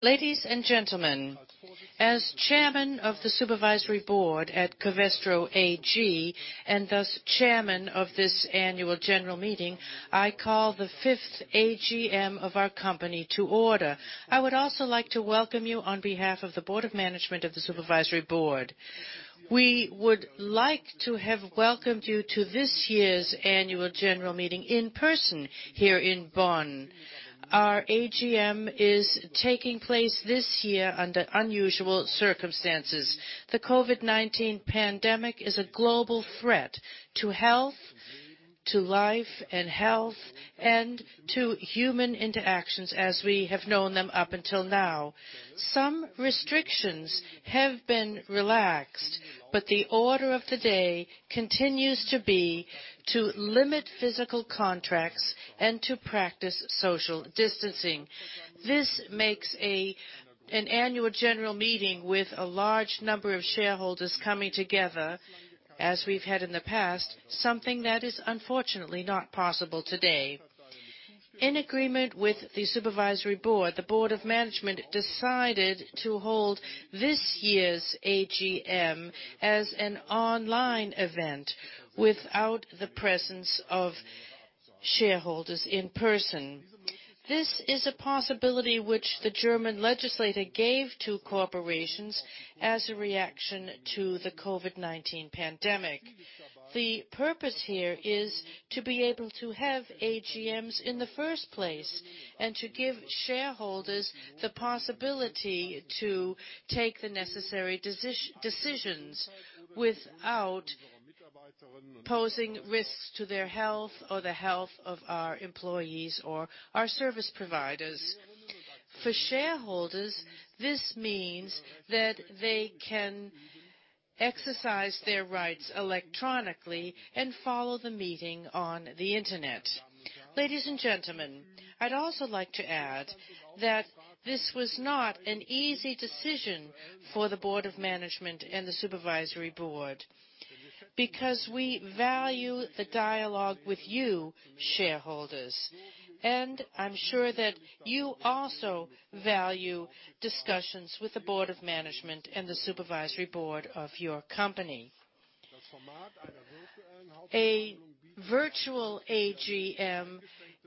Ladies and gentlemen, as Chairman of the Supervisory Board at Covestro AG, and thus Chairman of this annual general meeting, I call the fifth AGM of our company to order. I would also like to welcome you on behalf of the Board of Management and the Supervisory Board. We would like to have welcomed you to this year's annual general meeting in person here in Bonn. Our AGM is taking place this year under unusual circumstances. The COVID-19 pandemic is a global threat to health, to life and health, and to human interactions as we have known them up until now. Some restrictions have been relaxed, but the order of the day continues to be to limit physical contacts and to practice social distancing. This makes an annual general meeting with a large number of shareholders coming together, as we've had in the past, something that is unfortunately not possible today. In agreement with the Supervisory Board, the Board of Management decided to hold this year's AGM as an online event without the presence of shareholders in person. This is a possibility which the German legislature gave to corporations as a reaction to the COVID-19 pandemic. The purpose here is to be able to have AGMs in the first place and to give shareholders the possibility to take the necessary decisions without posing risks to their health or the health of our employees or our service providers. For shareholders, this means that they can exercise their rights electronically and follow the meeting on the internet. Ladies and gentlemen, I'd also like to add that this was not an easy decision for the Board of Management and the Supervisory Board because we value the dialogue with you, shareholders, and I'm sure that you also value discussions with the Board of Management and the Supervisory Board of your company. A virtual AGM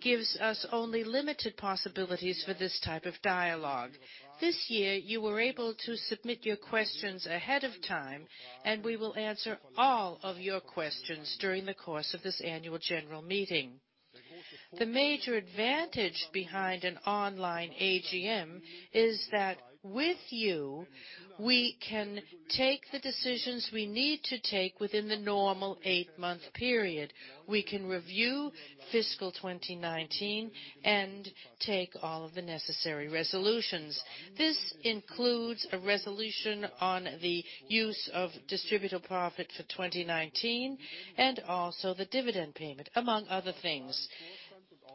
gives us only limited possibilities for this type of dialogue. This year, you were able to submit your questions ahead of time, and we will answer all of your questions during the course of this annual general meeting. The major advantage behind an online AGM is that with you, we can take the decisions we need to take within the normal eight-month period. We can review fiscal 2019 and take all of the necessary resolutions. This includes a resolution on the use of distributable profit for 2019 and also the dividend payment, among other things.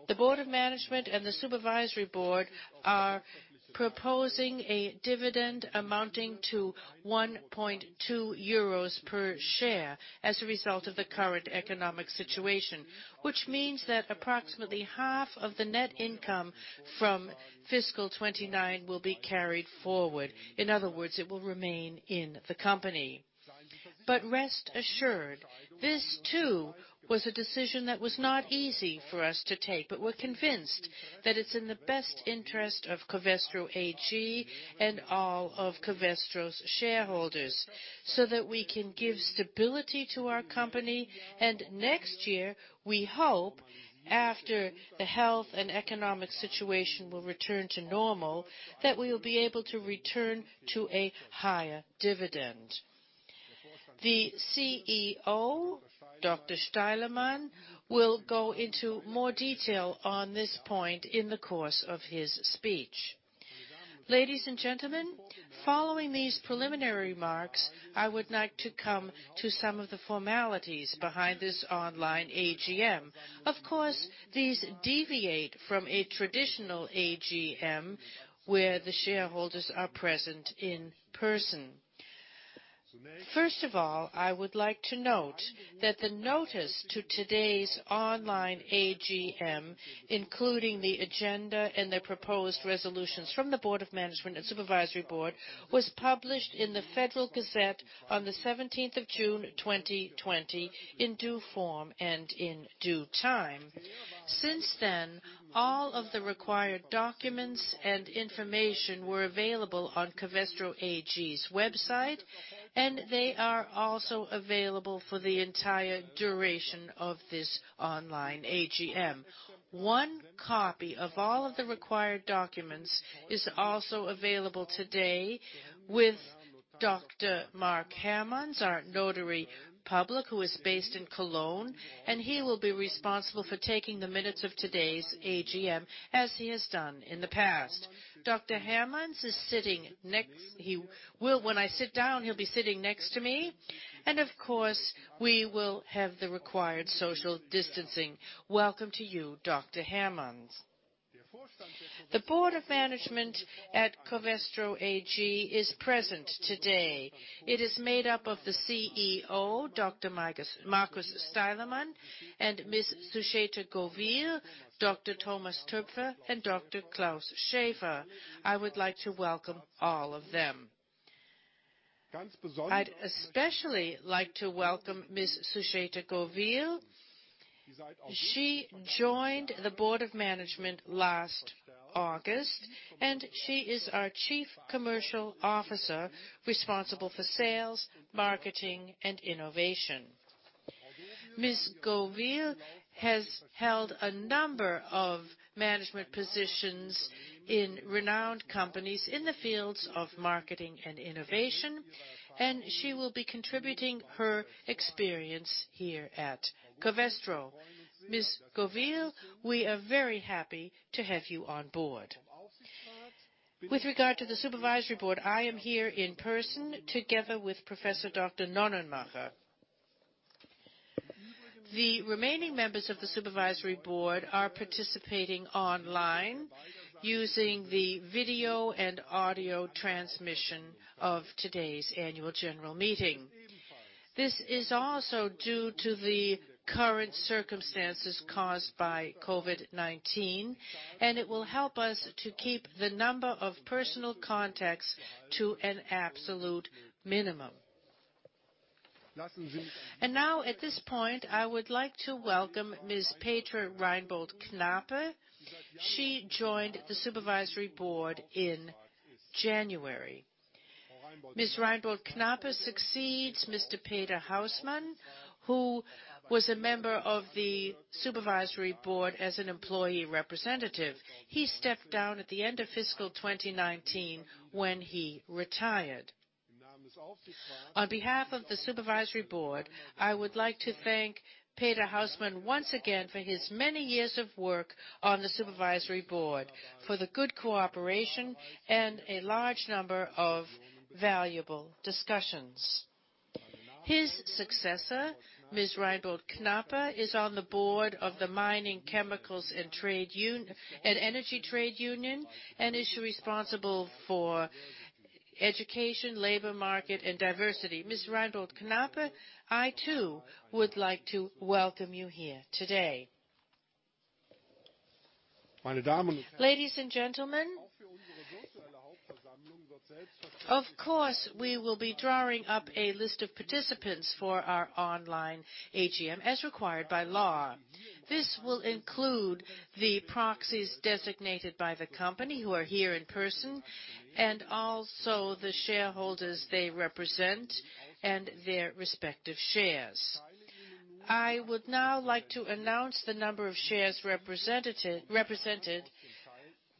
The Board of Management and the Supervisory Board are proposing a dividend amounting to 1.2 euros per share as a result of the current economic situation, which means that approximately half of the net income from fiscal 2019 will be carried forward. In other words, it will remain in the company. But rest assured, this too was a decision that was not easy for us to take, but we're convinced that it's in the best interest of Covestro AG and all of Covestro's shareholders so that we can give stability to our company. And next year, we hope, after the health and economic situation will return to normal, that we will be able to return to a higher dividend. The CEO, Dr. Steilemann, will go into more detail on this point in the course of his speech. Ladies and gentlemen, following these preliminary remarks, I would like to come to some of the formalities behind this online AGM. Of course, these deviate from a traditional AGM where the shareholders are present in person. First of all, I would like to note that the notice to today's online AGM, including the agenda and the proposed resolutions from the Board of Management and Supervisory Board, was published in the Federal Gazette on the 17th of June, 2020, in due form and in due time. Since then, all of the required documents and information were available on Covestro AG's website, and they are also available for the entire duration of this online AGM. One copy of all of the required documents is also available today with Dr. Mark Hermanns, our notary public, who is based in Cologne, and he will be responsible for taking the minutes of today's AGM, as he has done in the past. Dr. Hermanns is sitting next to me. When I sit down, he'll be sitting next to me. And of course, we will have the required social distancing. Welcome to you, Dr. Hermanns. The Board of Management at Covestro AG is present today. It is made up of the CEO, Dr. Markus Steilemann, and Ms. Sucheta Govil, Dr. Thomas Toepfer, and Dr. Klaus Schäfer. I would like to welcome all of them. I'd especially like to welcome Ms. Sucheta Govil. She joined the Board of Management last August, and she is our Chief Commercial Officer responsible for sales, marketing, and innovation. Ms. Govil has held a number of management positions in renowned companies in the fields of marketing and innovation, and she will be contributing her experience here at Covestro. Ms. Govil, we are very happy to have you on board. With regard to the Supervisory Board, I am here in person together with Professor Dr. Nonnenmacher. The remaining members of the Supervisory Board are participating online using the video and audio transmission of today's annual general meeting. This is also due to the current circumstances caused by COVID-19, and it will help us to keep the number of personal contacts to an absolute minimum. And now, at this point, I would like to welcome Ms. Reinbold-Knape. She joined the Supervisory Board in January. Ms. Reinbold-Knape succeeds Mr. Peter Hausmann, who was a member of the Supervisory Board as an employee representative. He stepped down at the end of fiscal 2019 when he retired. On behalf of the Supervisory Board, I would like to thank Peter Hausmann once again for his many years of work on the Supervisory Board, for the good cooperation, and a large number of valuable discussions. His successor, Ms. Reinbold-Knape, is on the board of the Mining, Chemical and Energy Trade Union and is responsible for education, labor market, and diversity. Ms. Reinbold-Knape, I too would like to welcome you here today. Ladies and gentlemen, of course, we will be drawing up a list of participants for our online AGM as required by law. This will include the proxies designated by the company who are here in person, and also the shareholders they represent and their respective shares. I would now like to announce the number of shares represented,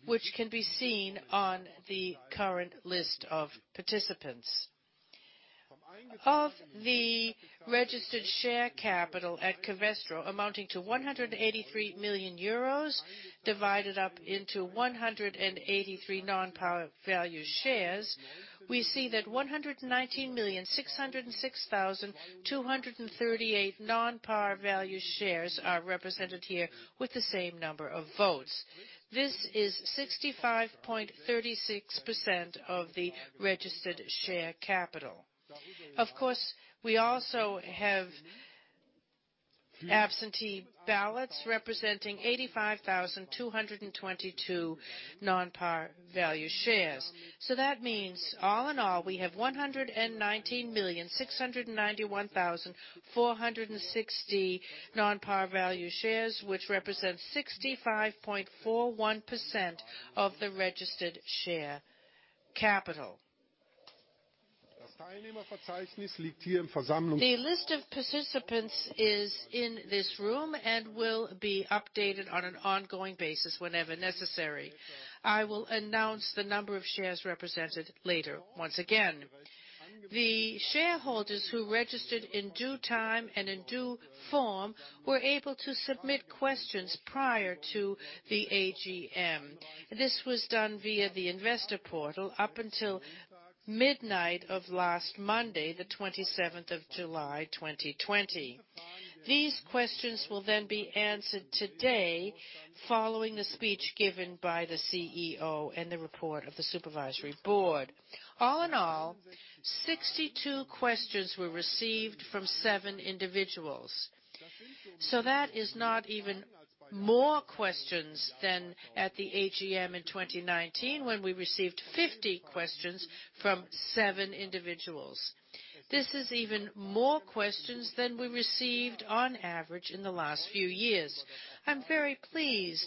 which can be seen on the current list of participants. Of the registered share capital at Covestro, amounting to 183 million euros, divided up into 183 non-par value shares, we see that 119,606,238 non-par value shares are represented here with the same number of votes. This is 65.36% of the registered share capital. Of course, we also have absentee ballots representing 85,222 non-par value shares. So that means, all in all, we have 119,691,460 non-par value shares, which represents 65.41% of the registered share capital. The list of participants is in this room and will be updated on an ongoing basis whenever necessary. I will announce the number of shares represented later once again. The shareholders who registered in due time and in due form were able to submit questions prior to the AGM. This was done via the investor portal up until midnight of last Monday, the 27th of July 2020. These questions will then be answered today following the speech given by the CEO and the report of the Supervisory Board. All in all, 62 questions were received from seven individuals. So that is not even more questions than at the AGM in 2019 when we received 50 questions from seven individuals. This is even more questions than we received on average in the last few years. I'm very pleased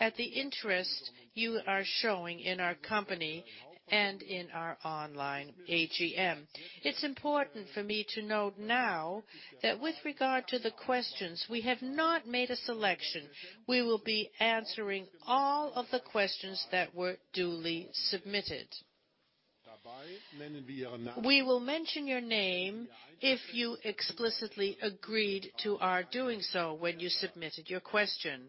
at the interest you are showing in our company and in our online AGM. It's important for me to note now that with regard to the questions, we have not made a selection. We will be answering all of the questions that were duly submitted. We will mention your name if you explicitly agreed to our doing so when you submitted your question.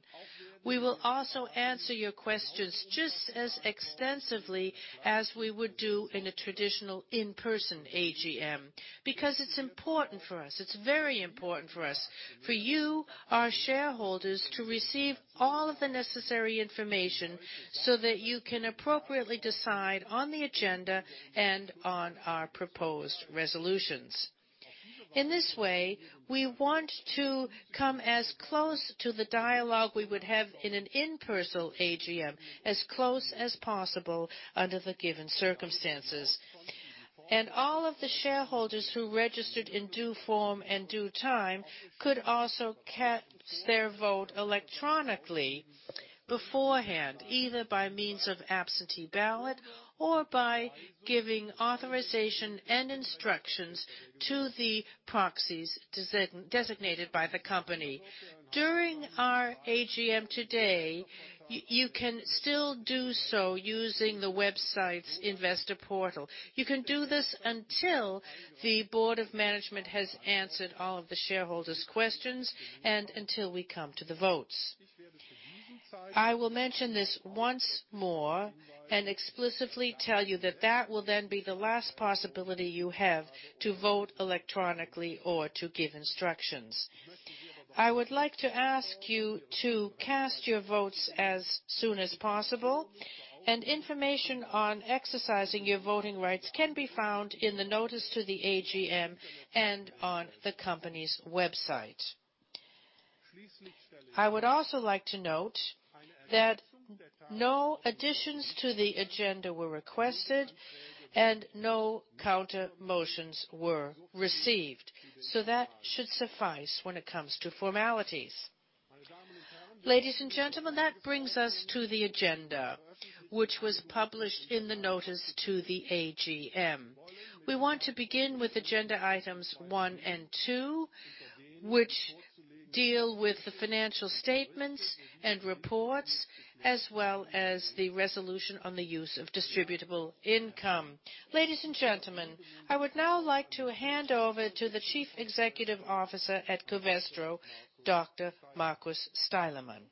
We will also answer your questions just as extensively as we would do in a traditional in-person AGM because it's important for us. It's very important for us, for you, our shareholders, to receive all of the necessary information so that you can appropriately decide on the agenda and on our proposed resolutions. In this way, we want to come as close to the dialogue we would have in an in-person AGM as close as possible under the given circumstances. And all of the shareholders who registered in due form and due time could also cast their vote electronically beforehand, either by means of absentee ballot or by giving authorization and instructions to the proxies designated by the company. During our AGM today, you can still do so using the website's investor portal. You can do this until the Board of Management has answered all of the shareholders' questions and until we come to the votes. I will mention this once more and explicitly tell you that that will then be the last possibility you have to vote electronically or to give instructions. I would like to ask you to cast your votes as soon as possible, and information on exercising your voting rights can be found in the notice to the AGM and on the company's website. I would also like to note that no additions to the agenda were requested and no counter motions were received. So that should suffice when it comes to formalities. Ladies and gentlemen, that brings us to the agenda, which was published in the notice to the AGM. We want to begin with agenda items one and two, which deal with the financial statements and reports, as well as the resolution on the use of distributable income. Ladies and gentlemen, I would now like to hand over to the Chief Executive Officer at Covestro, Dr. Markus Steilemann.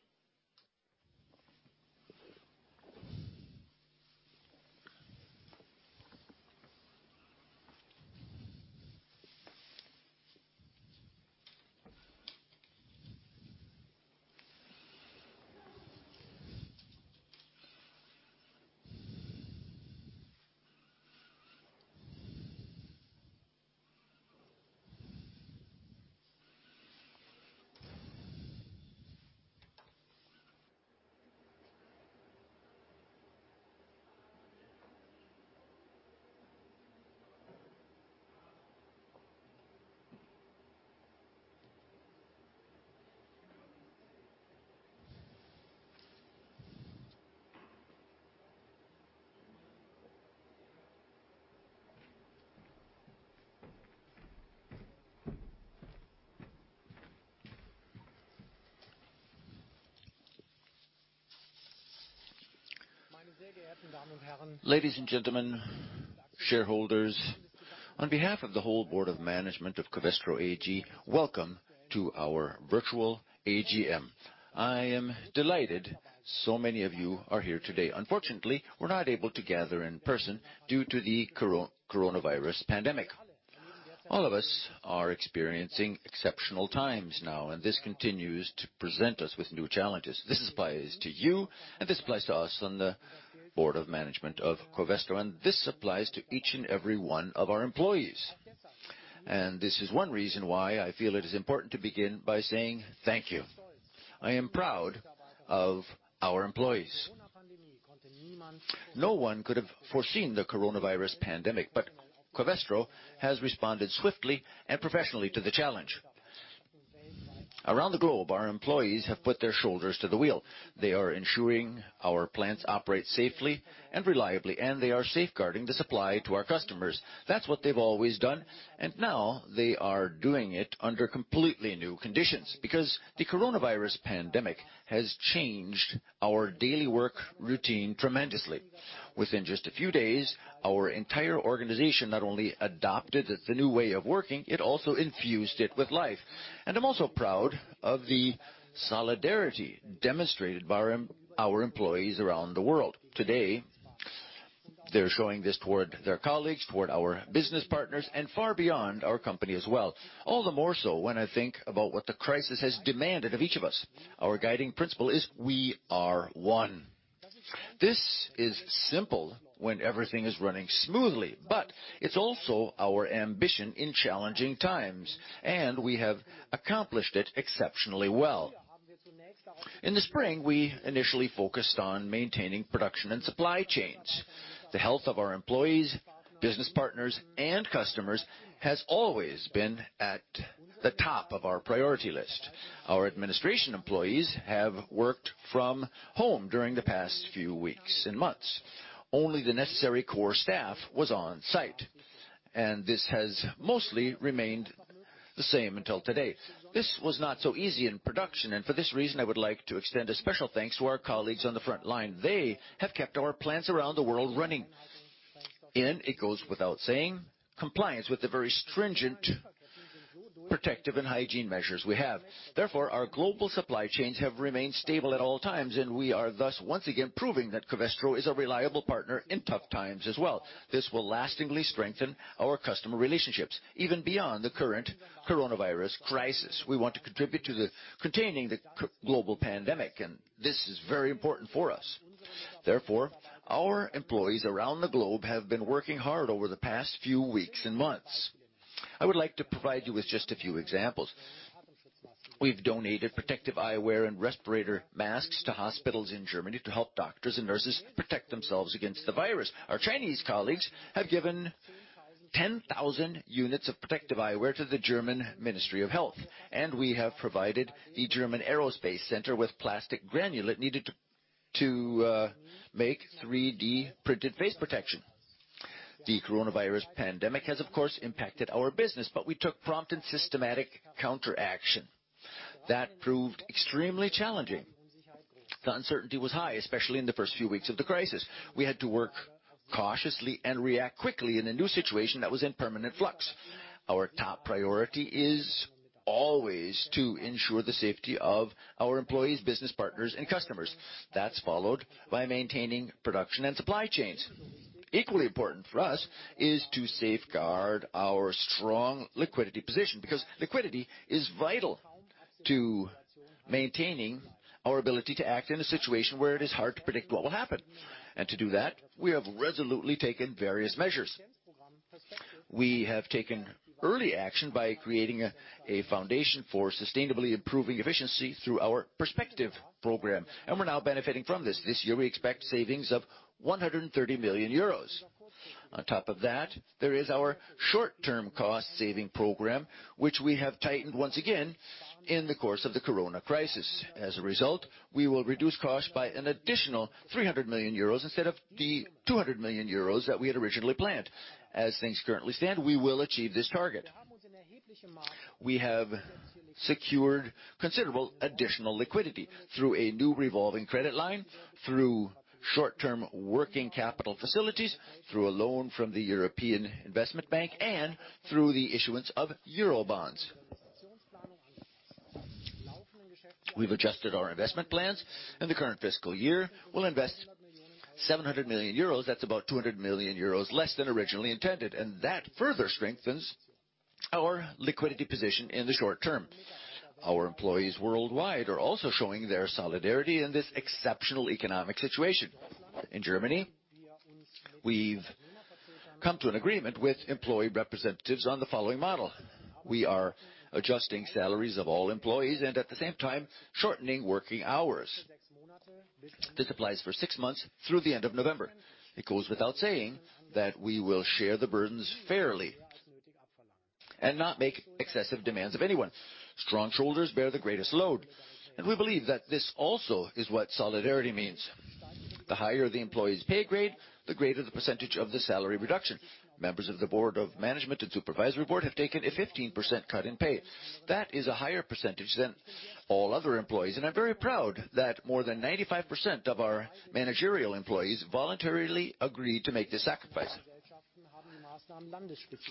Ladies and gentlemen, shareholders, on behalf of the whole Board of Management of Covestro AG, welcome to our virtual AGM. I am delighted so many of you are here today. Unfortunately, we're not able to gather in person due to the coronavirus pandemic. All of us are experiencing exceptional times now, and this continues to present us with new challenges. This applies to you, and this applies to us on the Board of Management of Covestro, and this applies to each and every one of our employees. This is one reason why I feel it is important to begin by saying thank you. I am proud of our employees. No one could have foreseen the coronavirus pandemic, but Covestro has responded swiftly and professionally to the challenge. Around the globe, our employees have put their shoulders to the wheel. They are ensuring our plants operate safely and reliably, and they are safeguarding the supply to our customers. That's what they've always done, and now they are doing it under completely new conditions because the coronavirus pandemic has changed our daily work routine tremendously. Within just a few days, our entire organization not only adopted the new way of working, it also infused it with life. I'm also proud of the solidarity demonstrated by our employees around the world. Today, they're showing this toward their colleagues, toward our business partners, and far beyond our company as well. All the more so when I think about what the crisis has demanded of each of us. Our guiding principle is we are one. This is simple when everything is running smoothly, but it's also our ambition in challenging times, and we have accomplished it exceptionally well. In the spring, we initially focused on maintaining production and supply chains. The health of our employees, business partners, and customers has always been at the top of our priority list. Our administration employees have worked from home during the past few weeks and months. Only the necessary core staff was on site, and this has mostly remained the same until today. This was not so easy in production, and for this reason, I would like to extend a special thanks to our colleagues on the front line. They have kept our plants around the world running. And it goes without saying, compliance with the very stringent protective and hygiene measures we have. Therefore, our global supply chains have remained stable at all times, and we are thus once again proving that Covestro is a reliable partner in tough times as well. This will lastingly strengthen our customer relationships even beyond the current coronavirus crisis. We want to contribute to containing the global pandemic, and this is very important for us. Therefore, our employees around the globe have been working hard over the past few weeks and months. I would like to provide you with just a few examples. We've donated protective eyewear and respirator masks to hospitals in Germany to help doctors and nurses protect themselves against the virus. Our Chinese colleagues have given 10,000 units of protective eyewear to the German Ministry of Health, and we have provided the German Aerospace Center with plastic granulate needed to make 3D printed face protection. The coronavirus pandemic has, of course, impacted our business, but we took prompt and systematic counteraction. That proved extremely challenging. The uncertainty was high, especially in the first few weeks of the crisis. We had to work cautiously and react quickly in a new situation that was in permanent flux. Our top priority is always to ensure the safety of our employees, business partners, and customers. That's followed by maintaining production and supply chains. Equally important for us is to safeguard our strong liquidity position because liquidity is vital to maintaining our ability to act in a situation where it is hard to predict what will happen, and to do that, we have resolutely taken various measures. We have taken early action by creating a foundation for sustainably improving efficiency through our Perspective program, and we're now benefiting from this. This year, we expect savings of 130 million euros. On top of that, there is our short-term cost-saving program, which we have tightened once again in the course of the corona crisis. As a result, we will reduce costs by an additional 300 million euros instead of the 200 million euros that we had originally planned. As things currently stand, we will achieve this target. We have secured considerable additional liquidity through a new revolving credit line, through short-term working capital facilities, through a loan from the European Investment Bank, and through the issuance of Eurobonds. We've adjusted our investment plans, and the current fiscal year will invest 700 million euros. That's about 200 million euros less than originally intended, and that further strengthens our liquidity position in the short term. Our employees worldwide are also showing their solidarity in this exceptional economic situation. In Germany, we've come to an agreement with employee representatives on the following model. We are adjusting salaries of all employees and, at the same time, shortening working hours. This applies for six months through the end of November. It goes without saying that we will share the burdens fairly and not make excessive demands of anyone. Strong shoulders bear the greatest load, and we believe that this also is what solidarity means. The higher the employee's pay grade, the greater the percentage of the salary reduction. Members of the Board of Management and Supervisory Board have taken a 15% cut in pay. That is a higher percentage than all other employees, and I'm very proud that more than 95% of our managerial employees voluntarily agreed to make this sacrifice.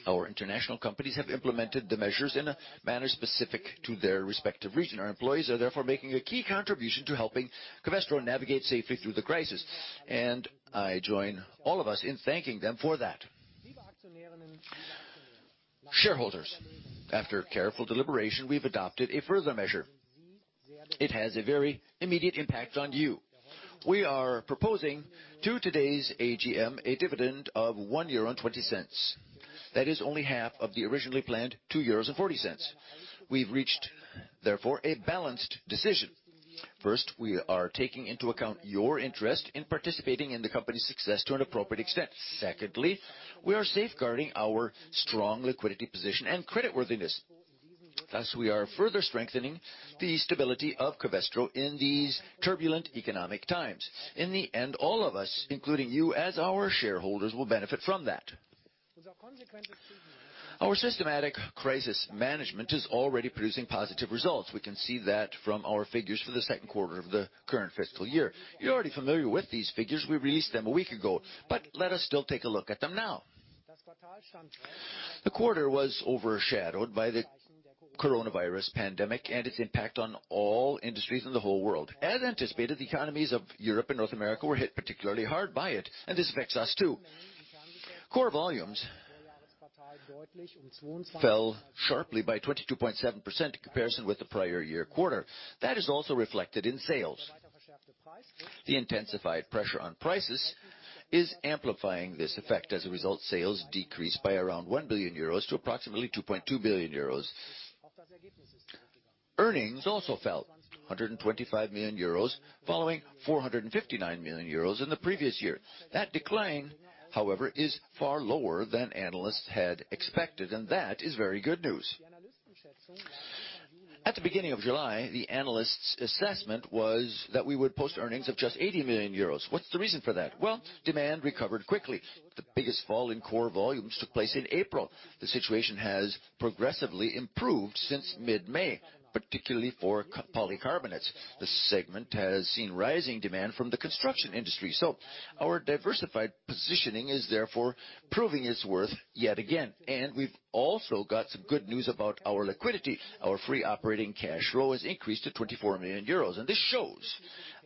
Our international companies have implemented the measures in a manner specific to their respective region. Our employees are therefore making a key contribution to helping Covestro navigate safely through the crisis, and I join all of us in thanking them for that. Shareholders, after careful deliberation, we've adopted a further measure. It has a very immediate impact on you. We are proposing to today's AGM a dividend of 1.20 euro. That is only half of the originally planned 2.40 euros. We've reached, therefore, a balanced decision. First, we are taking into account your interest in participating in the company's success to an appropriate extent. Secondly, we are safeguarding our strong liquidity position and creditworthiness. Thus, we are further strengthening the stability of Covestro in these turbulent economic times. In the end, all of us, including you as our shareholders, will benefit from that. Our systematic crisis management is already producing positive results. We can see that from our figures for the second quarter of the current fiscal year. You're already familiar with these figures. We released them a week ago, but let us still take a look at them now. The quarter was overshadowed by the coronavirus pandemic and its impact on all industries in the whole world. As anticipated, the economies of Europe and North America were hit particularly hard by it, and this affects us too. Core volumes fell sharply by 22.7% in comparison with the prior year quarter. That is also reflected in sales. The intensified pressure on prices is amplifying this effect. As a result, sales decreased by around 1 billion euros to approximately 2.2 billion euros. Earnings also fell 125 million euros, following 459 million euros in the previous year. That decline, however, is far lower than analysts had expected, and that is very good news. At the beginning of July, the analysts' assessment was that we would post earnings of just 80 million euros. What's the reason for that? Well, demand recovered quickly. The biggest fall in core volumes took place in April. The situation has progressively improved since mid-May, particularly for Polycarbonates. The segment has seen rising demand from the construction industry. So our diversified positioning is therefore proving its worth yet again. And we've also got some good news about our liquidity. Our free operating cash flow has increased to 24 million euros, and this shows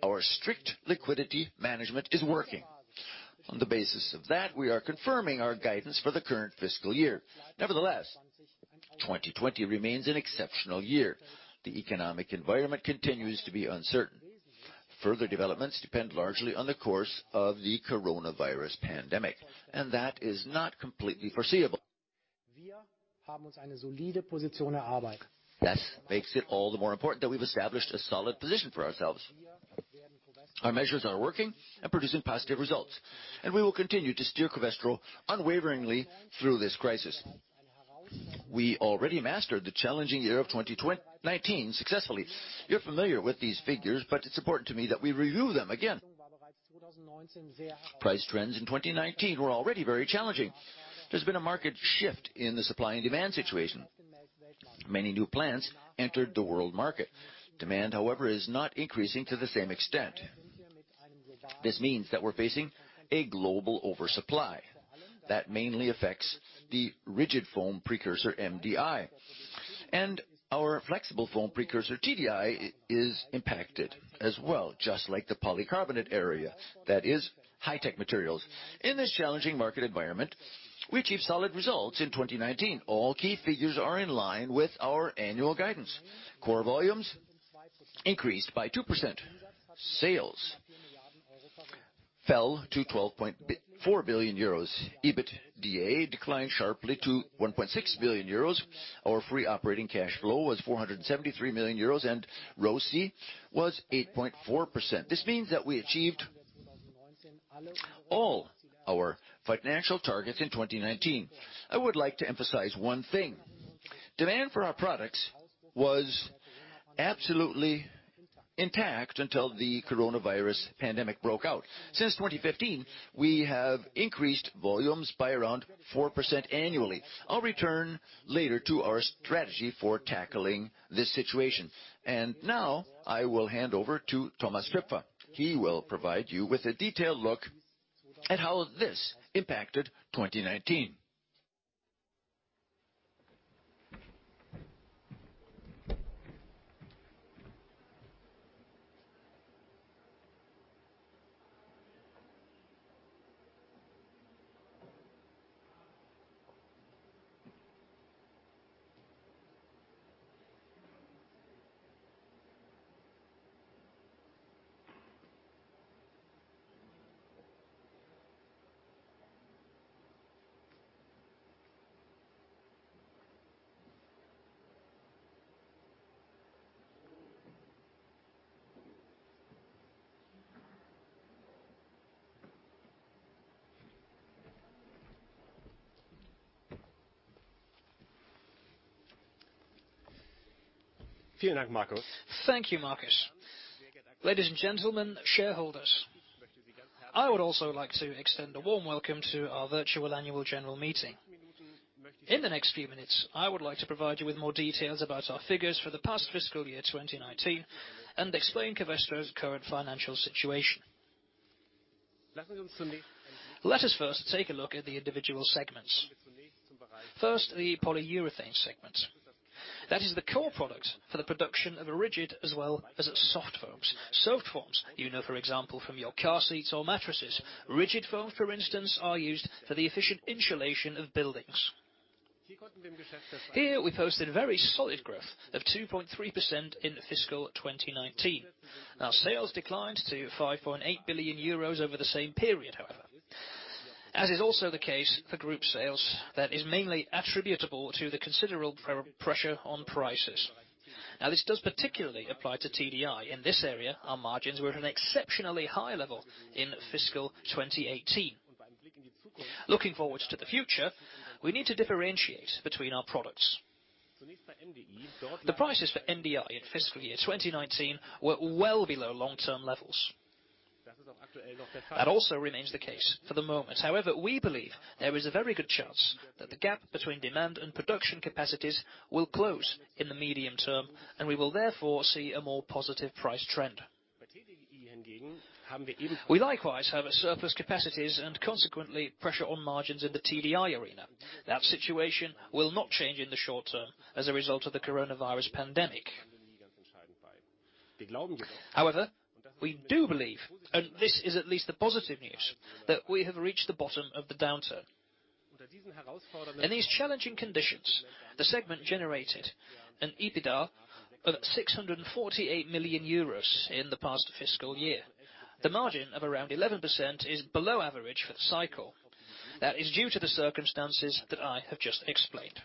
our strict liquidity management is working. On the basis of that, we are confirming our guidance for the current fiscal year. Nevertheless, 2020 remains an exceptional year. The economic environment continues to be uncertain. Further developments depend largely on the course of the coronavirus pandemic, and that is not completely foreseeable. This makes it all the more important that we've established a solid position for ourselves. Our measures are working and producing positive results, and we will continue to steer Covestro unwaveringly through this crisis. We already mastered the challenging year of 2019 successfully. You're familiar with these figures, but it's important to me that we review them again. Price trends in 2019 were already very challenging. There's been a market shift in the supply and demand situation. Many new plants entered the world market. Demand, however, is not increasing to the same extent. This means that we're facing a global oversupply. That mainly affects the rigid foam precursor MDI, and our flexible foam precursor TDI is impacted as well, just like the polycarbonate area. That is high-tech materials. In this challenging market environment, we achieved solid results in 2019. All key figures are in line with our annual guidance. Core volumes increased by 2%. Sales fell to 12.4 billion euros. EBITDA declined sharply to 1.6 billion euros. Our free operating cash flow was 473 million euros, and ROCE was 8.4%. This means that we achieved all our financial targets in 2019. I would like to emphasize one thing. Demand for our products was absolutely intact until the coronavirus pandemic broke out. Since 2015, we have increased volumes by around 4% annually. I'll return later to our strategy for tackling this situation, and now, I will hand over to Thomas Toepfer. He will provide you with a detailed look at how this impacted 2019. Thank you, Markus. Ladies and gentlemen, shareholders, I would also like to extend a warm welcome to our virtual annual general meeting. In the next few minutes, I would like to provide you with more details about our figures for the past fiscal year 2019 and explain Covestro's current financial situation. Let us first take a look at the individual segments. First, the polyurethane segment. That is the core product for the production of rigid as well as soft foams. Soft foams, you know, for example, from your car seats or mattresses. Rigid foams, for instance, are used for the efficient insulation of buildings. Here, we posted very solid growth of 2.3% in fiscal 2019. Our sales declined to 5.8 billion euros over the same period, however. As is also the case for group sales, that is mainly attributable to the considerable pressure on prices. Now, this does particularly apply to TDI. In this area, our margins were at an exceptionally high level in fiscal 2018. Looking forward to the future, we need to differentiate between our products. The prices for MDI in fiscal year 2019 were well below long-term levels. That also remains the case for the moment. However, we believe there is a very good chance that the gap between demand and production capacities will close in the medium term, and we will therefore see a more positive price trend. We likewise have surplus capacities and consequently pressure on margins in the TDI arena. That situation will not change in the short term as a result of the coronavirus pandemic. However, we do believe, and this is at least the positive news, that we have reached the bottom of the downturn. In these challenging conditions, the segment generated an EBITDA of 648 million euros in the past fiscal year. The margin of around 11% is below average for the cycle. That is due to the circumstances that I have just explained.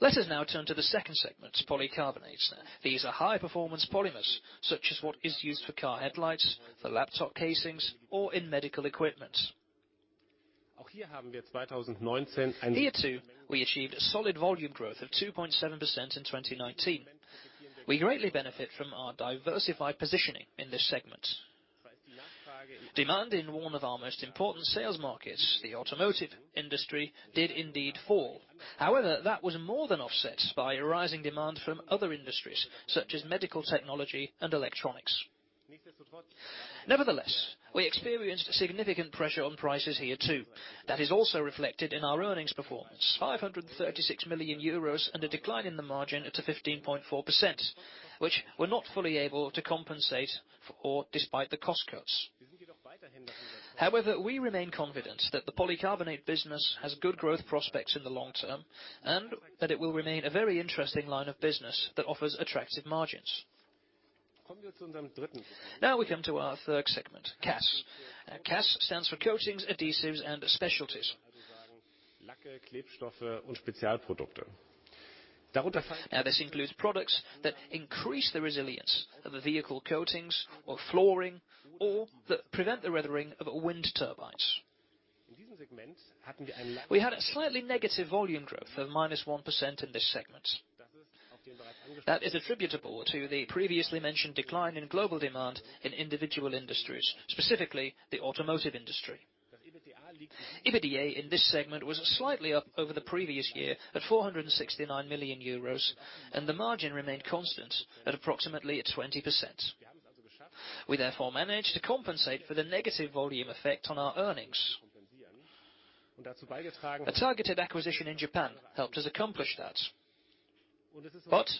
Let us now turn to the second segment, Polycarbonates. These are high-performance polymers, such as what is used for car headlights, for laptop casings, or in medical equipment. Here too, we achieved solid volume growth of 2.7% in 2019. We greatly benefit from our diversified positioning in this segment. Demand in one of our most important sales markets, the automotive industry, did indeed fall. However, that was more than offset by rising demand from other industries, such as medical technology and electronics. Nevertheless, we experienced significant pressure on prices here too. That is also reflected in our earnings performance: 536 million euros and a decline in the margin to 15.4%, which we're not fully able to compensate for despite the cost cuts. However, we remain confident that the polycarbonate business has good growth prospects in the long term and that it will remain a very interesting line of business that offers attractive margins. Now we come to our third segment, CAS. CAS stands for Coatings, Adhesives, and Specialties, and this includes products that increase the resilience of vehicle coatings or flooring or that prevent the weathering of wind turbines. We had a slightly negative volume growth of -1% in this segment. That is attributable to the previously mentioned decline in global demand in individual industries, specifically the automotive industry. EBITDA in this segment was slightly up over the previous year at 469 million euros, and the margin remained constant at approximately 20%. We therefore managed to compensate for the negative volume effect on our earnings. A targeted acquisition in Japan helped us accomplish that, but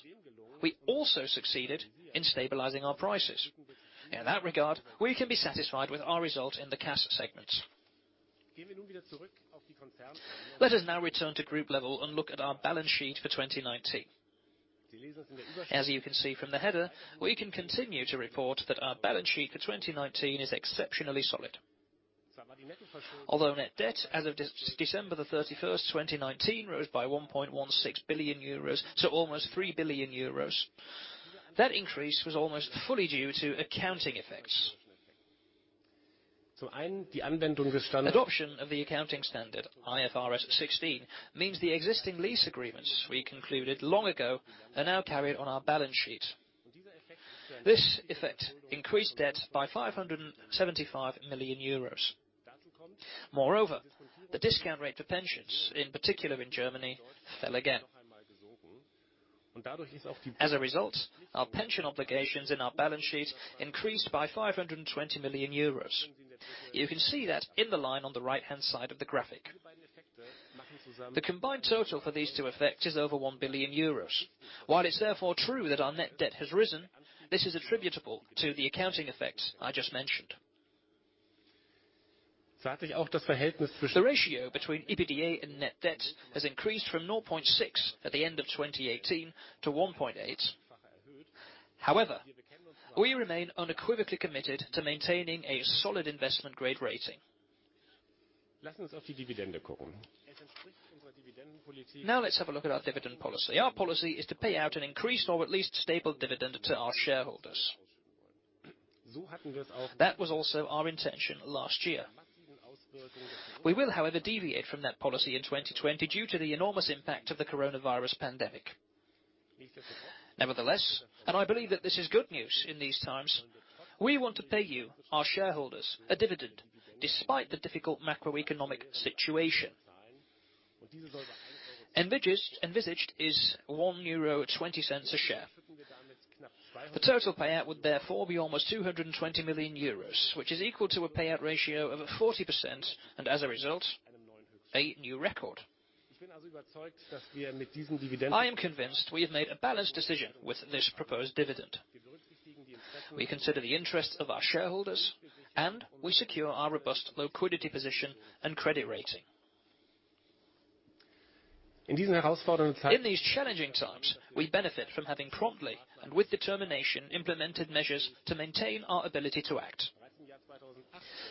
we also succeeded in stabilizing our prices. In that regard, we can be satisfied with our result in the CAS segment. Let us now return to group level and look at our balance sheet for 2019. As you can see from the header, we can continue to report that our balance sheet for 2019 is exceptionally solid. Although net debt as of December the 31st, 2019, rose by 1.16 billion euros to almost 3 billion euros, that increase was almost fully due to accounting effects. Adoption of the accounting standard, IFRS 16, means the existing lease agreements we concluded long ago are now carried on our balance sheet. This effect increased debt by 575 million euros. Moreover, the discount rate for pensions, in particular in Germany, fell again. As a result, our pension obligations in our balance sheet increased by 520 million euros. You can see that in the line on the right-hand side of the graphic. The combined total for these two effects is over 1 billion euros. While it's therefore true that our net debt has risen, this is attributable to the accounting effects I just mentioned. The ratio between EBITDA and net debt has increased from 0.6 at the end of 2018 to 1.8. However, we remain unequivocally committed to maintaining a solid investment-grade rating. Now let's have a look at our dividend policy. Our policy is to pay out an increased or at least stable dividend to our shareholders. That was also our intention last year. We will, however, deviate from that policy in 2020 due to the enormous impact of the coronavirus pandemic. Nevertheless, and I believe that this is good news in these times, we want to pay you, our shareholders, a dividend despite the difficult macroeconomic situation. Envisaged is 1.20 euro a share. The total payout would therefore be almost 220 million euros, which is equal to a payout ratio of 40% and, as a result, a new record. I am convinced we have made a balanced decision with this proposed dividend. We consider the interests of our shareholders, and we secure our robust liquidity position and credit rating. In these challenging times, we benefit from having promptly and with determination implemented measures to maintain our ability to act.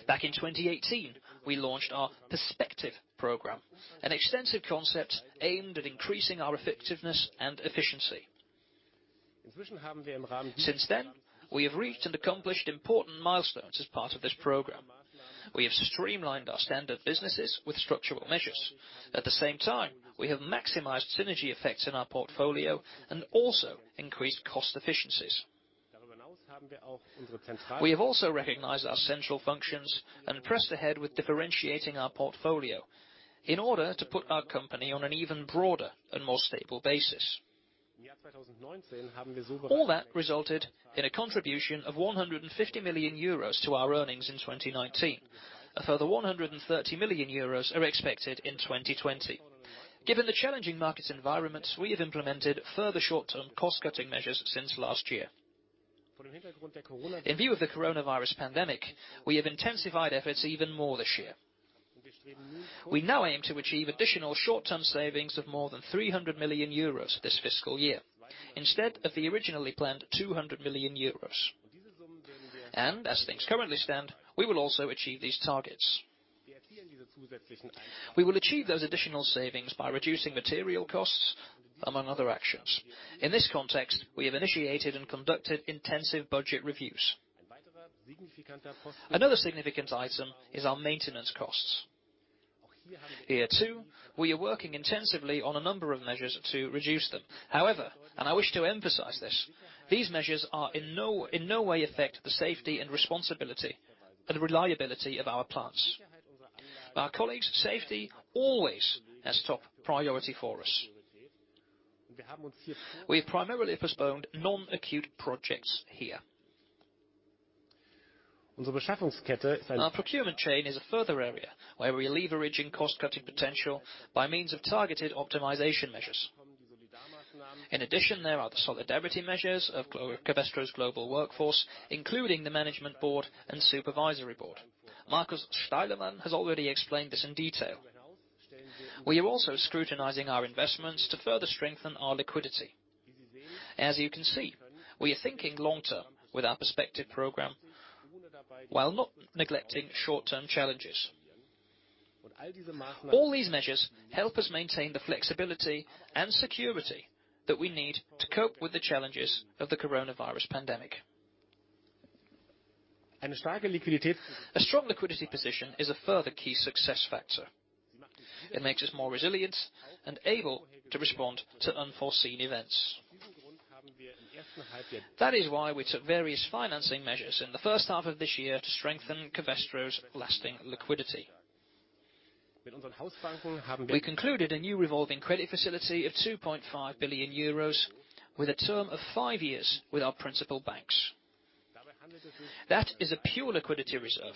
Back in 2018, we launched our Perspective Program, an extensive concept aimed at increasing our effectiveness and efficiency. Since then, we have reached and accomplished important milestones as part of this program. We have streamlined our standard businesses with structural measures. At the same time, we have maximized synergy effects in our portfolio and also increased cost efficiencies. We have also recognized our central functions and pressed ahead with differentiating our portfolio in order to put our company on an even broader and more stable basis. All that resulted in a contribution of 150 million euros to our earnings in 2019. A further 130 million euros are expected in 2020. Given the challenging market environment, we have implemented further short-term cost-cutting measures since last year. In view of the coronavirus pandemic, we have intensified efforts even more this year. We now aim to achieve additional short-term savings of more than 300 million euros this fiscal year, instead of the originally planned 200 million euros. And as things currently stand, we will also achieve these targets. We will achieve those additional savings by reducing material costs, among other actions. In this context, we have initiated and conducted intensive budget reviews. Another significant item is our maintenance costs. Here too, we are working intensively on a number of measures to reduce them. However, and I wish to emphasize this, these measures are in no way affect the safety and responsibility and reliability of our plants. Our colleagues' safety always has top priority for us. We have primarily postponed non-acute projects here. Our procurement chain is a further area where we are leveraging cost-cutting potential by means of targeted optimization measures. In addition, there are the solidarity measures of Covestro's global workforce, including the management board and supervisory board. Markus Steilemann has already explained this in detail. We are also scrutinizing our investments to further strengthen our liquidity. As you can see, we are thinking long-term with our Perspective Program, while not neglecting short-term challenges. All these measures help us maintain the flexibility and security that we need to cope with the challenges of the coronavirus pandemic. A strong liquidity position is a further key success factor. It makes us more resilient and able to respond to unforeseen events. That is why we took various financing measures in the first half of this year to strengthen Covestro's lasting liquidity. We concluded a new revolving credit facility of 2.5 billion euros with a term of five years with our principal banks. That is a pure liquidity reserve,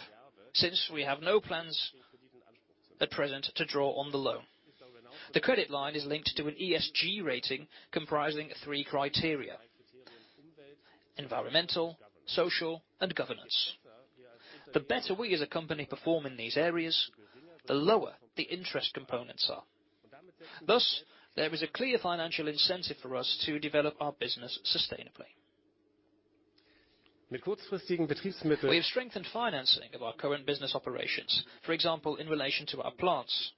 since we have no plans at present to draw on the loan. The credit line is linked to an ESG rating comprising three criteria: environmental, social, and governance. The better we as a company perform in these areas, the lower the interest components are. Thus, there is a clear financial incentive for us to develop our business sustainably. We have strengthened financing of our current business operations, for example, in relation to our plants,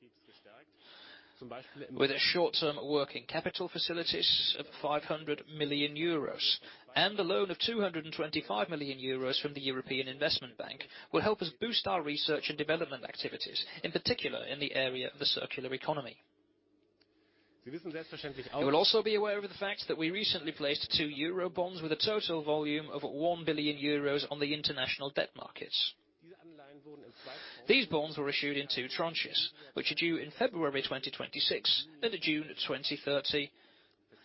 with a short-term working capital facilities of 500 million euros and a loan of 225 million euros from the European Investment Bank, which will help us boost our research and development activities, in particular in the area of the circular economy. You will also be aware of the fact that we recently placed two Eurobonds with a total volume of 1 billion euros on the international debt markets. These bonds were issued in two tranches, which are due in February 2026 and June 2030,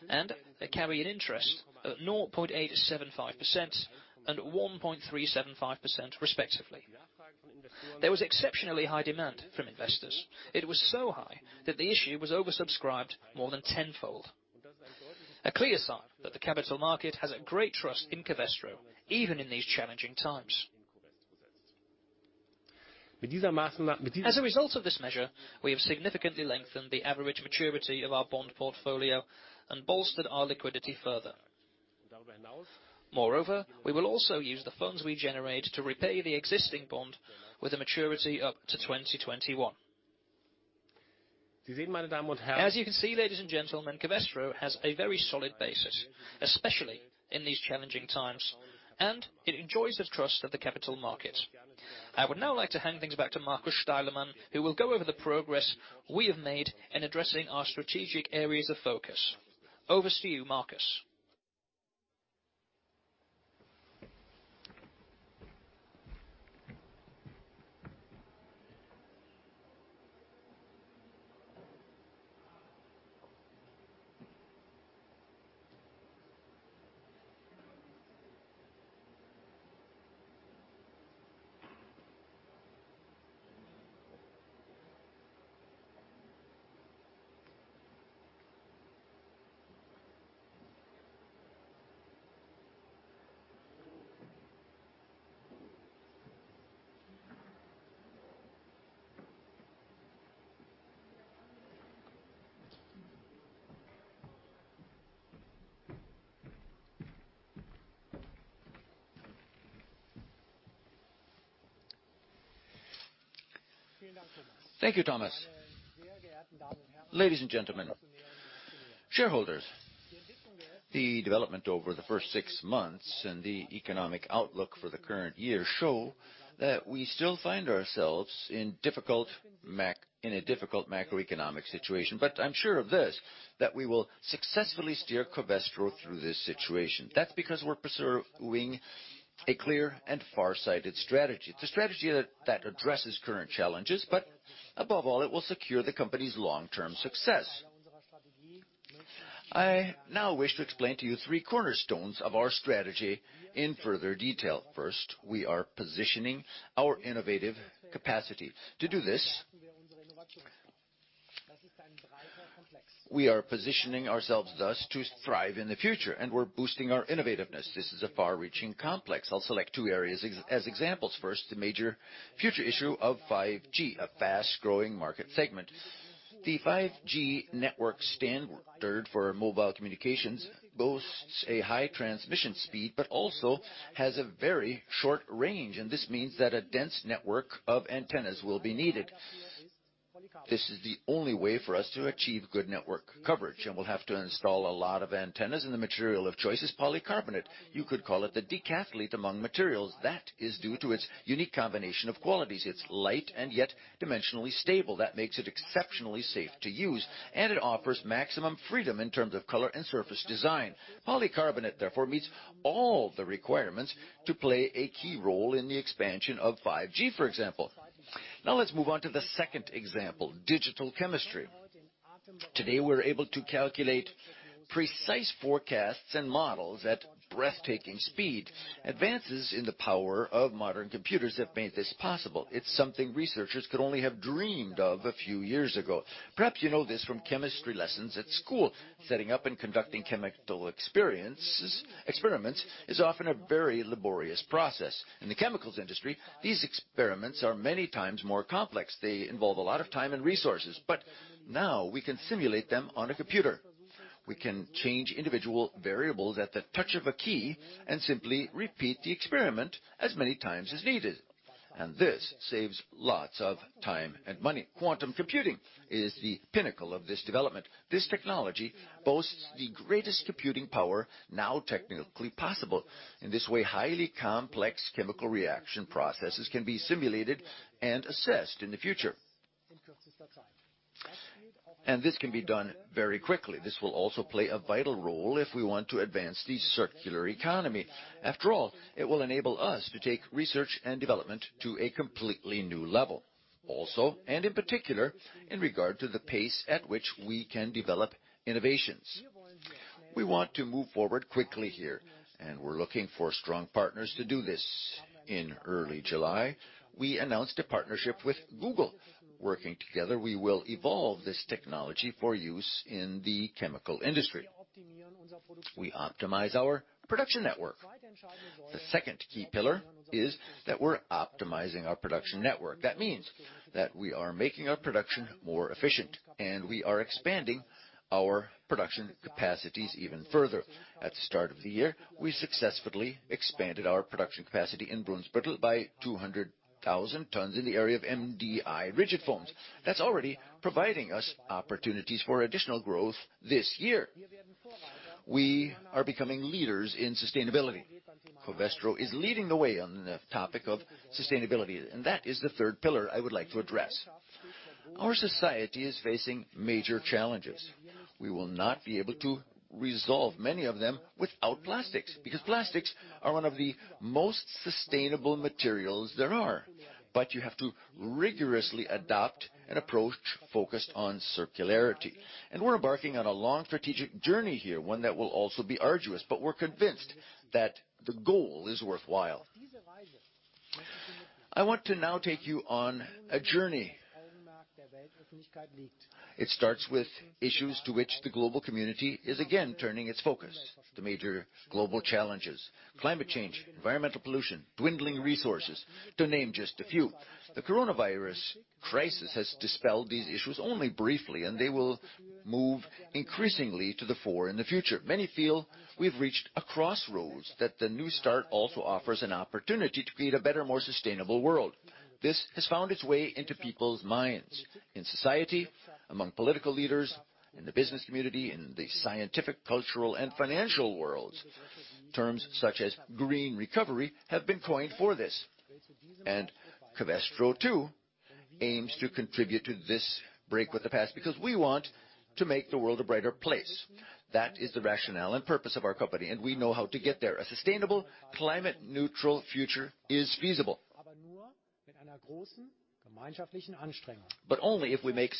and they carry an interest of 0.875% and 1.375%, respectively. There was exceptionally high demand from investors. It was so high that the issue was oversubscribed more than tenfold. A clear sign that the capital market has a great trust in Covestro, even in these challenging times. As a result of this measure, we have significantly lengthened the average maturity of our bond portfolio and bolstered our liquidity further. Moreover, we will also use the funds we generate to repay the existing bond with a maturity up to 2021. As you can see, ladies and gentlemen, Covestro has a very solid basis, especially in these challenging times, and it enjoys the trust of the capital markets. I would now like to hand things back to Markus Steilemann, who will go over the progress we have made in addressing our strategic areas of focus. Over to you, Markus. Thank you, Thomas. Ladies and gentlemen, shareholders, the development over the first six months and the economic outlook for the current year show that we still find ourselves in a difficult macroeconomic situation. But I'm sure of this, that we will successfully steer Covestro through this situation. That's because we're pursuing a clear and far-sighted strategy, the strategy that addresses current challenges, but above all, it will secure the company's long-term success. I now wish to explain to you three cornerstones of our strategy in further detail. First, we are positioning our innovative capacity. To do this, we are positioning ourselves thus to thrive in the future, and we're boosting our innovativeness. This is a far-reaching complex. I'll select two areas as examples. First, the major future issue of 5G, a fast-growing market segment. The 5G network standard for mobile communications boasts a high transmission speed but also has a very short range, and this means that a dense network of antennas will be needed. This is the only way for us to achieve good network coverage, and we'll have to install a lot of antennas, and the material of choice is polycarbonate. You could call it the decathlete among materials. That is due to its unique combination of qualities. It's light and yet dimensionally stable. That makes it exceptionally safe to use, and it offers maximum freedom in terms of color and surface design. Polycarbonate, therefore, meets all the requirements to play a key role in the expansion of 5G, for example. Now let's move on to the second example, digital chemistry. Today, we're able to calculate precise forecasts and models at breathtaking speed. Advances in the power of modern computers have made this possible. It's something researchers could only have dreamed of a few years ago. Perhaps you know this from chemistry lessons at school. Setting up and conducting chemical experiments is often a very laborious process. In the chemicals industry, these experiments are many times more complex. They involve a lot of time and resources, but now we can simulate them on a computer. We can change individual variables at the touch of a key and simply repeat the experiment as many times as needed. And this saves lots of time and money. Quantum computing is the pinnacle of this development. This technology boasts the greatest computing power now technically possible. In this way, highly complex chemical reaction processes can be simulated and assessed in the future. And this can be done very quickly. This will also play a vital role if we want to advance the circular economy. After all, it will enable us to take research and development to a completely new level. Also, and in particular, in regard to the pace at which we can develop innovations. We want to move forward quickly here, and we're looking for strong partners to do this. In early July, we announced a partnership with Google. Working together, we will evolve this technology for use in the chemical industry. We optimize our production network. The second key pillar is that we're optimizing our production network. That means that we are making our production more efficient, and we are expanding our production capacities even further. At the start of the year, we successfully expanded our production capacity in Brunsbüttel by 200,000 tons in the area of MDI rigid foams. That's already providing us opportunities for additional growth this year. We are becoming leaders in sustainability. Covestro is leading the way on the topic of sustainability, and that is the third pillar I would like to address. Our society is facing major challenges. We will not be able to resolve many of them without plastics, because plastics are one of the most sustainable materials there are. But you have to rigorously adopt an approach focused on circularity. And we're embarking on a long strategic journey here, one that will also be arduous, but we're convinced that the goal is worthwhile. I want to now take you on a journey. It starts with issues to which the global community is again turning its focus: the major global challenges. Climate change, environmental pollution, dwindling resources, to name just a few. The coronavirus crisis has dispelled these issues only briefly, and they will move increasingly to the fore in the future. Many feel we've reached a crossroads that the new start also offers an opportunity to create a better, more sustainable world. This has found its way into people's minds, in society, among political leaders, in the business community, in the scientific, cultural, and financial worlds. Terms such as green recovery have been coined for this. Covestro too aims to contribute to this break with the past, because we want to make the world a brighter place. That is the rationale and purpose of our company, and we know how to get there. A sustainable, climate-neutral future is feasible, but only if we make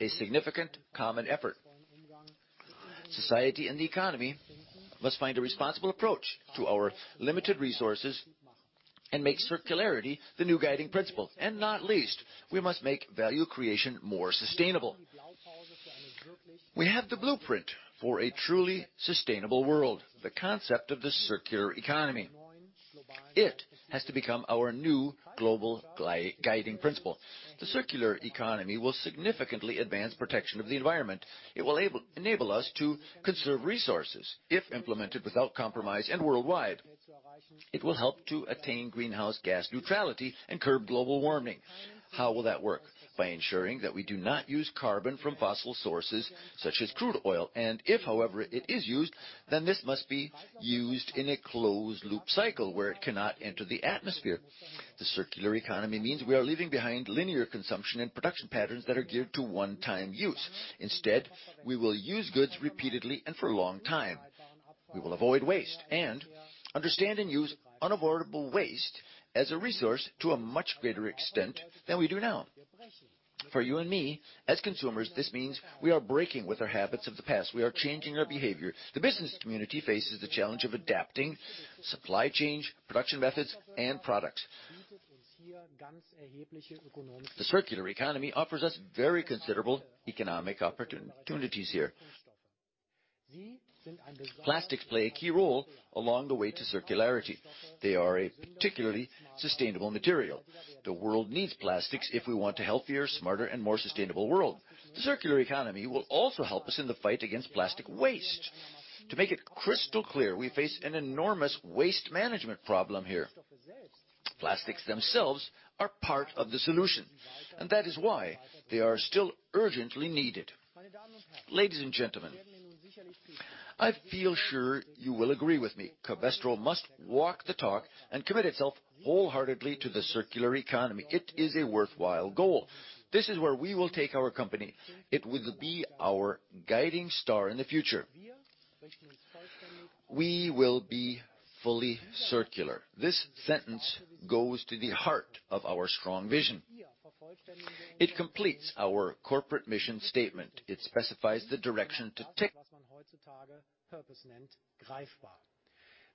a significant common effort. Society and the economy must find a responsible approach to our limited resources and make circularity the new guiding principle. And not least, we must make value creation more sustainable. We have the blueprint for a truly sustainable world, the concept of the circular economy. It has to become our new global guiding principle. The circular economy will significantly advance protection of the environment. It will enable us to conserve resources if implemented without compromise and worldwide. It will help to attain greenhouse gas neutrality and curb global warming. How will that work? By ensuring that we do not use carbon from fossil sources such as crude oil, and if, however, it is used, then this must be used in a closed-loop cycle where it cannot enter the atmosphere. The circular economy means we are leaving behind linear consumption and production patterns that are geared to one-time use. Instead, we will use goods repeatedly and for a long time. We will avoid waste and understand and use unavoidable waste as a resource to a much greater extent than we do now. For you and me, as consumers, this means we are breaking with our habits of the past. We are changing our behavior. The business community faces the challenge of adapting supply chain, production methods, and products. The circular economy offers us very considerable economic opportunities here. Plastics play a key role along the way to circularity. They are a particularly sustainable material. The world needs plastics if we want a healthier, smarter, and more sustainable world. The circular economy will also help us in the fight against plastic waste. To make it crystal clear, we face an enormous waste management problem here. Plastics themselves are part of the solution, and that is why they are still urgently needed. Ladies and gentlemen, I feel sure you will agree with me. Covestro must walk the talk and commit itself wholeheartedly to the circular economy. It is a worthwhile goal. This is where we will take our company. It will be our guiding star in the future. We will be fully circular. This sentence goes to the heart of our strong vision. It completes our corporate mission statement. It specifies the direction to. Wir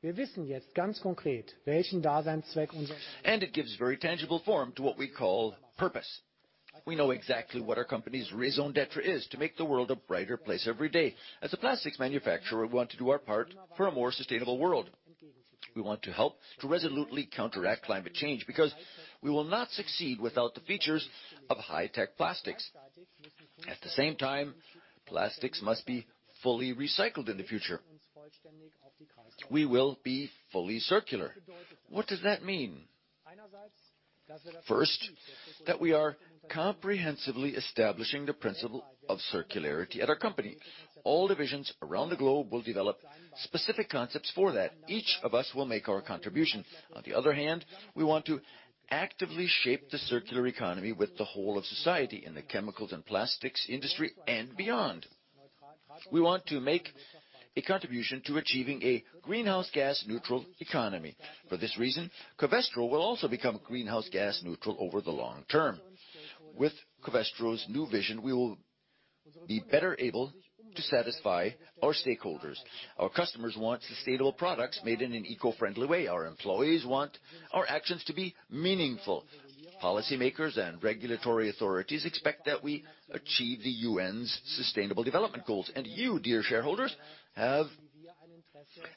wissen jetzt ganz konkret, welchen Daseinszweck unserer Stadt und unserer Gesellschaft wir haben. It gives very tangible form to what we call purpose. We know exactly what our company's raison d'être is: to make the world a brighter place every day. As a plastics manufacturer, we want to do our part for a more sustainable world. We want to help to resolutely counteract climate change, because we will not succeed without the features of high-tech plastics. At the same time, plastics must be fully recycled in the future. We will be fully circular. What does that mean? First, that we are comprehensively establishing the principle of circularity at our company. All divisions around the globe will develop specific concepts for that. Each of us will make our contribution. On the other hand, we want to actively shape the circular economy with the whole of society in the chemicals and plastics industry and beyond. We want to make a contribution to achieving a greenhouse gas-neutral economy. For this reason, Covestro will also become greenhouse gas-neutral over the long term. With Covestro's new vision, we will be better able to satisfy our stakeholders. Our customers want sustainable products made in an eco-friendly way. Our employees want our actions to be meaningful. Policymakers and regulatory authorities expect that we achieve the UN's Sustainable Development Goals. And you, dear shareholders, have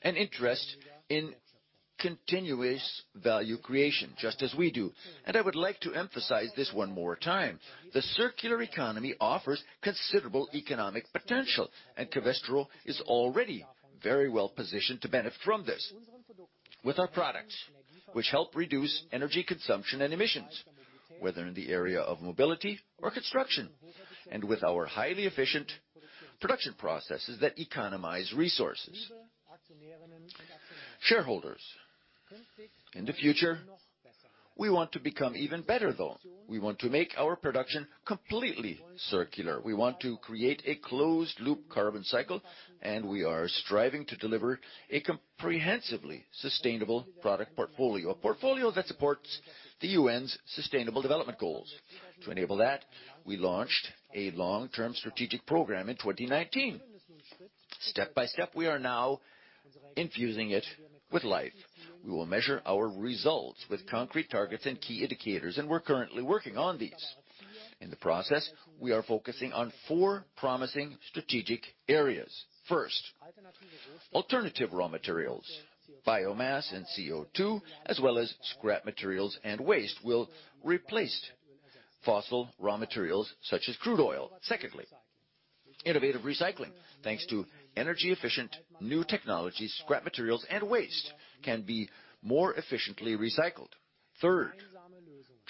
an interest in continuous value creation, just as we do. And I would like to emphasize this one more time. The circular economy offers considerable economic potential, and Covestro is already very well positioned to benefit from this. With our products, which help reduce energy consumption and emissions, whether in the area of mobility or construction, and with our highly efficient production processes that economize resources. Shareholders, in the future, we want to become even better, though. We want to make our production completely circular. We want to create a closed-loop carbon cycle, and we are striving to deliver a comprehensively sustainable product portfolio, a portfolio that supports the UN's Sustainable Development Goals. To enable that, we launched a long-term strategic program in 2019. Step by step, we are now infusing it with life. We will measure our results with concrete targets and key indicators, and we're currently working on these. In the process, we are focusing on four promising strategic areas. First, alternative raw materials. Biomass and CO2, as well as scrap materials and waste, will replace fossil raw materials such as crude oil. Secondly, innovative recycling. Thanks to energy-efficient new technologies, scrap materials and waste can be more efficiently recycled. Third,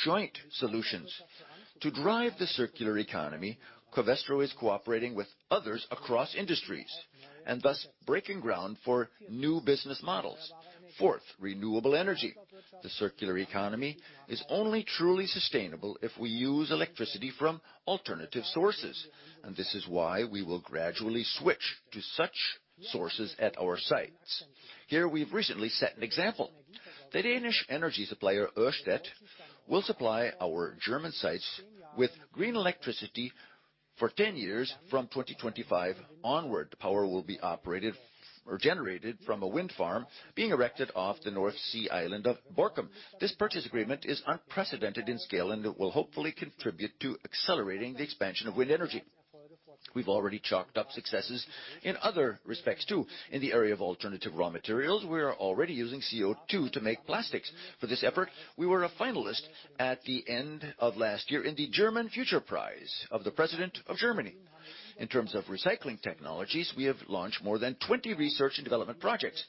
joint solutions. To drive the circular economy, Covestro is cooperating with others across industries and thus breaking ground for new business models. Fourth, renewable energy. The circular economy is only truly sustainable if we use electricity from alternative sources. And this is why we will gradually switch to such sources at our sites. Here, we've recently set an example. The Danish energy supplier, Ørsted, will supply our German sites with green electricity for 10 years from 2025 onward. The power will be operated or generated from a wind farm being erected off the North Sea island of Borkum. This purchase agreement is unprecedented in scale, and it will hopefully contribute to accelerating the expansion of wind energy. We've already chalked up successes in other respects too. In the area of alternative raw materials, we are already using CO2 to make plastics. For this effort, we were a finalist at the end of last year in the German Future Prize of the President of Germany. In terms of recycling technologies, we have launched more than 20 research and development projects.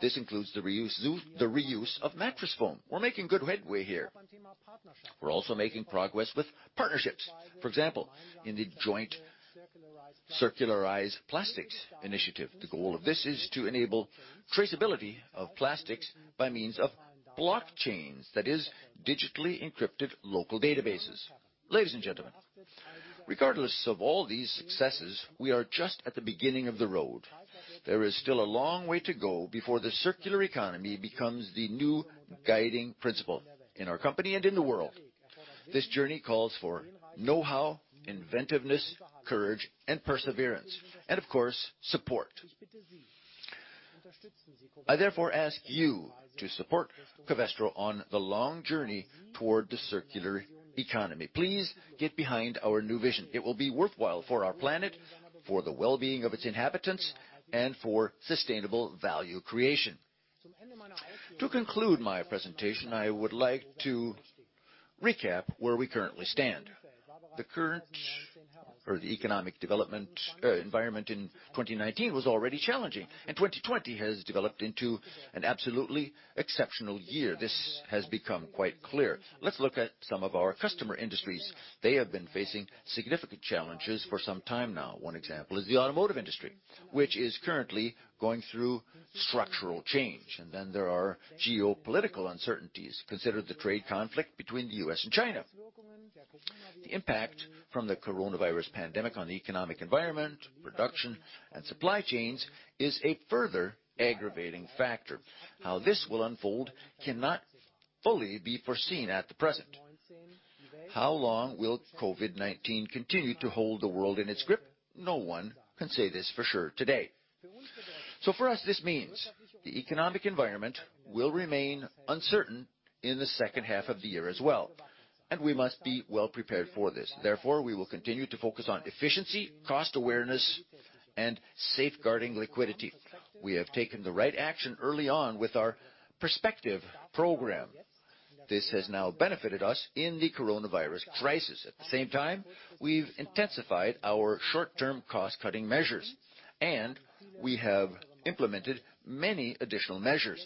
This includes the reuse of mattress foam. We're making good headway here. We're also making progress with partnerships. For example, in the joint Circularize Plastics initiative. The goal of this is to enable traceability of plastics by means of blockchains, that is, digitally encrypted local databases. Ladies and gentlemen, regardless of all these successes, we are just at the beginning of the road. There is still a long way to go before the circular economy becomes the new guiding principle in our company and in the world. This journey calls for know-how, inventiveness, courage, and perseverance, and of course, support. I therefore ask you to support Covestro on the long journey toward the circular economy. Please get behind our new vision. It will be worthwhile for our planet, for the well-being of its inhabitants, and for sustainable value creation. To conclude my presentation, I would like to recap where we currently stand. The current economic development environment in 2019 was already challenging, and 2020 has developed into an absolutely exceptional year. This has become quite clear. Let's look at some of our customer industries. They have been facing significant challenges for some time now. One example is the automotive industry, which is currently going through structural change, and then there are geopolitical uncertainties. Consider the trade conflict between the U.S. and China. The impact from the coronavirus pandemic on the economic environment, production, and supply chains is a further aggravating factor. How this will unfold cannot fully be foreseen at the present. How long will COVID-19 continue to hold the world in its grip? No one can say this for sure today. So for us, this means the economic environment will remain uncertain in the second half of the year as well, and we must be well prepared for this. Therefore, we will continue to focus on efficiency, cost awareness, and safeguarding liquidity. We have taken the right action early on with our Perspective program. This has now benefited us in the coronavirus crisis. At the same time, we've intensified our short-term cost-cutting measures, and we have implemented many additional measures.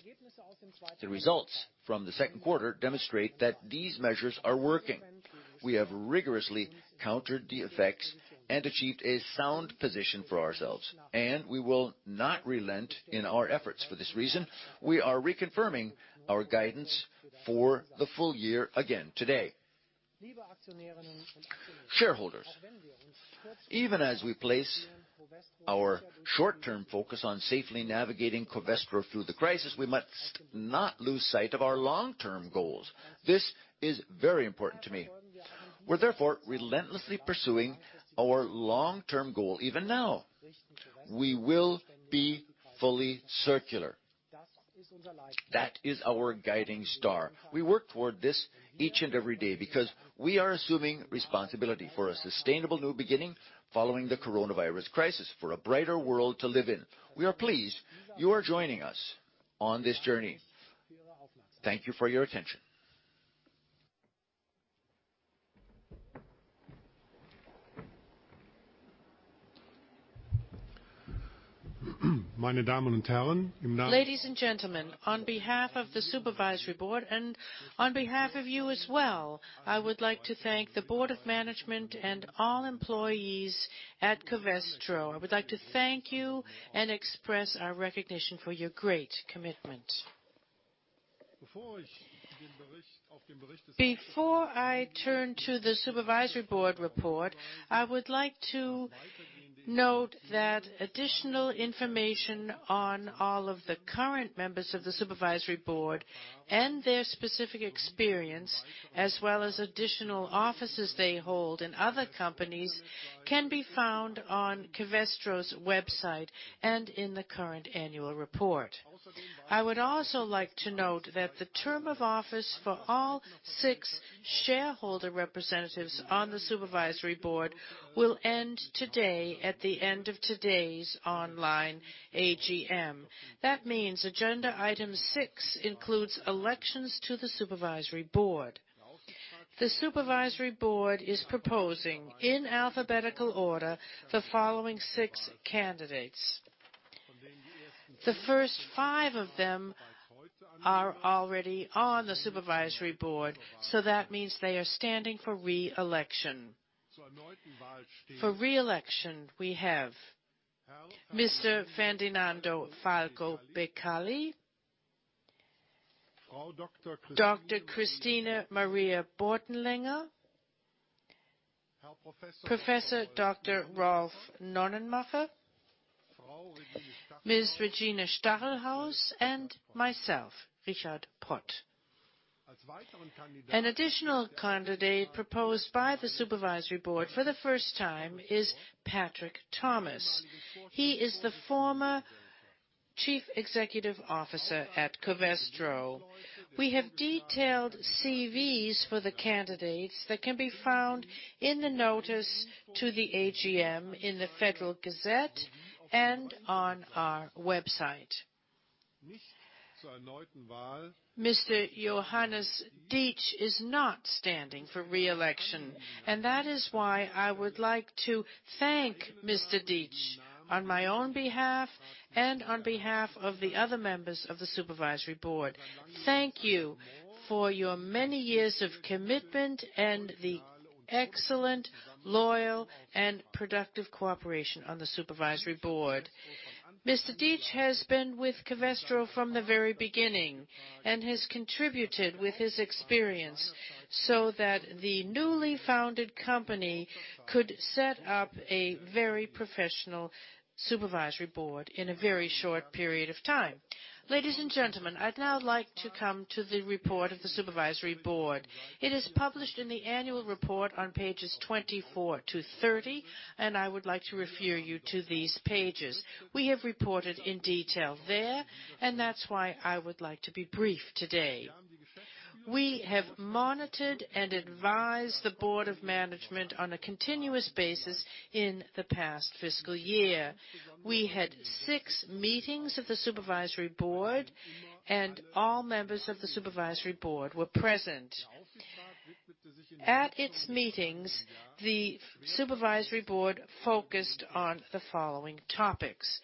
The results from the second quarter demonstrate that these measures are working. We have rigorously countered the effects and achieved a sound position for ourselves, and we will not relent in our efforts. For this reason, we are reconfirming our guidance for the full year again today. Shareholders, even as we place our short-term focus on safely navigating Covestro through the crisis, we must not lose sight of our long-term goals. This is very important to me. We're therefore relentlessly pursuing our long-term goal even now. We will be fully circular. That is our guiding star. We work toward this each and every day because we are assuming responsibility for a sustainable new beginning following the coronavirus crisis, for a brighter world to live in. We are pleased you are joining us on this journey. Thank you for your attention. Ladies and gentlemen, on behalf of the Supervisory Board and on behalf of you as well, I would like to thank the Board of Management and all employees at Covestro. I would like to thank you and express our recognition for your great commitment. Before I turn to the Supervisory Board report, I would like to note that additional information on all of the current members of the Supervisory Board and their specific experience, as well as additional offices they hold in other companies, can be found on Covestro's website and in the current annual report. I would also like to note that the term of office for all six shareholder representatives on the Supervisory Board will end today at the end of today's online AGM. That means agenda item six includes elections to the Supervisory Board. The Supervisory Board is proposing in alphabetical order the following six candidates. The first five of them are already on the Supervisory Board, so that means they are standing for re-election. For re-election, we have Mr. Ferdinando Falco Beccalli, Dr. Christina Maria Bortenlänger, Professor Dr. Rolf Nonnenmacher, Ms. Regina Stachelhaus, and myself, Richard Pott. An additional candidate proposed by the Supervisory Board for the first time is Patrick Thomas. He is the former Chief Executive Officer at Covestro. We have detailed CVs for the candidates that can be found in the notice to the AGM in the Federal Gazette and on our website. Mr. Johannes Dietsch is not standing for re-election, and that is why I would like to thank Mr. Dietsch on my own behalf and on behalf of the other members of the Supervisory Board. Thank you for your many years of commitment and the excellent, loyal, and productive cooperation on the Supervisory Board. Mr. Dietzsch has been with Covestro from the very beginning and has contributed with his experience so that the newly founded company could set up a very professional Supervisory Board in a very short period of time. Ladies and gentlemen, I'd now like to come to the report of the Supervisory Board. It is published in the annual report on pages 24 to 30, and I would like to refer you to these pages. We have reported in detail there, and that's why I would like to be brief today. We have monitored and advised the Board of Management on a continuous basis in the past fiscal year. We had six meetings of the Supervisory Board, and all members of the Supervisory Board were present. At its meetings, the Supervisory Board focused on the following topics.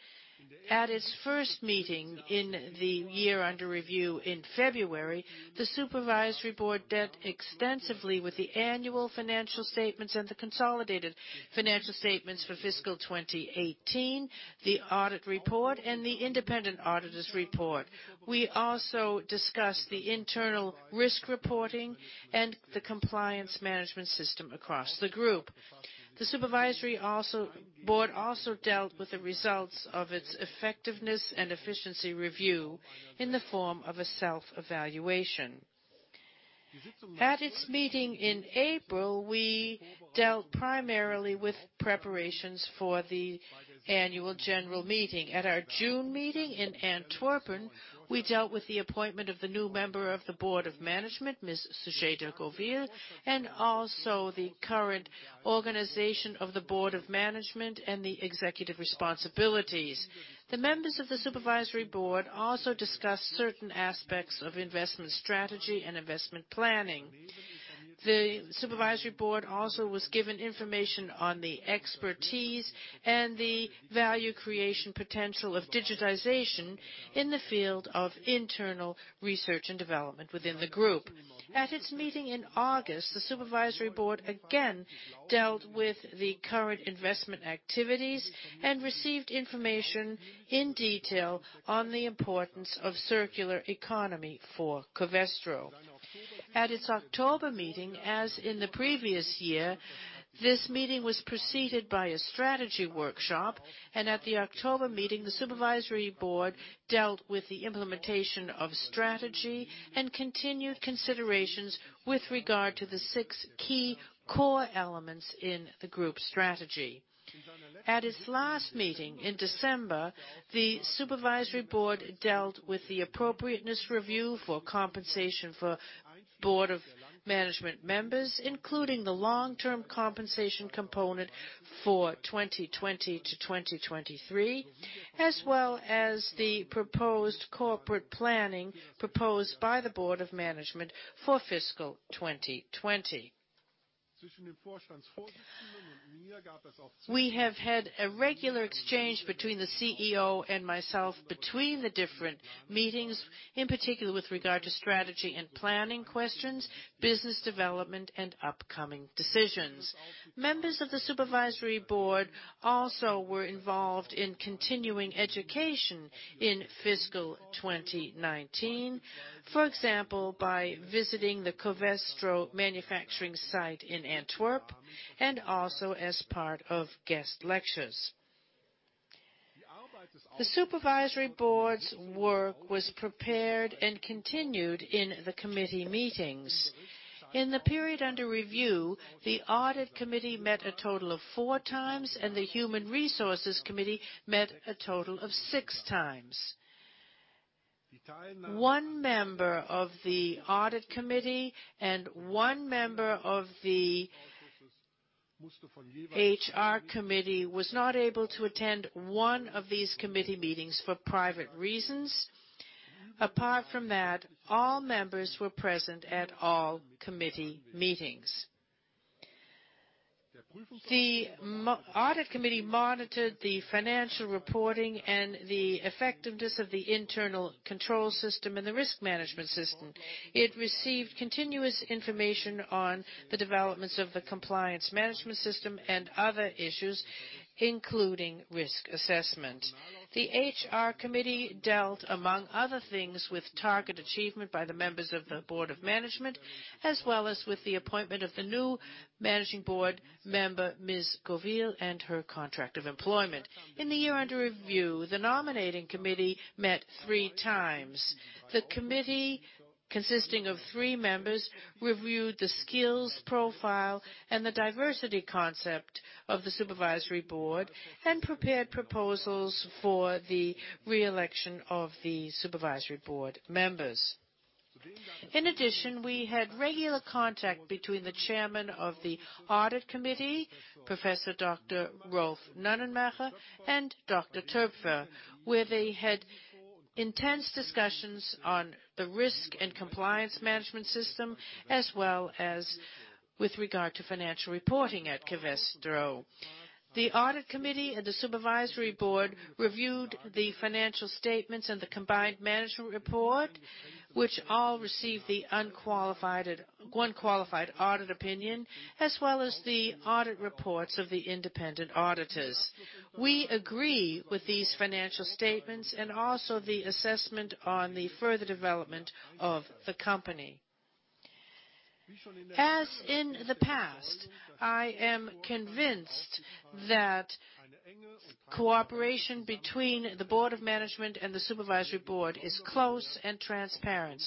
At its first meeting in the year under review in February, the Supervisory Board dealt extensively with the annual financial statements and the consolidated financial statements for fiscal 2018, the audit report, and the independent auditor's report. We also discussed the internal risk reporting and the compliance management system across the group. The Supervisory Board also dealt with the results of its effectiveness and efficiency review in the form of a self-evaluation. At its meeting in April, we dealt primarily with preparations for the annual general meeting. At our June meeting in Antwerp, we dealt with the appointment of the new member of the Board of Management, Ms. Sucheta Govil, and also the current organization of the Board of Management and the executive responsibilities. The members of the Supervisory Board also discussed certain aspects of investment strategy and investment planning. The Supervisory Board also was given information on the expertise and the value creation potential of digitization in the field of internal research and development within the group. At its meeting in August, the Supervisory Board again dealt with the current investment activities and received information in detail on the importance of circular economy for Covestro. At its October meeting, as in the previous year, this meeting was preceded by a strategy workshop, and at the October meeting, the Supervisory Board dealt with the implementation of strategy and continued considerations with regard to the six key core elements in the group's strategy. At its last meeting in December, the Supervisory Board dealt with the appropriateness review for compensation for Board of Management members, including the long-term compensation component for 2020 to 2023, as well as the proposed corporate planning proposed by the Board of Management for fiscal 2020. We have had a regular exchange between the CEO and myself between the different meetings, in particular with regard to strategy and planning questions, business development, and upcoming decisions. Members of the Supervisory Board also were involved in continuing education in fiscal 2019, for example, by visiting the Covestro manufacturing site in Antwerp and also as part of guest lectures. The Supervisory Board's work was prepared and continued in the committee meetings. In the period under review, the audit committee met a total of four times, and the human resources committee met a total of six times. One member of the audit committee and one member of the HR committee was not able to attend one of these committee meetings for private reasons. Apart from that, all members were present at all committee meetings. The audit committee monitored the financial reporting and the effectiveness of the internal control system and the risk management system. It received continuous information on the developments of the compliance management system and other issues, including risk assessment. The HR committee dealt, among other things, with target achievement by the members of the Board of Management, as well as with the appointment of the new managing board member, Ms. Govil, and her contract of employment. In the year under review, the nominating committee met three times. The committee, consisting of three members, reviewed the skills profile and the diversity concept of the Supervisory Board and prepared proposals for the re-election of the Supervisory Board members. In addition, we had regular contact between the chairman of the audit committee, Professor Dr. Rolf Nonnenmacher, and Dr. Toepfer, where they had intense discussions on the risk and compliance management system, as well as with regard to financial reporting at Covestro. The audit committee and the Supervisory Board reviewed the financial statements and the combined management report, which all received the unqualified audit opinion, as well as the audit reports of the independent auditors. We agree with these financial statements and also the assessment on the further development of the company. As in the past, I am convinced that cooperation between the Board of Management and the Supervisory Board is close and transparent.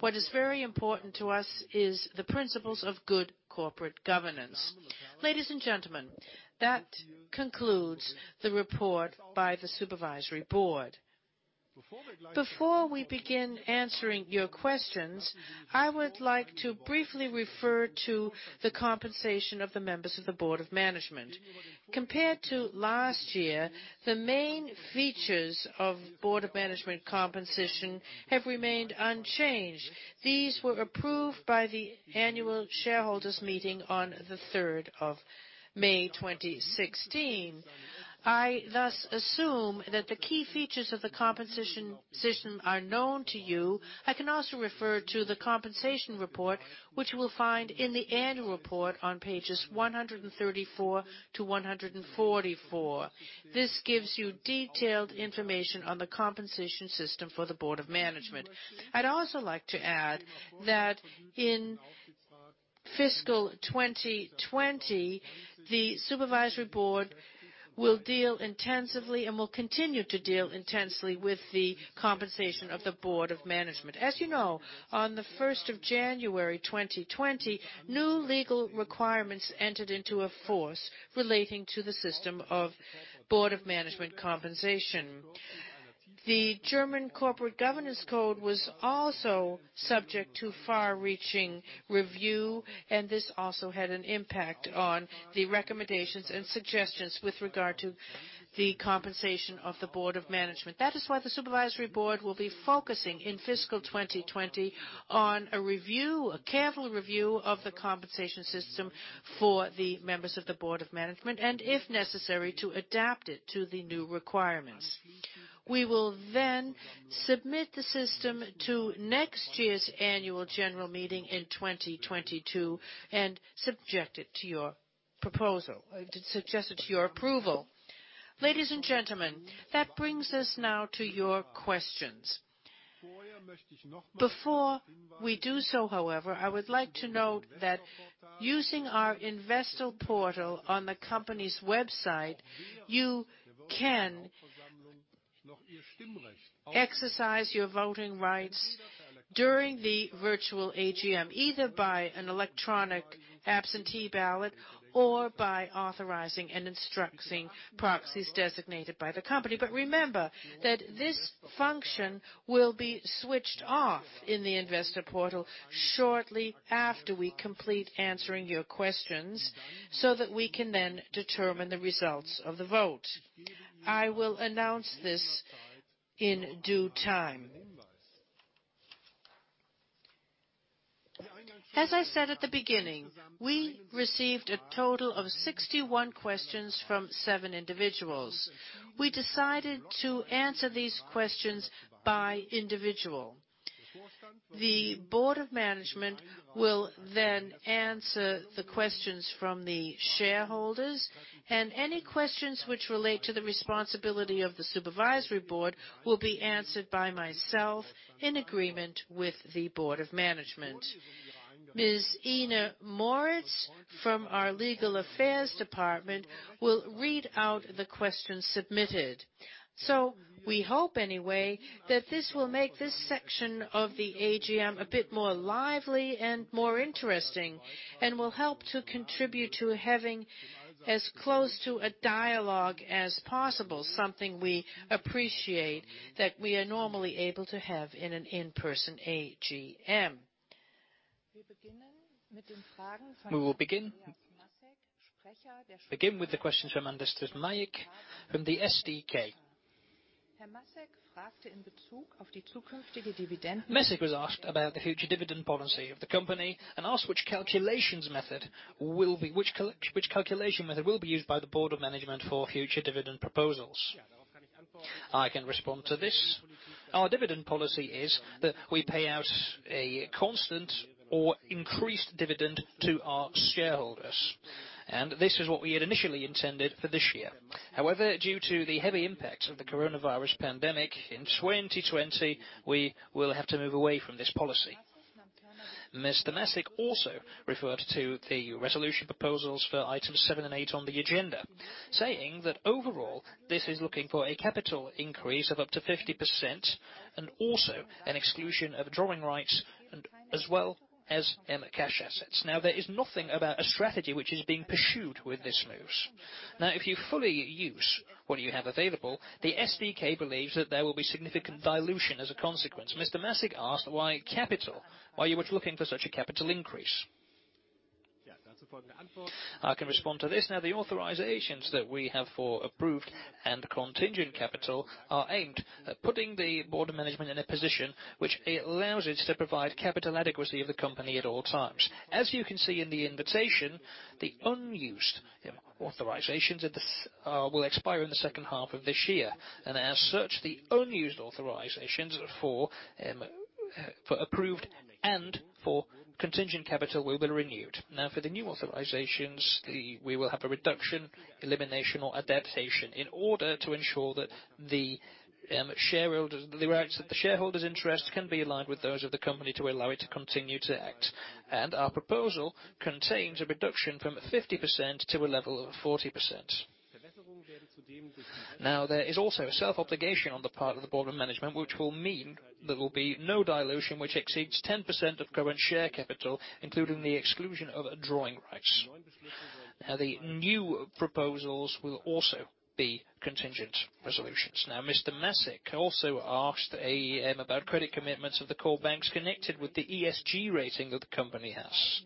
What is very important to us is the principles of good corporate governance. Ladies and gentlemen, that concludes the report by the Supervisory Board. Before we begin answering your questions, I would like to briefly refer to the compensation of the members of the Board of Management. Compared to last year, the main features of Board of Management compensation have remained unchanged. These were approved by the annual shareholders' meeting on the 3rd of May 2016. I thus assume that the key features of the compensation system are known to you. I can also refer to the compensation report, which you will find in the annual report on pages 134 to 144. This gives you detailed information on the compensation system for the Board of Management. I'd also like to add that in fiscal 2020, the Supervisory Board will deal intensively and will continue to deal intensely with the compensation of the Board of Management. As you know, on the 1st of January 2020, new legal requirements entered into force relating to the system of Board of Management compensation. The German Corporate Governance Code was also subject to far-reaching review, and this also had an impact on the recommendations and suggestions with regard to the compensation of the Board of Management. That is why the Supervisory Board will be focusing in fiscal 2020 on a careful review of the compensation system for the members of the Board of Management and, if necessary, to adapt it to the new requirements. We will then submit the system to next year's annual general meeting in 2022 and subject it to your approval. Ladies and gentlemen, that brings us now to your questions. Before we do so, however, I would like to note that using our Investor Portal on the company's website, you can exercise your voting rights during the virtual AGM, either by an electronic absentee ballot or by authorizing and instructing proxies designated by the company. But remember that this function will be switched off in the Investor Portal shortly after we complete answering your questions so that we can then determine the results of the vote. I will announce this in due time. As I said at the beginning, we received a total of 61 questions from seven individuals. We decided to answer these questions by individual. The Board of Management will then answer the questions from the shareholders, and any questions which relate to the responsibility of the Supervisory Board will be answered by myself in agreement with the Board of Management. Ms. Ina Moritz from our Legal Affairs Department will read out the questions submitted. We hope, anyway, that this will make this section of the AGM a bit more lively and more interesting and will help to contribute to having as close to a dialogue as possible, something we appreciate that we are normally able to have in an in-person AGM. Mr. Masek was asked about the future dividend policy of the company and asked which calculation method will be used by the Board of Management for future dividend proposals. I can respond to this. Our dividend policy is that we pay out a constant or increased dividend to our shareholders, and this is what we had initially intended for this year. However, due to the heavy impacts of the coronavirus pandemic in 2020, we will have to move away from this policy. Mr. Masek also referred to the resolution proposals for items seven and eight on the agenda, saying that overall this is looking for a capital increase of up to 50% and also an exclusion of drawing rights as well as cash assets. Now, there is nothing about a strategy which is being pursued with this move. Now, if you fully use what you have available, the SDK believes that there will be significant dilution as a consequence. Mr. Masek asked why you were looking for such a capital increase. I can respond to this. Now, the authorizations that we have for approved and contingent capital are aimed at putting the Board of Management in a position which allows it to provide capital adequacy of the company at all times. As you can see in the invitation, the unused authorizations will expire in the second half of this year, and as such, the unused authorizations for approved and for contingent capital will be renewed. Now, for the new authorizations, we will have a reduction, elimination, or adaptation in order to ensure that the shareholders' interests can be aligned with those of the company to allow it to continue to act. And our proposal contains a reduction from 50% to a level of 40%. Now, there is also a self-obligation on the part of the Board of Management, which will mean there will be no dilution which exceeds 10% of current share capital, including the exclusion of drawing rights. Now, the new proposals will also be contingent resolutions. Now, Mr. Masek also asked about credit commitments of the core banks connected with the ESG rating that the company has.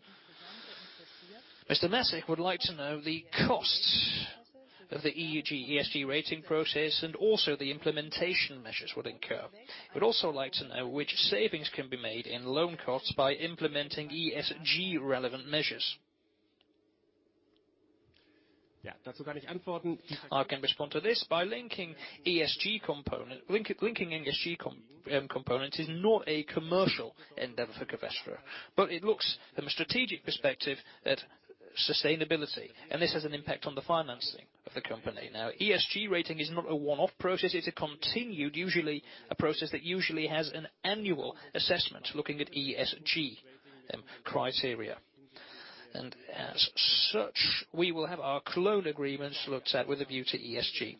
Mr. Masek would like to know the costs of the ESG rating process and also the implementation measures that would incur. He would also like to know which savings can be made in loan costs by implementing ESG-relevant measures. I can respond to this. Linking ESG components is not a commercial endeavor for Covestro, but it looks from a strategic perspective at sustainability, and this has an impact on the financing of the company. Now, ESG rating is not a one-off process. It's a continued, usually a process that usually has an annual assessment looking at ESG criteria. And as such, we will have our loan agreements looked at with a view to ESG.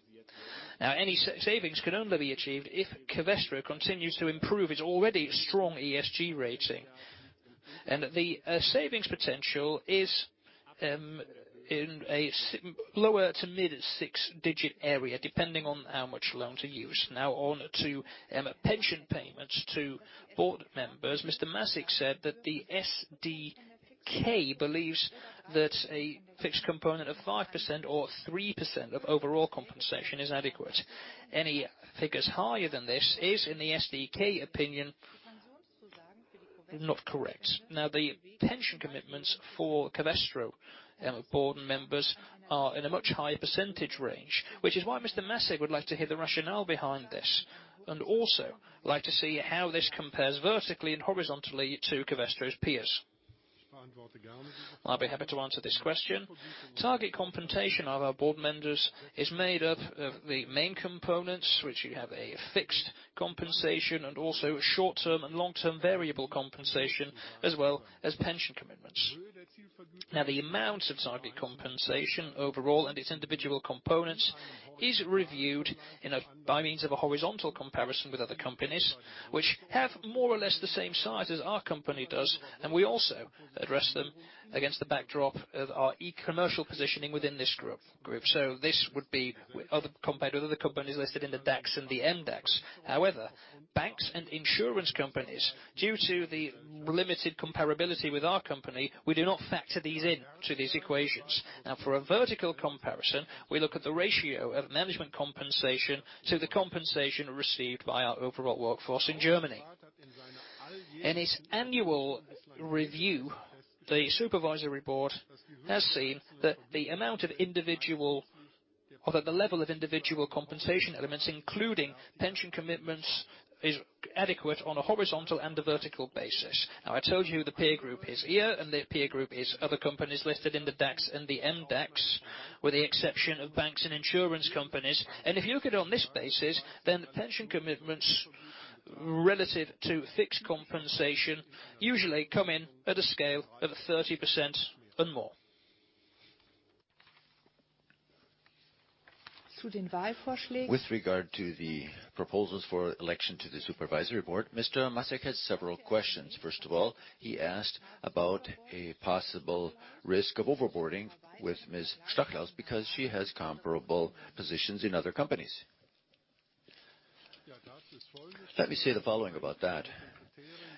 Now, any savings can only be achieved if Covestro continues to improve its already strong ESG rating, and the savings potential is in a lower to mid-six-digit area depending on how much loans are used. Now, on to pension payments to board members, Mr. Masek said that the SDK believes that a fixed component of 5% or 3% of overall compensation is adequate. Any figures higher than this is, in the SDK opinion, not correct. Now, the pension commitments for Covestro board members are in a much higher percentage range, which is why Mr. Masek would like to hear the rationale behind this and also like to see how this compares vertically and horizontally to Covestro's peers. I'll be happy to answer this question. Target compensation of our board members is made up of the main components, which you have a fixed compensation and also short-term and long-term variable compensation, as well as pension commitments. Now, the amounts of target compensation overall and its individual components are reviewed by means of a horizontal comparison with other companies which have more or less the same size as our company does, and we also assess them against the backdrop of our economic positioning within this group. This would be compared with other companies listed in the DAX and the MDAX. However, banks and insurance companies, due to the limited comparability with our company, we do not factor these into these equations. Now, for a vertical comparison, we look at the ratio of management compensation to the compensation received by our overall workforce in Germany. In its annual review, the Supervisory Board has seen that the level of individual compensation elements, including pension commitments, is adequate on a horizontal and a vertical basis. Now, I told you who the peer group is here, and the peer group is other companies listed in the DAX and the MDAX, with the exception of banks and insurance companies. And if you look at it on this basis, then pension commitments relative to fixed compensation usually come in at a scale of 30% and more. With regard to the proposals for election to the Supervisory Board, Mr. Masek had several questions. First of all, he asked about a possible risk of overboarding with Ms. Stachelhaus because she has comparable positions in other companies. Let me say the following about that.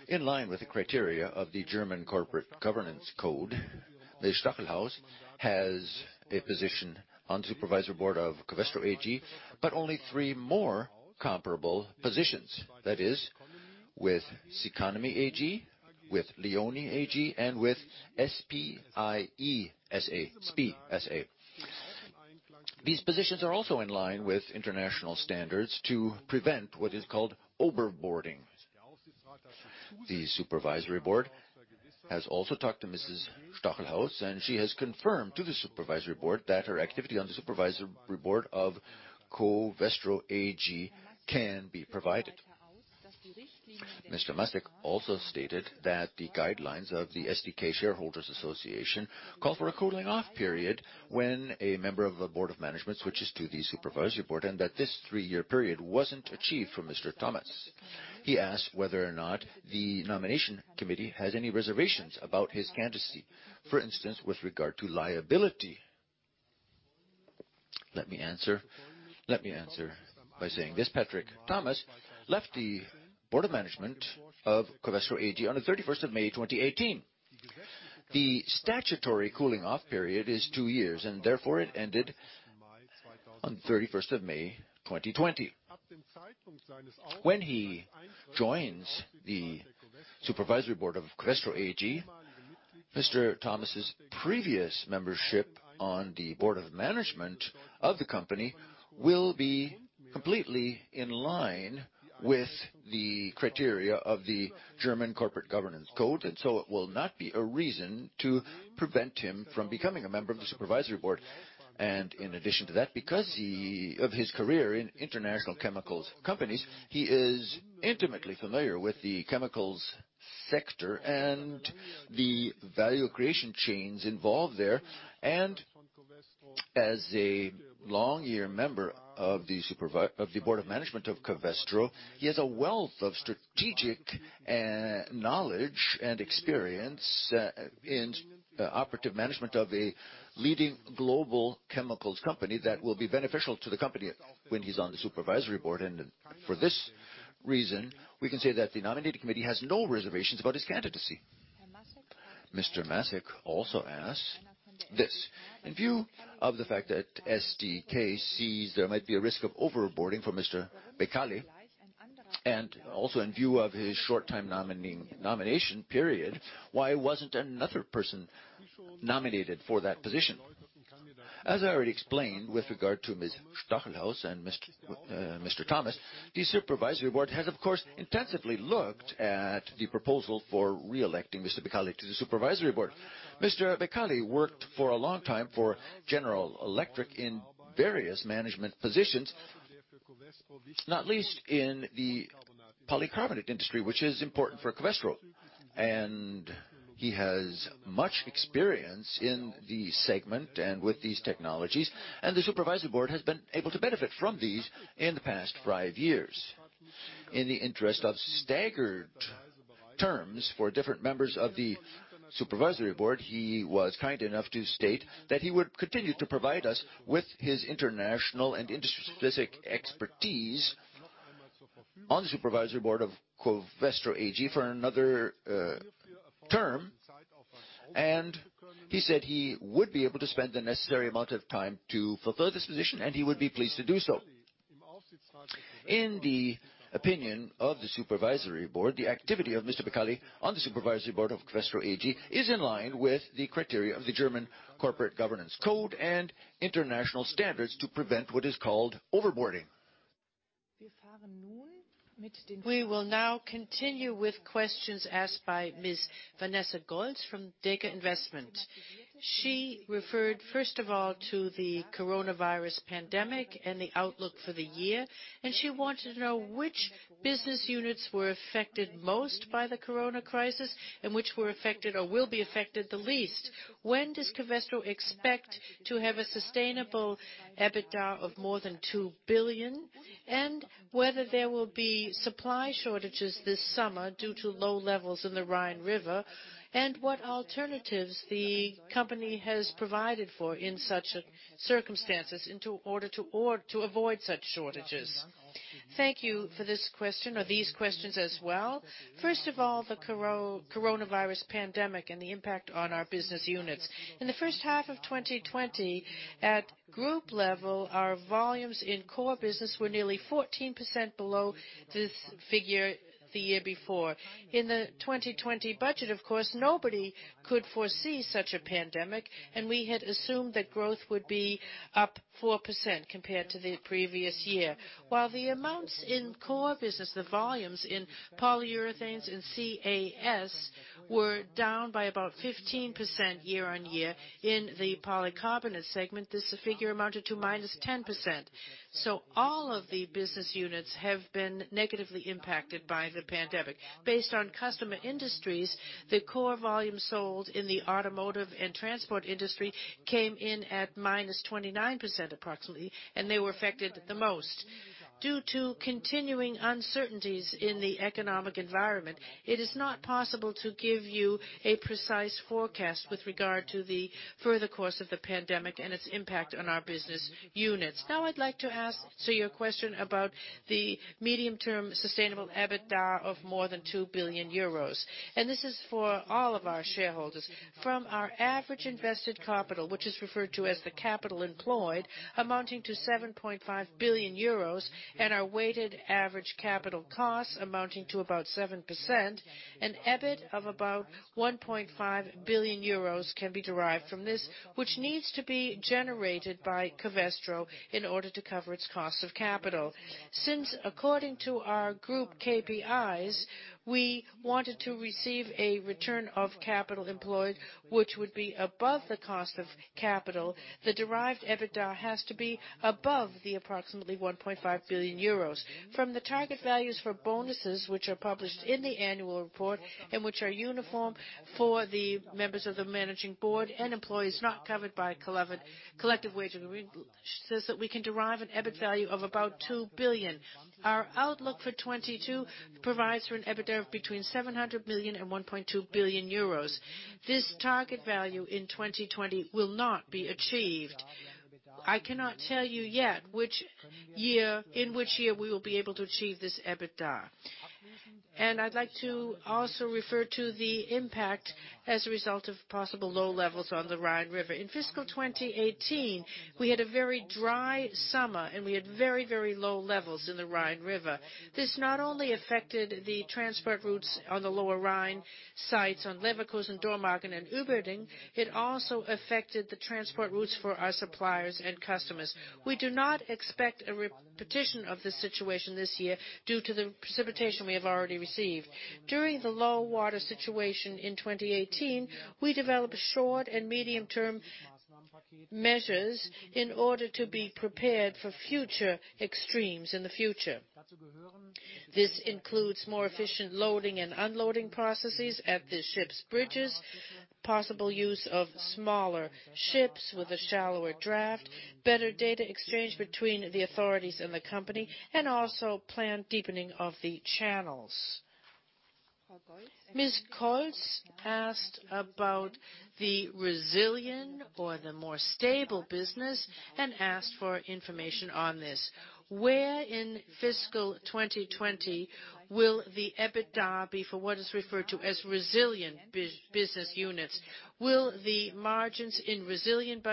In line with the criteria of the German Corporate Governance Code, Ms. Stachelhaus has a position on Supervisory Board of Covestro AG, but only three more comparable positions. That is, with Ceconomy AG, with Leoni AG, and with SPIE SA. These positions are also in line with international standards to prevent what is called overboarding. The Supervisory Board has also talked to Mrs. Stachelhaus, and she has confirmed to the Supervisory Board that her activity on the Supervisory Board of Covestro AG can be provided. Mr. Masek also stated that the guidelines of the SDK Shareholders Association call for a cooling-off period when a member of a Board of Management switches to the Supervisory Board and that this three-year period wasn't achieved for Mr. Thomas. He asked whether or not the nomination committee has any reservations about his candidacy, for instance, with regard to liability. Let me answer by saying this: Patrick Thomas left the Board of Management of Covestro AG on the 31st of May 2018. The statutory cooling-off period is two years, and therefore it ended on the 31st of May 2020. When he joins the Supervisory Board of Covestro AG, Mr. Thomas's previous membership on the Board of Management of the company will be completely in line with the criteria of the German Corporate Governance Code, and so it will not be a reason to prevent him from becoming a member of the Supervisory Board. And in addition to that, because of his career in international chemicals companies, he is intimately familiar with the chemicals sector and the value creation chains involved there. And as a long-year member of the Board of Management of Covestro, he has a wealth of strategic knowledge and experience in operative management of a leading global chemicals company that will be beneficial to the company when he's on the Supervisory Board. And for this reason, we can say that the nominating committee has no reservations about his candidacy. Mr. Masek also asks this: in view of the fact that SDK sees there might be a risk of overboarding for Mr. Beccalli, and also in view of his short-time nomination period, why wasn't another person nominated for that position? As I already explained with regard to Ms. Stachelhaus and Mr. Thomas, the Supervisory Board has, of course, intensively looked at the proposal for re-electing Mr. Beccalli to the Supervisory Board. Mr. Beccalli worked for a long time for General Electric in various management positions, not least in the polycarbonate industry, which is important for Covestro. And he has much experience in the segment and with these technologies, and the Supervisory Board has been able to benefit from these in the past five years. In the interest of staggered terms for different members of the Supervisory Board, he was kind enough to state that he would continue to provide us with his international and industry-specific expertise on the Supervisory Board of Covestro AG for another term, and he said he would be able to spend the necessary amount of time to fulfill this position, and he would be pleased to do so. In the opinion of the Supervisory Board, the activity of Mr. Beccalli on the Supervisory Board of Covestro AG is in line with the criteria of the German Corporate Governance Code and international standards to prevent what is called overboarding. We will now continue with questions asked by Ms. Vanessa Golz from Deka Investment. She referred, first of all, to the coronavirus pandemic and the outlook for the year, and she wanted to know which business units were affected most by the corona crisis and which were affected or will be affected the least. When does Covestro expect to have a sustainable EBITDA of more than 2 billion, and whether there will be supply shortages this summer due to low levels in the Rhine River, and what alternatives the company has provided for in such circumstances in order to avoid such shortages? Thank you for this question or these questions as well. First of all, the coronavirus pandemic and the impact on our business units. In the first half of 2020, at group level, our volumes in core business were nearly 14% below this figure the year before. In the 2020 budget, of course, nobody could foresee such a pandemic, and we had assumed that growth would be up 4% compared to the previous year. While the amounts in core business, the volumes in Polyurethanes and CAS, were down by about 15% year on year in the polycarbonate segment, this figure amounted to minus 10%. So all of the business units have been negatively impacted by the pandemic. Based on customer industries, the core volume sold in the automotive and transport industry came in at minus 29% approximately, and they were affected the most. Due to continuing uncertainties in the economic environment, it is not possible to give you a precise forecast with regard to the further course of the pandemic and its impact on our business units. Now, I'd like to ask your question about the medium-term sustainable EBITDA of more than 2 billion euros. This is for all of our shareholders. From our average invested capital, which is referred to as the capital employed, amounting to 7.5 billion euros, and our weighted average capital costs amounting to about 7%, an EBIT of about 1.5 billion euros can be derived from this, which needs to be generated by Covestro in order to cover its cost of capital. Since, according to our group KPIs, we wanted to receive a return of capital employed, which would be above the cost of capital, the derived EBITDA has to be above the approximately 1.5 billion euros. From the target values for bonuses, which are published in the annual report and which are uniform for the members of the managing board and employees not covered by collective wage agreements, we can derive an EBIT value of about 2 billion. Our outlook for 2022 provides for an EBITDA of between 700 million and 1.2 billion euros. This target value in 2020 will not be achieved. I cannot tell you yet in which year we will be able to achieve this EBITDA, and I'd like to also refer to the impact as a result of possible low levels on the Rhine River. In fiscal 2018, we had a very dry summer, and we had very, very low levels in the Rhine River. This not only affected the transport routes on the lower Rhine sites on Leverkusen, Dormagen, and Uerdingen, it also affected the transport routes for our suppliers and customers. We do not expect a repetition of this situation this year due to the precipitation we have already received. During the low water situation in 2018, we developed short and medium-term measures in order to be prepared for future extremes in the future. This includes more efficient loading and unloading processes at the ship's bridges, possible use of smaller ships with a shallower draft, better data exchange between the authorities and the company, and also planned deepening of the channels. Ms. Golz asked about the resilient or the more stable business and asked for information on this. Where in fiscal 2020 will the EBITDA be for what is referred to as resilient business units? Will the margins in resilient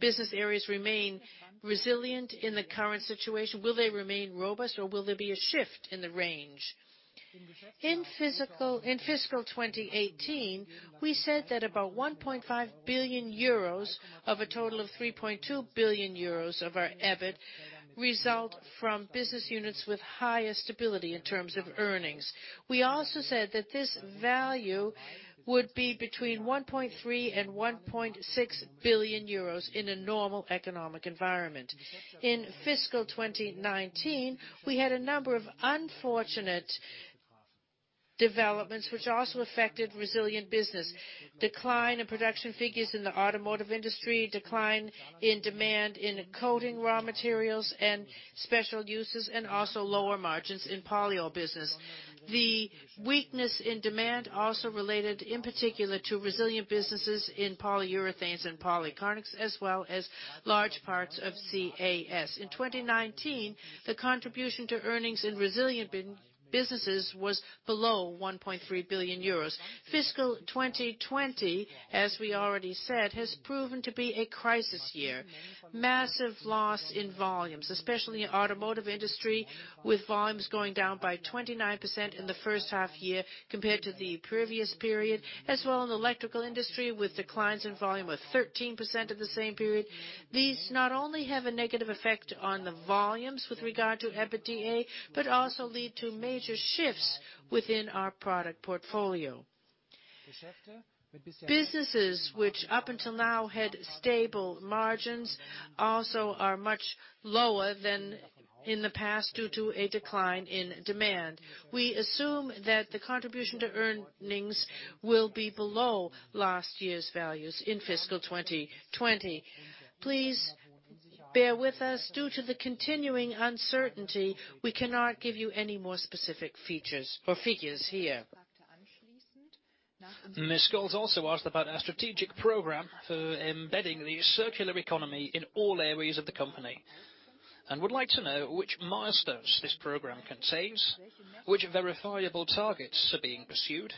business areas remain resilient in the current situation? Will they remain robust, or will there be a shift in the range? In fiscal 2018, we said that about 1.5 billion euros of a total of 3.2 billion euros of our EBIT result from business units with higher stability in terms of earnings. We also said that this value would be between 1.3 billion and 1.6 billion euros in a normal economic environment. In fiscal 2019, we had a number of unfortunate developments which also affected resilient business: decline in production figures in the automotive industry, decline in demand in coating raw materials and special uses, and also lower margins in polyol business. The weakness in demand also related in particular to resilient businesses in Polyurethanes and Polycarbonates, as well as large parts of CAS. In 2019, the contribution to earnings in resilient businesses was below 1.3 billion euros. Fiscal 2020, as we already said, has proven to be a crisis year. Massive loss in volumes, especially in the automotive industry, with volumes going down by 29% in the first half year compared to the previous period, as well as in the electrical industry, with declines in volume of 13% in the same period. These not only have a negative effect on the volumes with regard to EBITDA, but also lead to major shifts within our product portfolio. Businesses which up until now had stable margins also are much lower than in the past due to a decline in demand. We assume that the contribution to earnings will be below last year's values in fiscal 2020. Please bear with us. Due to the continuing uncertainty, we cannot give you any more specific figures here. Ms. Golz also asked about our strategic program for embedding the circular economy in all areas of the company and would like to know which milestones this program contains, which verifiable targets are being pursued,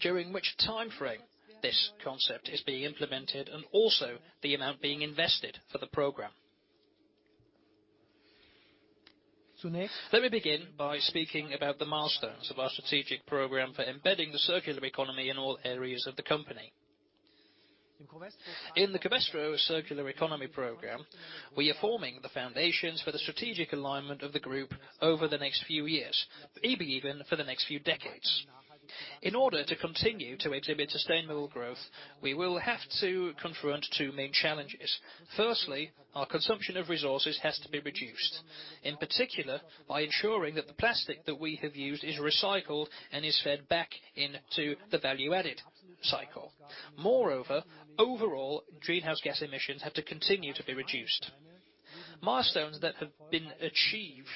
during which timeframe this concept is being implemented, and also the amount being invested for the program. Let me begin by speaking about the milestones of our strategic program for embedding the circular economy in all areas of the company. In the Covestro circular economy program, we are forming the foundations for the strategic alignment of the group over the next few years, maybe even for the next few decades. In order to continue to exhibit sustainable growth, we will have to confront two main challenges. Firstly, our consumption of resources has to be reduced, in particular by ensuring that the plastic that we have used is recycled and is fed back into the value-added cycle. Moreover, overall, greenhouse gas emissions have to continue to be reduced. Milestones that have been achieved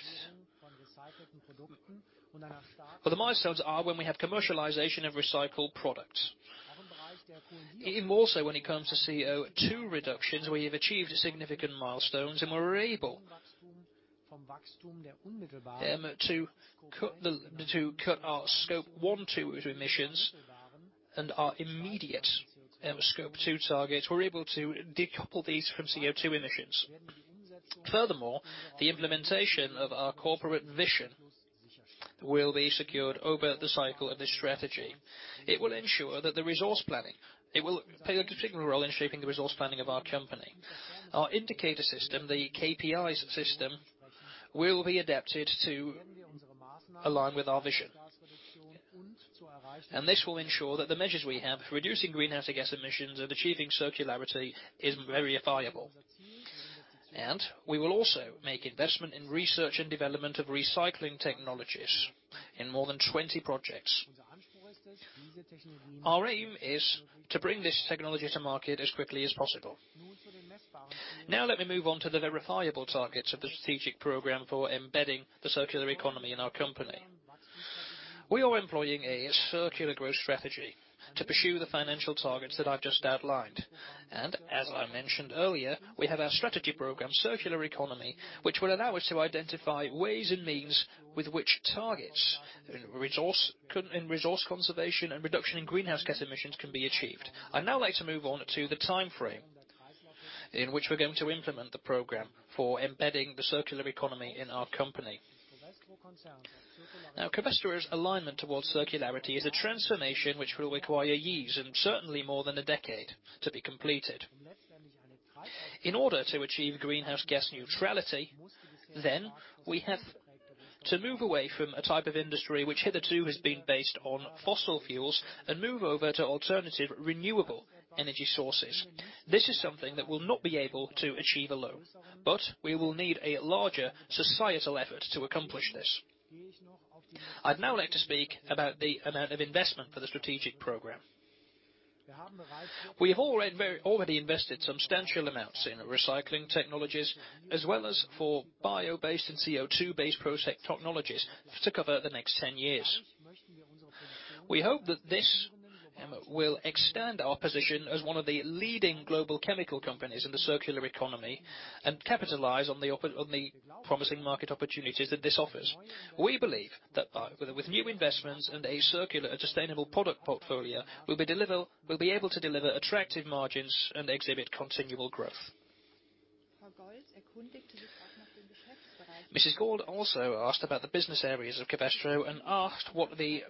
for the milestones are when we have commercialization of recycled products. Even more so when it comes to CO2 reductions, we have achieved significant milestones and were able to cut our Scope 1 and 2 emissions and our immediate Scope 2 targets. We're able to decouple these from CO2 emissions. Furthermore, the implementation of our corporate vision will be secured over the cycle of this strategy. It will ensure that the resource planning will play a particular role in shaping the resource planning of our company. Our indicator system, the KPIs system, will be adapted to align with our vision. And this will ensure that the measures we have for reducing greenhouse gas emissions and achieving circularity is verifiable. We will also make investment in research and development of recycling technologies in more than 20 projects. Our aim is to bring this technology to market as quickly as possible. Now, let me move on to the verifiable targets of the strategic program for embedding the circular economy in our company. We are employing a circular growth strategy to pursue the financial targets that I've just outlined. And as I mentioned earlier, we have our strategy program, circular economy, which will allow us to identify ways and means with which targets in resource conservation and reduction in greenhouse gas emissions can be achieved. I'd now like to move on to the timeframe in which we're going to implement the program for embedding the circular economy in our company. Now, Covestro's alignment towards circularity is a transformation which will require years and certainly more than a decade to be completed. In order to achieve greenhouse gas neutrality, then we have to move away from a type of industry which hitherto has been based on fossil fuels and move over to alternative renewable energy sources. This is something that we'll not be able to achieve alone, but we will need a larger societal effort to accomplish this. I'd now like to speak about the amount of investment for the strategic program. We have already invested substantial amounts in recycling technologies as well as for bio-based and CO2-based process technologies to cover the next 10 years. We hope that this will extend our position as one of the leading global chemical companies in the circular economy and capitalize on the promising market opportunities that this offers. We believe that with new investments and a circular and sustainable product portfolio, we'll be able to deliver attractive margins and exhibit continual growth. Mrs. Golz also asked about the business areas of Covestro and asked what the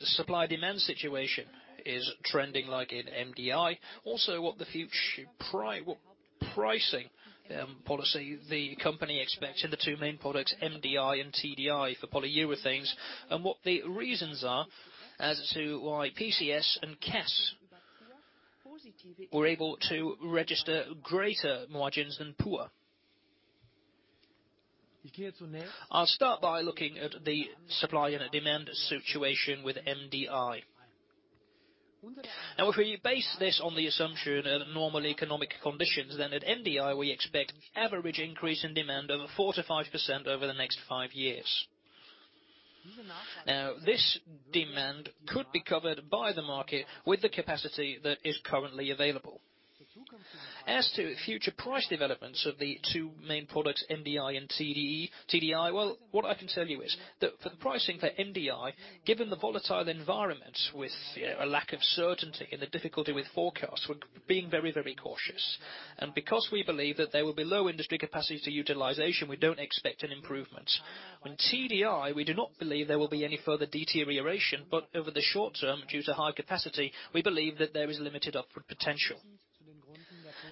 supply-demand situation is trending like in MDI, also what the future pricing policy the company expects in the two main products, MDI and TDI for Polyurethanes, and what the reasons are as to why PCS and CAS were able to register greater margins than PUR. I'll start by looking at the supply and demand situation with MDI. Now, if we base this on the assumption of normal economic conditions, then at MDI, we expect an average increase in demand of 4%-5% over the next five years. Now, this demand could be covered by the market with the capacity that is currently available. As to future price developments of the two main products, MDI and TDI, well, what I can tell you is that for the pricing for MDI, given the volatile environment with a lack of certainty and the difficulty with forecasts, we're being very, very cautious, and because we believe that there will be low industry capacity to utilization, we don't expect an improvement. In TDI, we do not believe there will be any further deterioration, but over the short term, due to high capacity, we believe that there is limited upward potential.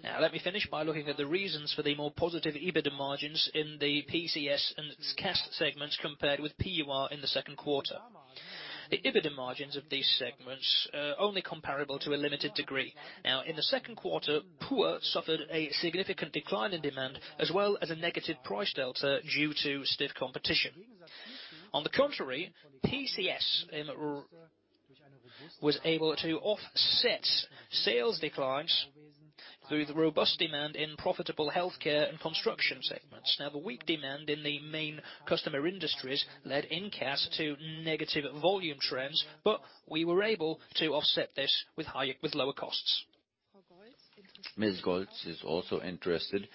Now, let me finish by looking at the reasons for the more positive EBITDA margins in the PCS and CAS segments compared with PUR in the second quarter. The EBITDA margins of these segments are only comparable to a limited degree. Now, in the second quarter, PUR suffered a significant decline in demand as well as a negative price delta due to stiff competition. On the contrary, PCS was able to offset sales declines through the robust demand in profitable healthcare and construction segments. Now, the weak demand in the main customer industries led in CAS to negative volume trends, but we were able to offset this with lower costs. Ms. Golz is also interested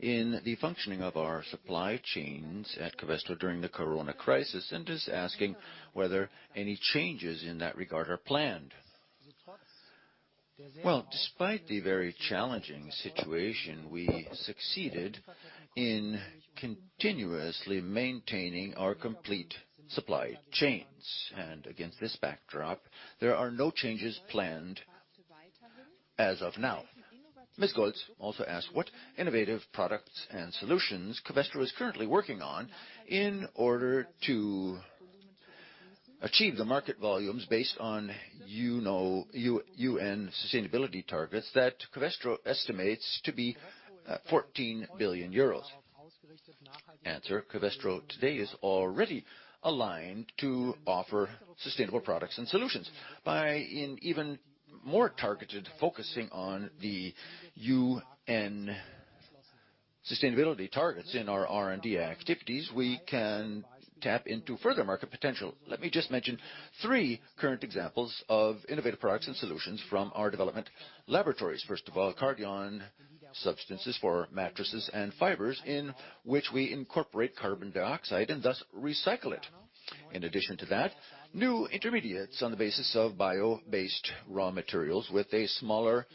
in the functioning of our supply chains at Covestro during the corona crisis and is asking whether any changes in that regard are planned. Despite the very challenging situation, we succeeded in continuously maintaining our complete supply chains. Against this backdrop, there are no changes planned as of now. Ms. Golz also asked what innovative products and solutions Covestro is currently working on in order to achieve the market volumes based on UN sustainability targets that Covestro estimates to be 14 billion euros. Answer: Covestro today is already aligned to offer sustainable products and solutions. By even more targeted, focusing on the UN sustainability targets in our R&D activities, we can tap into further market potential. Let me just mention three current examples of innovative products and solutions from our development laboratories. First of all, Cardyon substances for mattresses and fibers in which we incorporate carbon dioxide and thus recycle it. In addition to that, new intermediates on the basis of bio-based raw materials with a smaller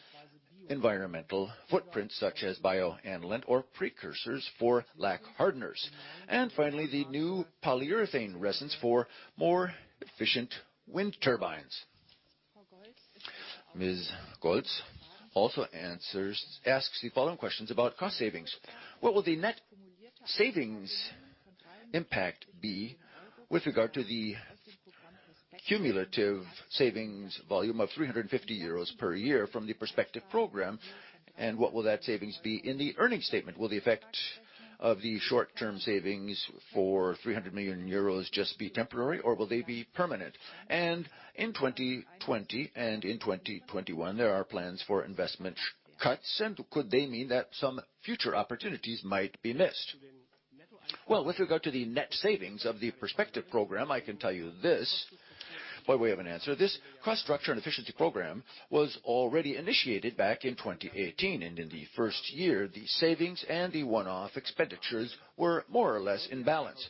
environmental footprint, such as bioaniline or precursors for lacquer hardeners. And finally, the new polyurethane resins for more efficient wind turbines. Ms. Golz also asks the following questions about cost savings. What will the net savings impact be with regard to the cumulative savings volume of 350 euros per year from the Perspective program, and what will that savings be in the earnings statement? Will the effect of the short-term savings for 300 million euros just be temporary, or will they be permanent? And in 2020 and in 2021, there are plans for investment cuts, and could they mean that some future opportunities might be missed? Well, with regard to the net savings of the Perspective program, I can tell you this by way of an answer. This cost structure and efficiency program was already initiated back in 2018, and in the first year, the savings and the one-off expenditures were more or less in balance.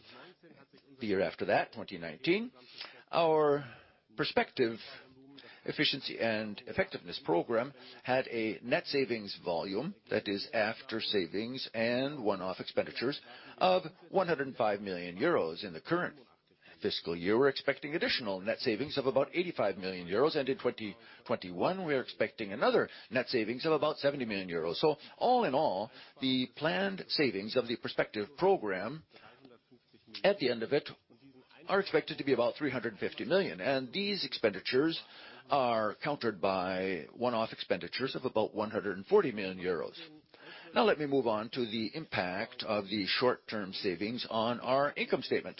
The year after that, 2019, our Perspective efficiency and effectiveness program had a net savings volume that is after savings and one-off expenditures of 105 million euros. In the current fiscal year, we're expecting additional net savings of about 85 million euros, and in 2021, we're expecting another net savings of about 70 million euros. So all in all, the planned savings of the Perspective program at the end of it are expected to be about 350 million, and these expenditures are countered by one-off expenditures of about 140 million euros. Now, let me move on to the impact of the short-term savings on our income statement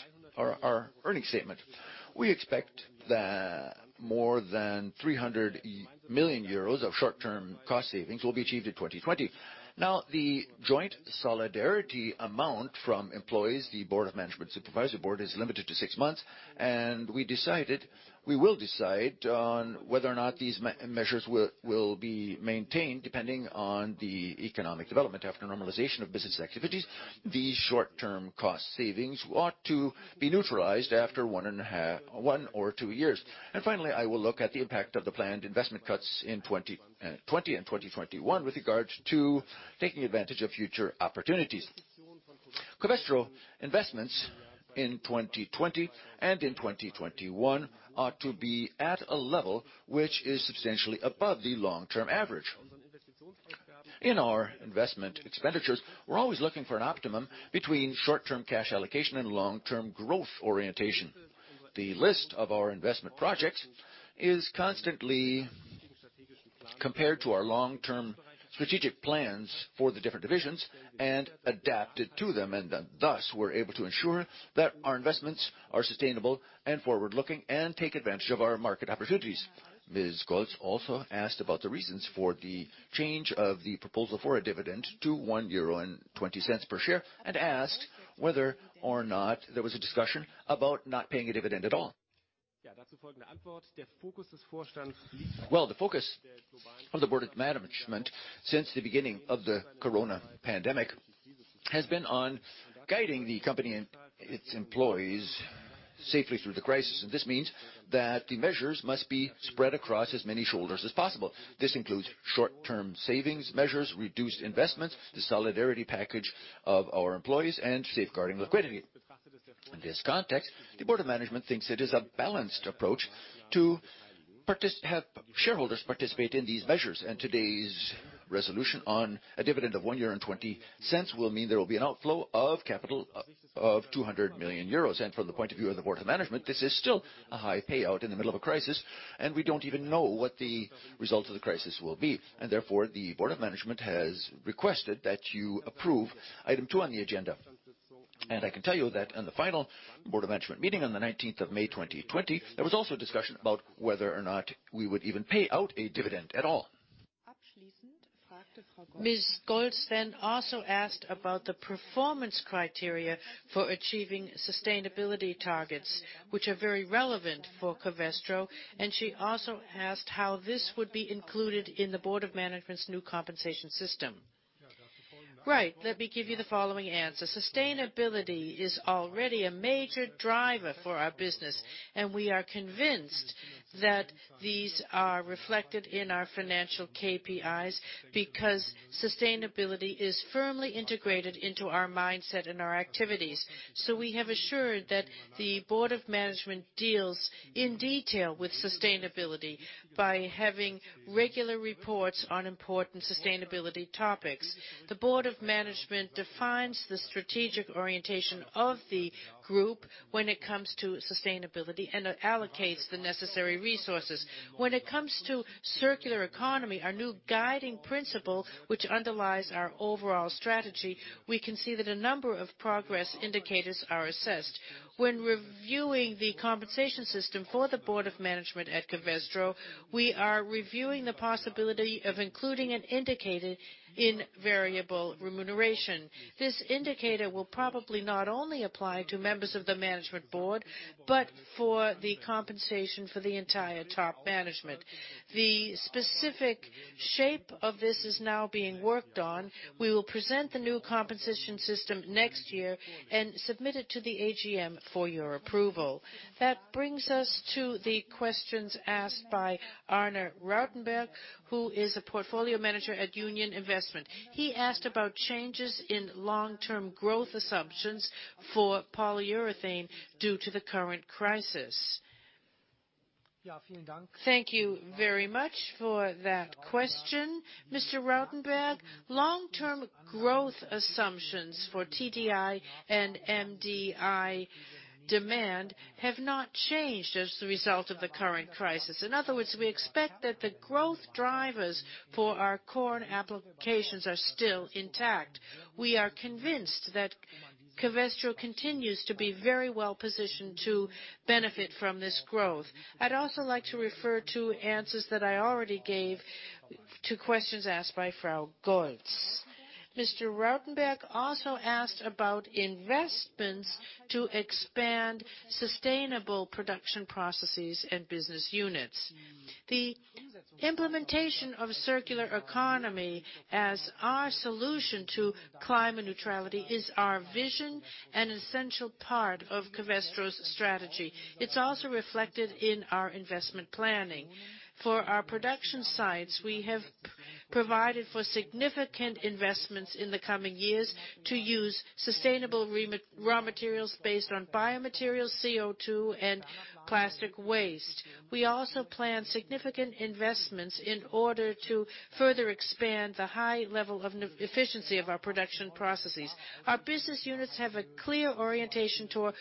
or our earnings statement. We expect that more than 300 million euros of short-term cost savings will be achieved in 2020. Now, the joint solidarity amount from employees, the board of management, supervisory board, is limited to six months, and we decided we will decide on whether or not these measures will be maintained depending on the economic development after normalization of business activities. These short-term cost savings ought to be neutralized after one or two years. And finally, I will look at the impact of the planned investment cuts in 2020 and 2021 with regards to taking advantage of future opportunities. Covestro investments in 2020 and in 2021 ought to be at a level which is substantially above the long-term average. In our investment expenditures, we're always looking for an optimum between short-term cash allocation and long-term growth orientation. The list of our investment projects is constantly compared to our long-term strategic plans for the different divisions and adapted to them, and thus we're able to ensure that our investments are sustainable and forward-looking and take advantage of our market opportunities. Ms. Golz also asked about the reasons for the change of the proposal for a dividend to 1.20 euro per share and asked whether or not there was a discussion about not paying a dividend at all. Well, the focus of the board of management since the beginning of the corona pandemic has been on guiding the company and its employees safely through the crisis, and this means that the measures must be spread across as many shoulders as possible. This includes short-term savings measures, reduced investments, the solidarity package of our employees, and safeguarding liquidity. In this context, the Board of Management thinks it is a balanced approach to have shareholders participate in these measures, and today's resolution on a dividend of 1.20 euro will mean there will be an outflow of capital of 200 million euros. And from the point of view of the Board of Management, this is still a high payout in the middle of a crisis, and we don't even know what the result of the crisis will be. And therefore, the Board of Management has requested that you approve item two on the agenda. And I can tell you that in the final Board of Management meeting on the 19th of May 2020, there was also a discussion about whether or not we would even pay out a dividend at all. Ms. Golz then also asked about the performance criteria for achieving sustainability targets, which are very relevant for Covestro, and she also asked how this would be included in the board of management's new compensation system. Right. Let me give you the following answer. Sustainability is already a major driver for our business, and we are convinced that these are reflected in our financial KPIs because sustainability is firmly integrated into our mindset and our activities. So we have assured that the board of management deals in detail with sustainability by having regular reports on important sustainability topics. The board of management defines the strategic orientation of the group when it comes to sustainability and allocates the necessary resources. When it comes to circular economy, our new guiding principle, which underlies our overall strategy, we can see that a number of progress indicators are assessed. When reviewing the compensation system for the board of management at Covestro, we are reviewing the possibility of including an indicator in variable remuneration. This indicator will probably not only apply to members of the management board, but for the compensation for the entire top management. The specific shape of this is now being worked on. We will present the new compensation system next year and submit it to the AGM for your approval. That brings us to the questions asked by Arne Rautenberg, who is a portfolio manager at Union Investment. He asked about changes in long-term growth assumptions for polyurethane due to the current crisis. Thank you very much for that question. Mr. Rautenberg, long-term growth assumptions for TDI and MDI demand have not changed as a result of the current crisis. In other words, we expect that the growth drivers for our core applications are still intact. We are convinced that Covestro continues to be very well positioned to benefit from this growth. I'd also like to refer to answers that I already gave to questions asked by Ms. Golz. Mr. Rautenberg also asked about investments to expand sustainable production processes and business units. The implementation of circular economy as our solution to climate neutrality is our vision and an essential part of Covestro's strategy. It's also reflected in our investment planning. For our production sites, we have provided for significant investments in the coming years to use sustainable raw materials based on biomaterials, CO2, and plastic waste. We also plan significant investments in order to further expand the high level of efficiency of our production processes. Our business units have a clear orientation toward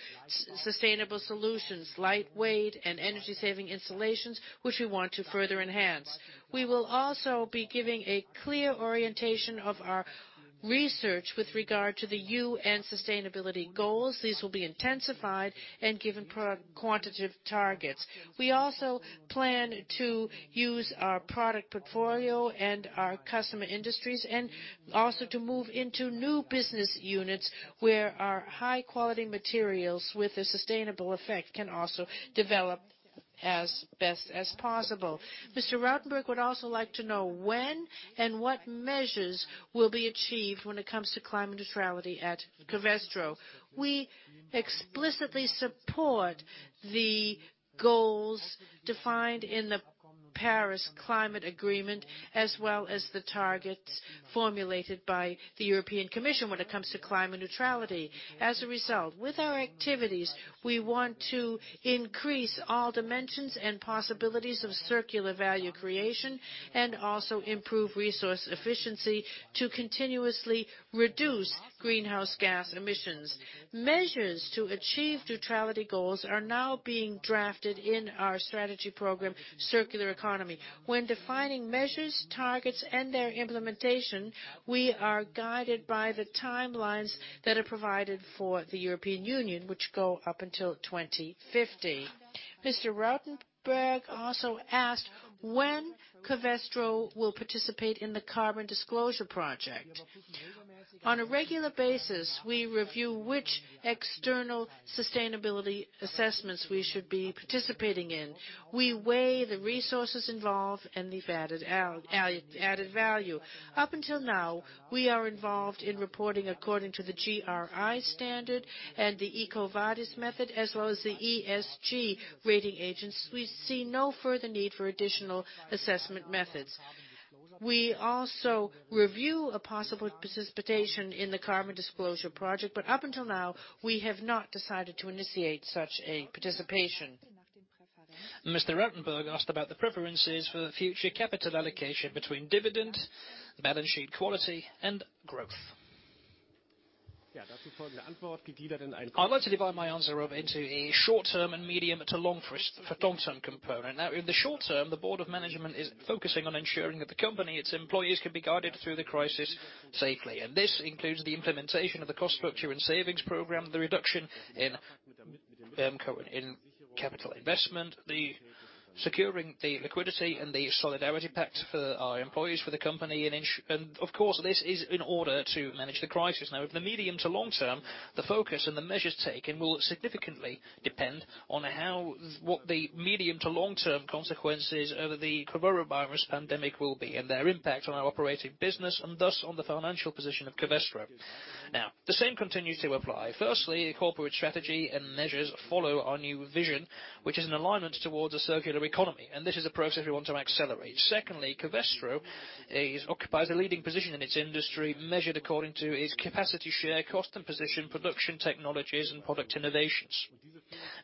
sustainable solutions, lightweight and energy-saving installations, which we want to further enhance. We will also be giving a clear orientation of our research with regard to the UN sustainability goals. These will be intensified and given quantitative targets. We also plan to use our product portfolio and our customer industries and also to move into new business units where our high-quality materials with a sustainable effect can also develop as best as possible. Mr. Rautenberg would also like to know when and what measures will be achieved when it comes to climate neutrality at Covestro. We explicitly support the goals defined in the Paris Climate Agreement as well as the targets formulated by the European Commission when it comes to climate neutrality. As a result, with our activities, we want to increase all dimensions and possibilities of circular value creation and also improve resource efficiency to continuously reduce greenhouse gas emissions. Measures to achieve neutrality goals are now being drafted in our strategy program, Circular Economy. When defining measures, targets, and their implementation, we are guided by the timelines that are provided for the European Union, which go up until 2050. Mr. Rautenberg also asked when Covestro will participate in the Carbon Disclosure Project. On a regular basis, we review which external sustainability assessments we should be participating in. We weigh the resources involved and the added value. Up until now, we are involved in reporting according to the GRI standard and the EcoVadis method as well as the ESG rating agents. We see no further need for additional assessment methods. We also review a possible participation in the Carbon Disclosure Project, but up until now, we have not decided to initiate such a participation. Mr. Rautenberg asked about the preferences for future capital allocation between dividend, balance sheet quality, and growth. I'd like to divide my answer over into a short-term and medium to long-term component. Now, in the short term, the board of management is focusing on ensuring that the company, its employees, can be guided through the crisis safely, and this includes the implementation of the cost structure and savings program, the reduction in capital investment, securing the liquidity and the solidarity pact for our employees, for the company, and of course, this is in order to manage the crisis. Now, in the medium to long term, the focus and the measures taken will significantly depend on what the medium to long-term consequences over the coronavirus pandemic will be and their impact on our operating business and thus on the financial position of Covestro. Now, the same continues to apply. Firstly, corporate strategy and measures follow our new vision, which is in alignment towards a circular economy, and this is a process we want to accelerate. Secondly, Covestro occupies a leading position in its industry measured according to its capacity share, cost, and position, production technologies, and product innovations.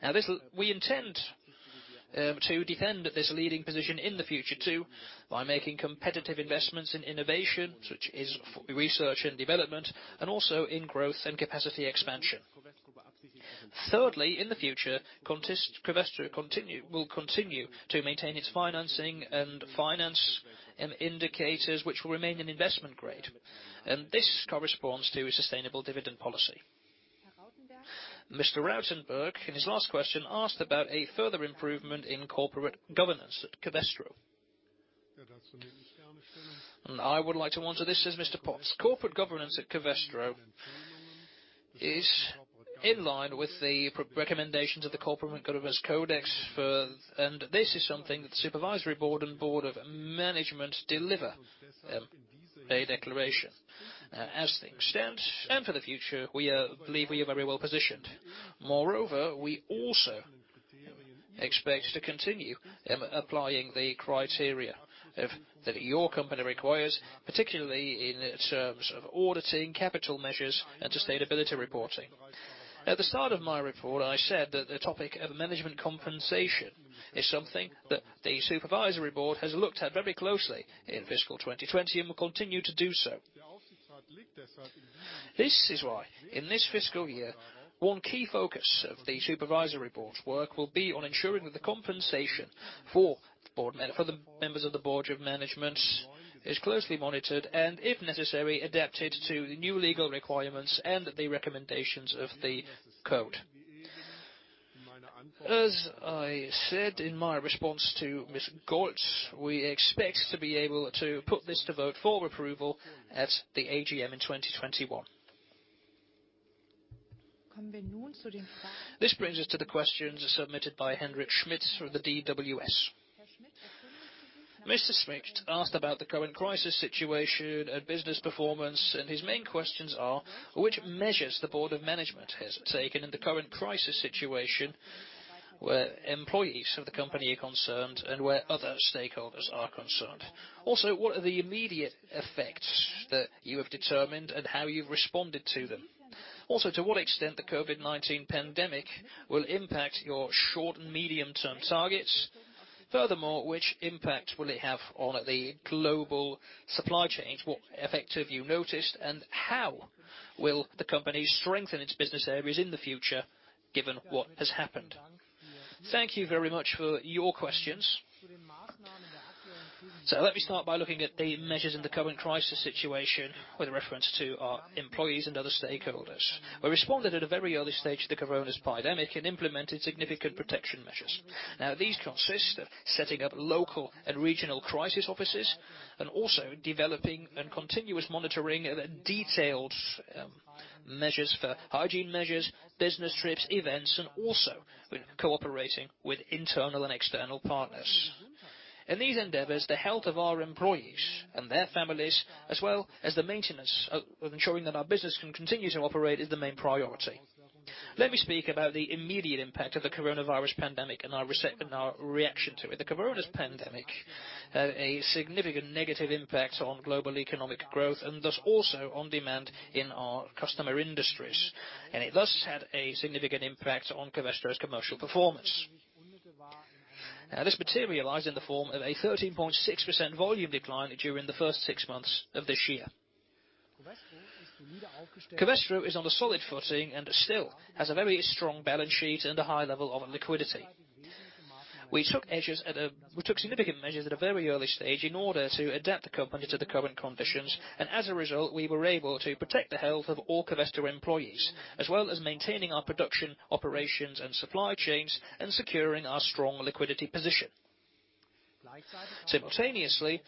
Now, we intend to defend this leading position in the future too by making competitive investments in innovation, which is research and development, and also in growth and capacity expansion. Thirdly, in the future, Covestro will continue to maintain its financing and finance indicators, which will remain in investment grade. And this corresponds to sustainable dividend policy. Mr. Rautenberg, in his last question, asked about a further improvement in corporate governance at Covestro. I would like to answer this as Mr. Pott. Corporate governance at Covestro is in line with the recommendations of the German Corporate Governance Code, and this is something that the Supervisory Board and Board of Management deliver a declaration. As things stand and for the future, we believe we are very well positioned. Moreover, we also expect to continue applying the criteria that your company requires, particularly in terms of auditing capital measures and sustainability reporting. At the start of my report, I said that the topic of management compensation is something that the Supervisory Board has looked at very closely in fiscal 2020 and will continue to do so. This is why, in this fiscal year, one key focus of the Supervisory Board's work will be on ensuring that the compensation for the members of the Board of Management is closely monitored and, if necessary, adapted to the new legal requirements and the recommendations of the code. As I said in my response to Ms. Golz, we expect to be able to put this to vote for approval at the AGM in 2021. This brings us to the questions submitted by Hendrik Schmidt for the DWS. Mr. Schmidt asked about the current crisis situation and business performance, and his main questions are: which measures the board of management has taken in the current crisis situation where employees of the company are concerned and where other stakeholders are concerned? Also, what are the immediate effects that you have determined and how you've responded to them? Also, to what extent the COVID-19 pandemic will impact your short and medium-term targets? Furthermore, which impact will it have on the global supply chains? What effect have you noticed, and how will the company strengthen its business areas in the future given what has happened? Thank you very much for your questions. So let me start by looking at the measures in the current crisis situation with reference to our employees and other stakeholders. We responded at a very early stage to the corona pandemic and implemented significant protection measures. Now, these consist of setting up local and regional crisis offices and also developing and continuous monitoring of detailed measures for hygiene measures, business trips, events, and also cooperating with internal and external partners. In these endeavors, the health of our employees and their families, as well as the maintenance of ensuring that our business can continue to operate, is the main priority. Let me speak about the immediate impact of the coronavirus pandemic and our reaction to it. The corona pandemic had a significant negative impact on global economic growth and thus also on demand in our customer industries. And it thus had a significant impact on Covestro's commercial performance. Now, this materialized in the form of a 13.6% volume decline during the first six months of this year. Covestro is on a solid footing and still has a very strong balance sheet and a high level of liquidity. We took significant measures at a very early stage in order to adapt the company to the current conditions, and as a result, we were able to protect the health of all Covestro employees, as well as maintaining our production operations and supply chains and securing our strong liquidity position. Simultaneously,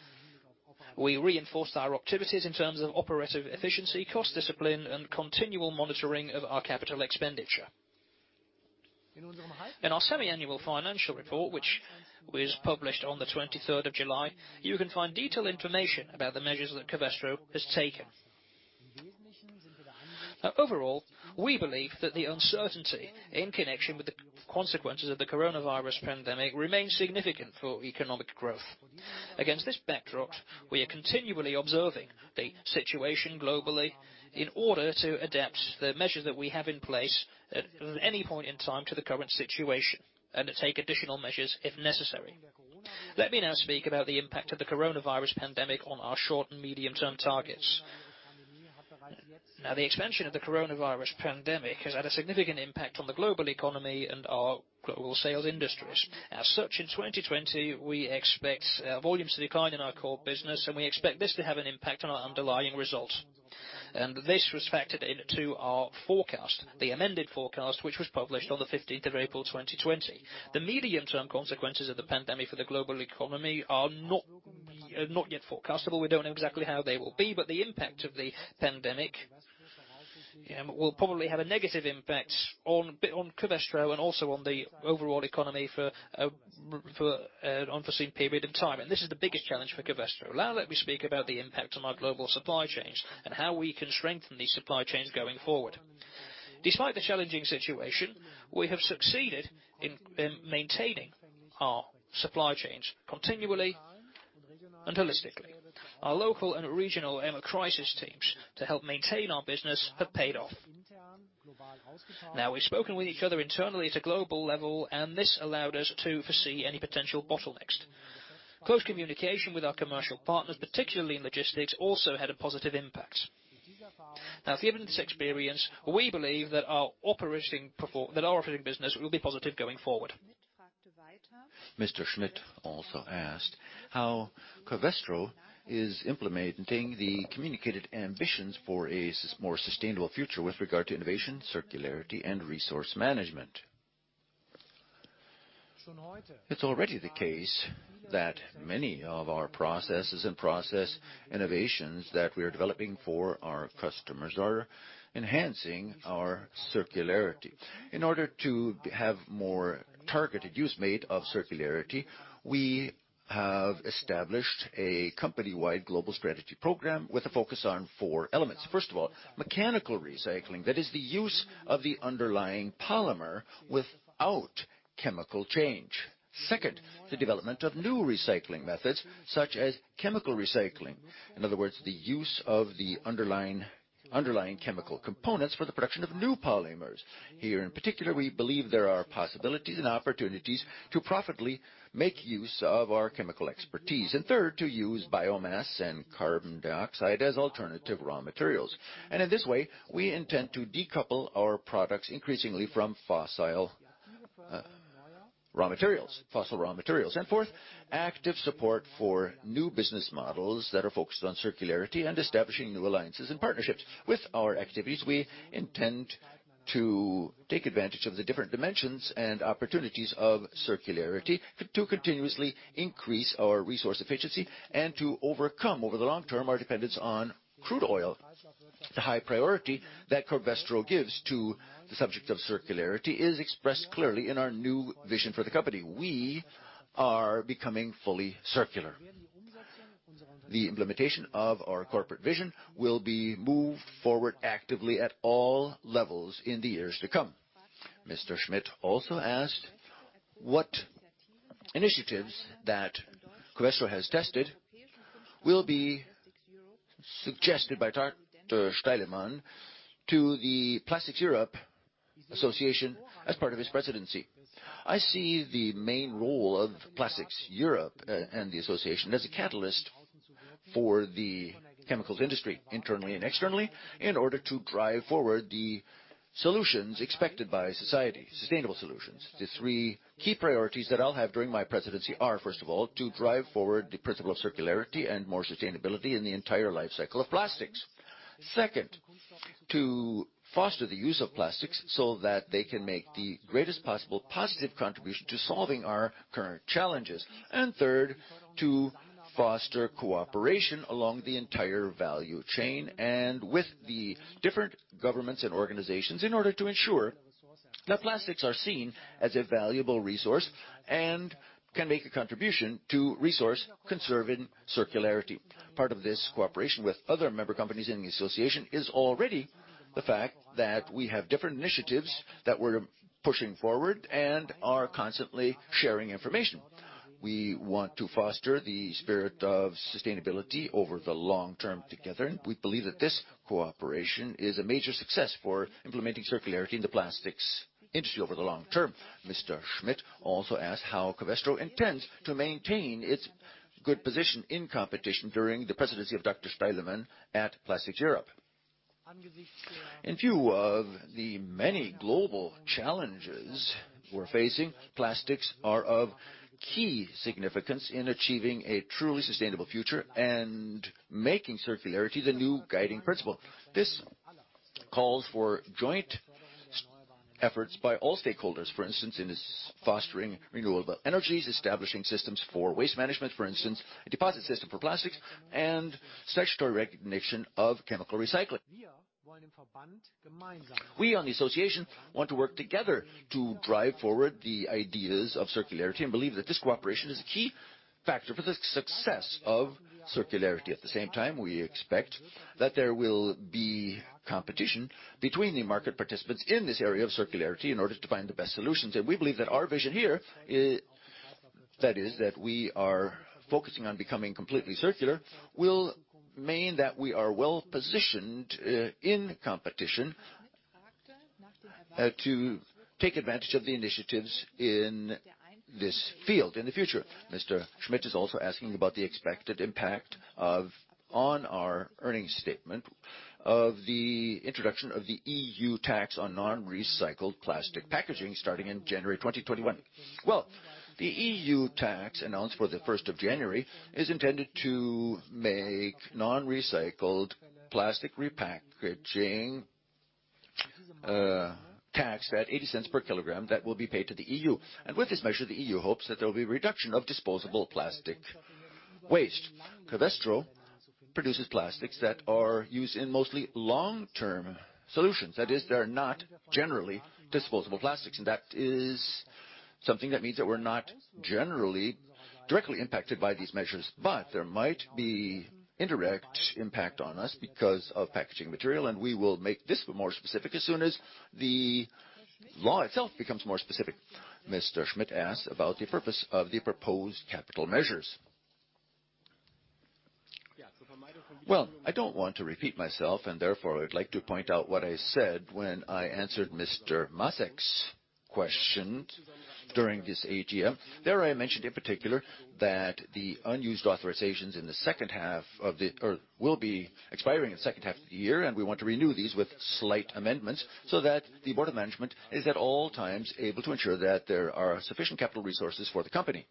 we reinforced our activities in terms of operative efficiency, cost discipline, and continual monitoring of our capital expenditure. In our semi-annual financial report, which was published on the 23rd of July, you can find detailed information about the measures that Covestro has taken. Overall, we believe that the uncertainty in connection with the consequences of the coronavirus pandemic remains significant for economic growth. Against this backdrop, we are continually observing the situation globally in order to adapt the measures that we have in place at any point in time to the current situation and take additional measures if necessary. Let me now speak about the impact of the coronavirus pandemic on our short and medium-term targets. Now, the expansion of the coronavirus pandemic has had a significant impact on the global economy and our global sales industries. As such, in 2020, we expect volumes to decline in our core business, and we expect this to have an impact on our underlying results. And this was factored into our forecast, the amended forecast, which was published on the 15th of April 2020. The medium-term consequences of the pandemic for the global economy are not yet forecastable. We don't know exactly how they will be, but the impact of the pandemic will probably have a negative impact on Covestro and also on the overall economy for an unforeseen period of time. This is the biggest challenge for Covestro. Now, let me speak about the impact on our global supply chains and how we can strengthen these supply chains going forward. Despite the challenging situation, we have succeeded in maintaining our supply chains continually and holistically. Our local and regional crisis teams to help maintain our business have paid off. Now, we've spoken with each other internally at a global level, and this allowed us to foresee any potential bottlenecks. Close communication with our commercial partners, particularly in logistics, also had a positive impact. Now, given this experience, we believe that our operating business will be positive going forward. Mr. Schmidt also asked how Covestro is implementing the communicated ambitions for a more sustainable future with regard to innovation, circularity, and resource management. It's already the case that many of our processes and process innovations that we are developing for our customers are enhancing our circularity. In order to have more targeted use made of circularity, we have established a company-wide global strategy program with a focus on four elements. First of all, mechanical recycling. That is the use of the underlying polymer without chemical change. Second, the development of new recycling methods such as chemical recycling. In other words, the use of the underlying chemical components for the production of new polymers. Here, in particular, we believe there are possibilities and opportunities to profitably make use of our chemical expertise. Third, to use biomass and carbon dioxide as alternative raw materials. In this way, we intend to decouple our products increasingly from fossil raw materials. Fourth, active support for new business models that are focused on circularity and establishing new alliances and partnerships. With our activities, we intend to take advantage of the different dimensions and opportunities of circularity to continuously increase our resource efficiency and to overcome over the long term our dependence on crude oil. The high priority that Covestro gives to the subject of circularity is expressed clearly in our new vision for the company. We are becoming fully circular. The implementation of our corporate vision will be moved forward actively at all levels in the years to come. Mr. Schmidt also asked what initiatives that Covestro has tested will be suggested by Dr. Steilemann to the PlasticsEurope Association as part of his presidency. I see the main role of PlasticsEurope and the association as a catalyst for the chemicals industry internally and externally in order to drive forward the solutions expected by society, sustainable solutions. The three key priorities that I'll have during my presidency are, first of all, to drive forward the principle of circularity and more sustainability in the entire life cycle of plastics. Second, to foster the use of plastics so that they can make the greatest possible positive contribution to solving our current challenges. And third, to foster cooperation along the entire value chain and with the different governments and organizations in order to ensure that plastics are seen as a valuable resource and can make a contribution to resource conserving circularity. Part of this cooperation with other member companies in the association is already the fact that we have different initiatives that we're pushing forward and are constantly sharing information. We want to foster the spirit of sustainability over the long term together, and we believe that this cooperation is a major success for implementing circularity in the plastics industry over the long term. Mr. Schmidt also asked how Covestro intends to maintain its good position in competition during the presidency of Dr. Steilemann at PlasticsEurope. In view of the many global challenges we're facing, plastics are of key significance in achieving a truly sustainable future and making circularity the new guiding principle. This calls for joint efforts by all stakeholders, for instance, in fostering renewable energies, establishing systems for waste management, for instance, a deposit system for plastics, and statutory recognition of chemical recycling. We, on the association, want to work together to drive forward the ideas of circularity and believe that this cooperation is a key factor for the success of circularity. At the same time, we expect that there will be competition between the market participants in this area of circularity in order to find the best solutions. And we believe that our vision here, that is, that we are focusing on becoming completely circular, will mean that we are well positioned in competition to take advantage of the initiatives in this field in the future. Mr. Schmidt is also asking about the expected impact on our earnings statement of the introduction of the EU tax on non-recycled plastic packaging starting in January 2021. The EU tax announced for the 1st of January is intended to make non-recycled plastic repackaging tax at 80 cents per kilogram that will be paid to the EU. And with this measure, the EU hopes that there will be a reduction of disposable plastic waste. Covestro produces plastics that are used in mostly long-term solutions. That is, they're not generally disposable plastics, and that is something that means that we're not generally directly impacted by these measures. But there might be indirect impact on us because of packaging material, and we will make this more specific as soon as the law itself becomes more specific. Mr. Schmidt asked about the purpose of the proposed capital measures. I don't want to repeat myself, and therefore, I'd like to point out what I said when I answered Mr. Masek's question during this AGM. There I mentioned in particular that the unused authorizations in the second half of the year will be expiring in the second half of the year, and we want to renew these with slight amendments so that the board of management is at all times able to ensure that there are sufficient capital resources for the company.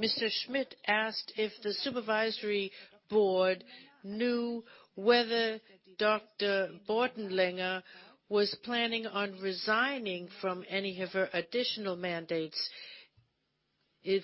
Mr. Schmidt asked if the supervisory board knew whether Dr. Bortenlänger was planning on resigning from any of her additional mandates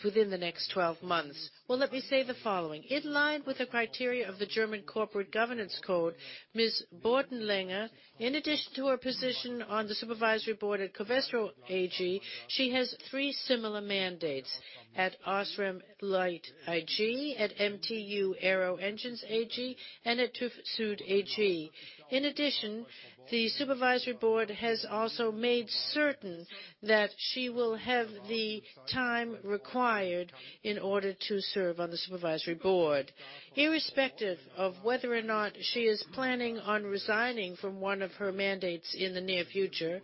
within the next 12 months. Well, let me say the following. In line with the criteria of the German Corporate Governance Code, Ms. Bortenlänger, in addition to her position on the supervisory board at Covestro AG, she has three similar mandates at OSRAM Licht AG, at MTU Aero Engines AG, and at TÜV SÜD AG. In addition, the Supervisory Board has also made certain that she will have the time required in order to serve on the Supervisory Board. Irrespective of whether or not she is planning on resigning from one of her mandates in the near future,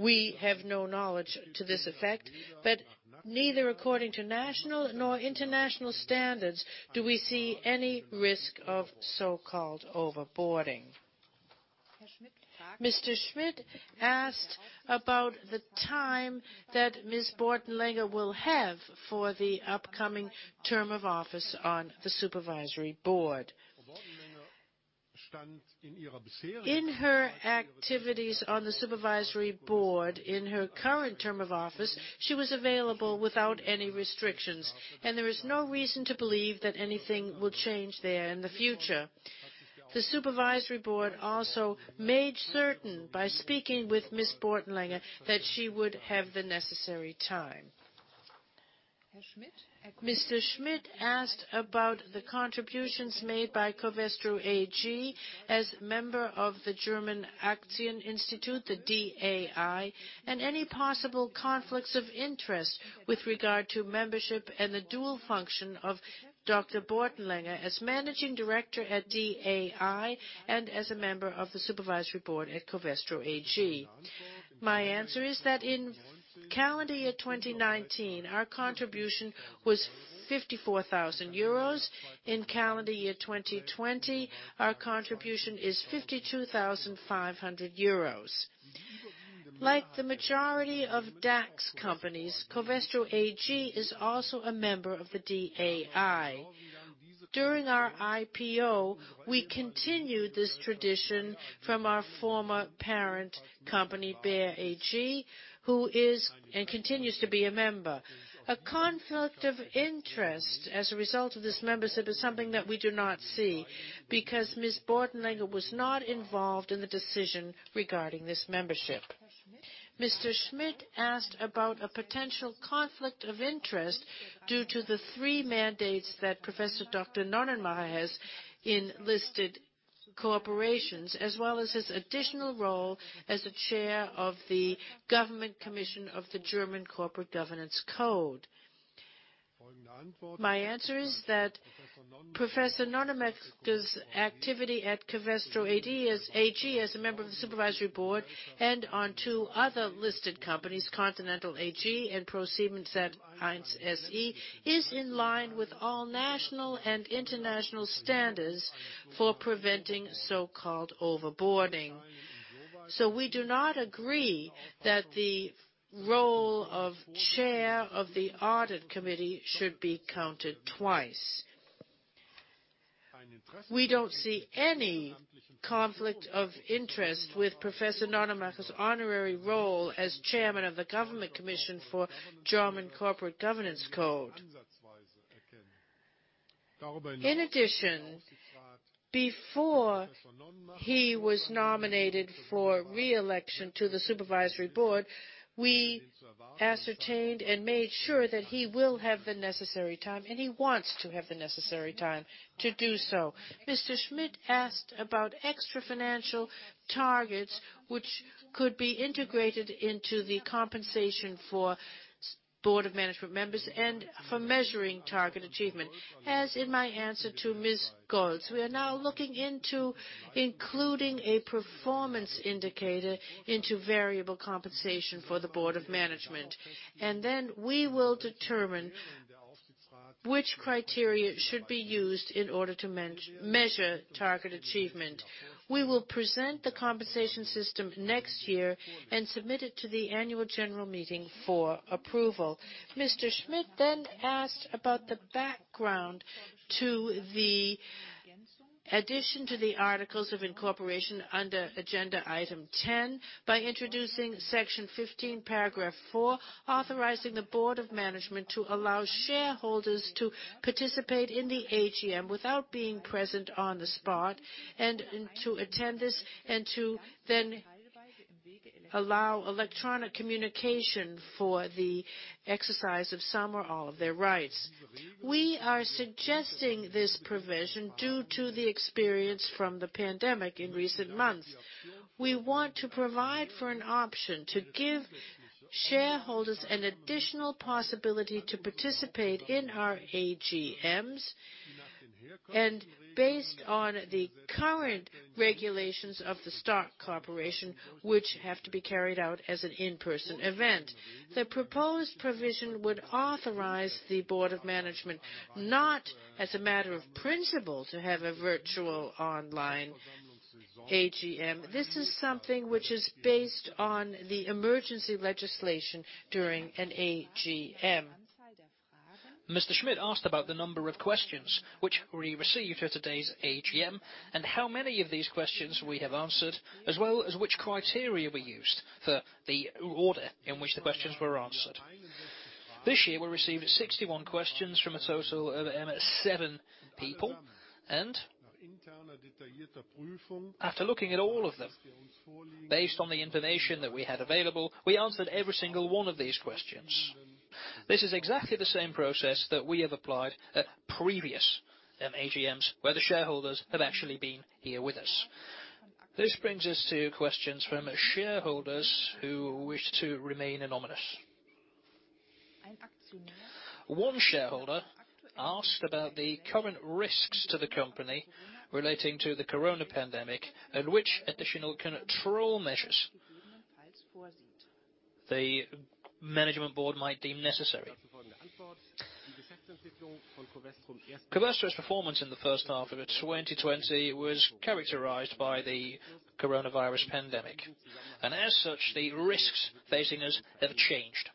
we have no knowledge to this effect, but neither according to national nor international standards do we see any risk of so-called overboarding. Mr. Schmidt asked about the time that Ms. Bortenlänger will have for the upcoming term of office on the Supervisory Board. In her activities on the Supervisory Board in her current term of office, she was available without any restrictions, and there is no reason to believe that anything will change there in the future. The Supervisory Board also made certain by speaking with Ms. Bortenlänger that she would have the necessary time. Mr. Schmidt asked about the contributions made by Covestro AG as member of the German Axion Institute, the DAI, and any possible conflicts of interest with regard to membership and the dual function of Dr. Bortenlänger as managing director at DAI and as a member of the supervisory board at Covestro AG. My answer is that in calendar year 2019, our contribution was 54,000 euros. In calendar year 2020, our contribution is 52,500 euros. Like the majority of DAX companies, Covestro AG is also a member of the DAI. During our IPO, we continued this tradition from our former parent company, Bayer AG, who is and continues to be a member. A conflict of interest as a result of this membership is something that we do not see because Ms. Bortenlänger was not involved in the decision regarding this membership. Mr. Schmidt asked about a potential conflict of interest due to the three mandates that Professor Dr. Nonnenmacher has in listed corporations, as well as his additional role as a chair of the government commission on the German Corporate Governance Code. My answer is that Professor Nonnenmacher's activity at Covestro AG as a member of the supervisory board and on two other listed companies, Continental AG and ProSiebenSat.1 Media SE, is in line with all national and international standards for preventing so-called overboarding. So we do not agree that the role of chair of the audit committee should be counted twice. We don't see any conflict of interest with Professor Nonnenmacher's honorary role as chairman of the government commission for the German Corporate Governance Code. In addition, before he was nominated for re-election to the Supervisory Board, we ascertained and made sure that he will have the necessary time, and he wants to have the necessary time to do so. Mr. Schmidt asked about extra financial targets which could be integrated into the compensation for Board of Management members and for measuring target achievement. As in my answer to Mr. Schmidt, we are now looking into including a performance indicator into variable compensation for the Board of Management, and then we will determine which criteria should be used in order to measure target achievement. We will present the compensation system next year and submit it to the Annual General Meeting for approval. Mr. Schmidt then asked about the background to the addition to the articles of incorporation under agenda item 10 by introducing section 15, paragraph 4, authorizing the board of management to allow shareholders to participate in the AGM without being present on the spot and to attend this and to then allow electronic communication for the exercise of some or all of their rights. We are suggesting this provision due to the experience from the pandemic in recent months. We want to provide for an option to give shareholders an additional possibility to participate in our AGMs and based on the current regulations of the stock corporation, which have to be carried out as an in-person event. The proposed provision would authorize the board of management, not as a matter of principle, to have a virtual online AGM. This is something which is based on the emergency legislation during an AGM. Mr. Schmidt asked about the number of questions which we received at today's AGM and how many of these questions we have answered, as well as which criteria we used for the order in which the questions were answered. This year, we received 61 questions from a total of seven people, and after looking at all of them, based on the information that we had available, we answered every single one of these questions. This is exactly the same process that we have applied at previous AGMs where the shareholders have actually been here with us. This brings us to questions from shareholders who wish to remain anonymous. One shareholder asked about the current risks to the company relating to the corona pandemic and which additional control measures the management board might deem necessary. Covestro's performance in the first half of 2020 was characterized by the coronavirus pandemic, and as such, the risks facing us have changed.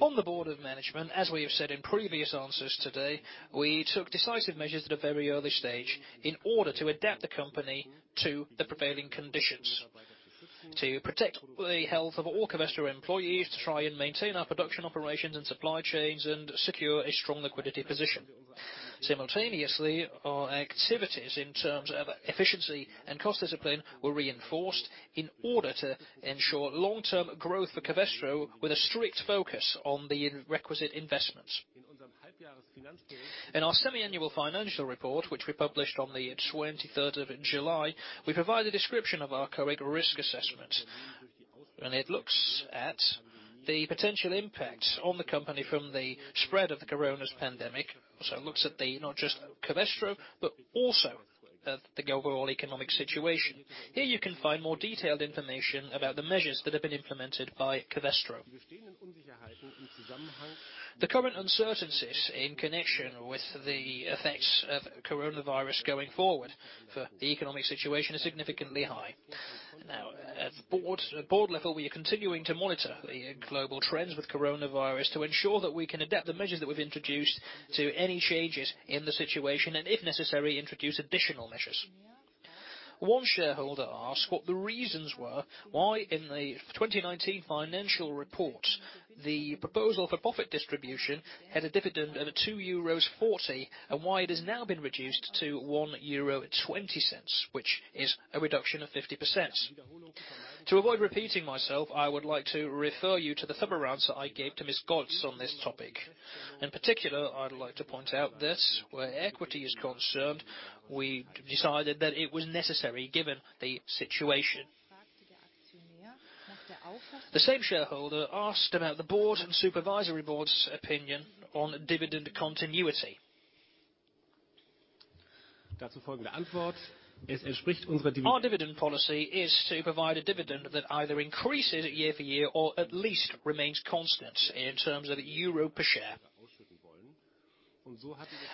On the board of management, as we have said in previous answers today, we took decisive measures at a very early stage in order to adapt the company to the prevailing conditions, to protect the health of all Covestro employees, to try and maintain our production operations and supply chains, and secure a strong liquidity position. Simultaneously, our activities in terms of efficiency and cost discipline were reinforced in order to ensure long-term growth for Covestro with a strict focus on the requisite investments. In our semi-annual financial report, which we published on the 23rd of July, we provide a description of our COEG risk assessment, and it looks at the potential impact on the company from the spread of the corona pandemic. So it looks at not just Covestro, but also the overall economic situation. Here you can find more detailed information about the measures that have been implemented by Covestro. The current uncertainties in connection with the effects of coronavirus going forward for the economic situation are significantly high. Now, at board level, we are continuing to monitor the global trends with coronavirus to ensure that we can adapt the measures that we've introduced to any changes in the situation and, if necessary, introduce additional measures. One shareholder asked what the reasons were why in the 2019 financial report the proposal for profit distribution had a dividend of 2.40 euros and why it has now been reduced to 1.20 euro, which is a reduction of 50%. To avoid repeating myself, I would like to refer you to the thorough answer I gave to Ms. Schmidt on this topic. In particular, I'd like to point out that where equity is concerned, we decided that it was necessary given the situation. The same shareholder asked about the board and supervisory board's opinion on dividend continuity. Our dividend policy is to provide a dividend that either increases year for year or at least remains constant in terms of EUR per share.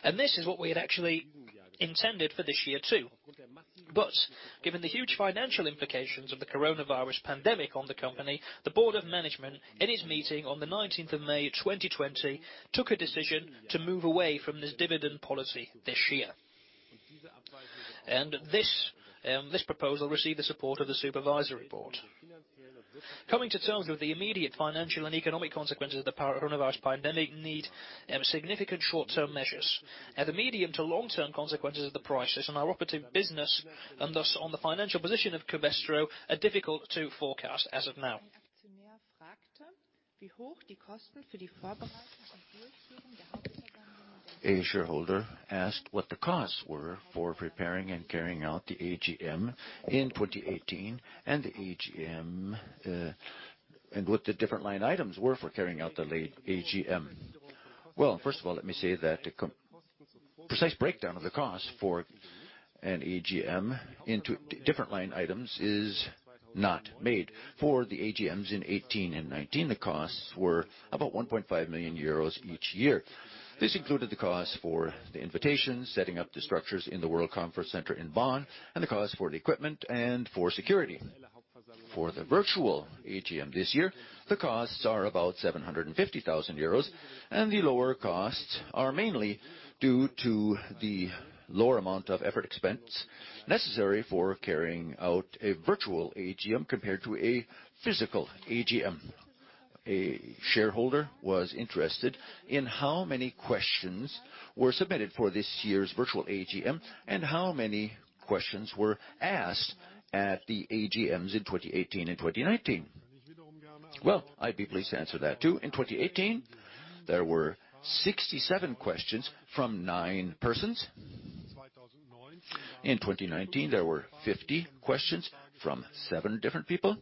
And this is what we had actually intended for this year too. But given the huge financial implications of the coronavirus pandemic on the company, the board of management, in its meeting on the 19th of May 2020, took a decision to move away from this dividend policy this year. And this proposal received the support of the supervisory board. Coming to terms with the immediate financial and economic consequences of the coronavirus pandemic need significant short-term measures. The medium- to long-term consequences of the crisis on our operative business and thus on the financial position of Covestro are difficult to forecast as of now. A shareholder asked what the costs were for preparing and carrying out the AGM in 2018 and what the different line items were for carrying out the late AGM. First of all, let me say that the precise breakdown of the costs for an AGM into different line items is not made. For the AGMs in 2018 and 2019, the costs were about 1.5 million euros each year. This included the costs for the invitations, setting up the structures in the World Conference Center in Bonn, and the costs for the equipment and for security. For the virtual AGM this year, the costs are about 750,000 euros, and the lower costs are mainly due to the lower amount of effort expense necessary for carrying out a virtual AGM compared to a physical AGM. A shareholder was interested in how many questions were submitted for this year's virtual AGM and how many questions were asked at the AGMs in 2018 and 2019. I'd be pleased to answer that too. In 2018, there were 67 questions from nine persons. In 2019, there were 50 questions from seven different people.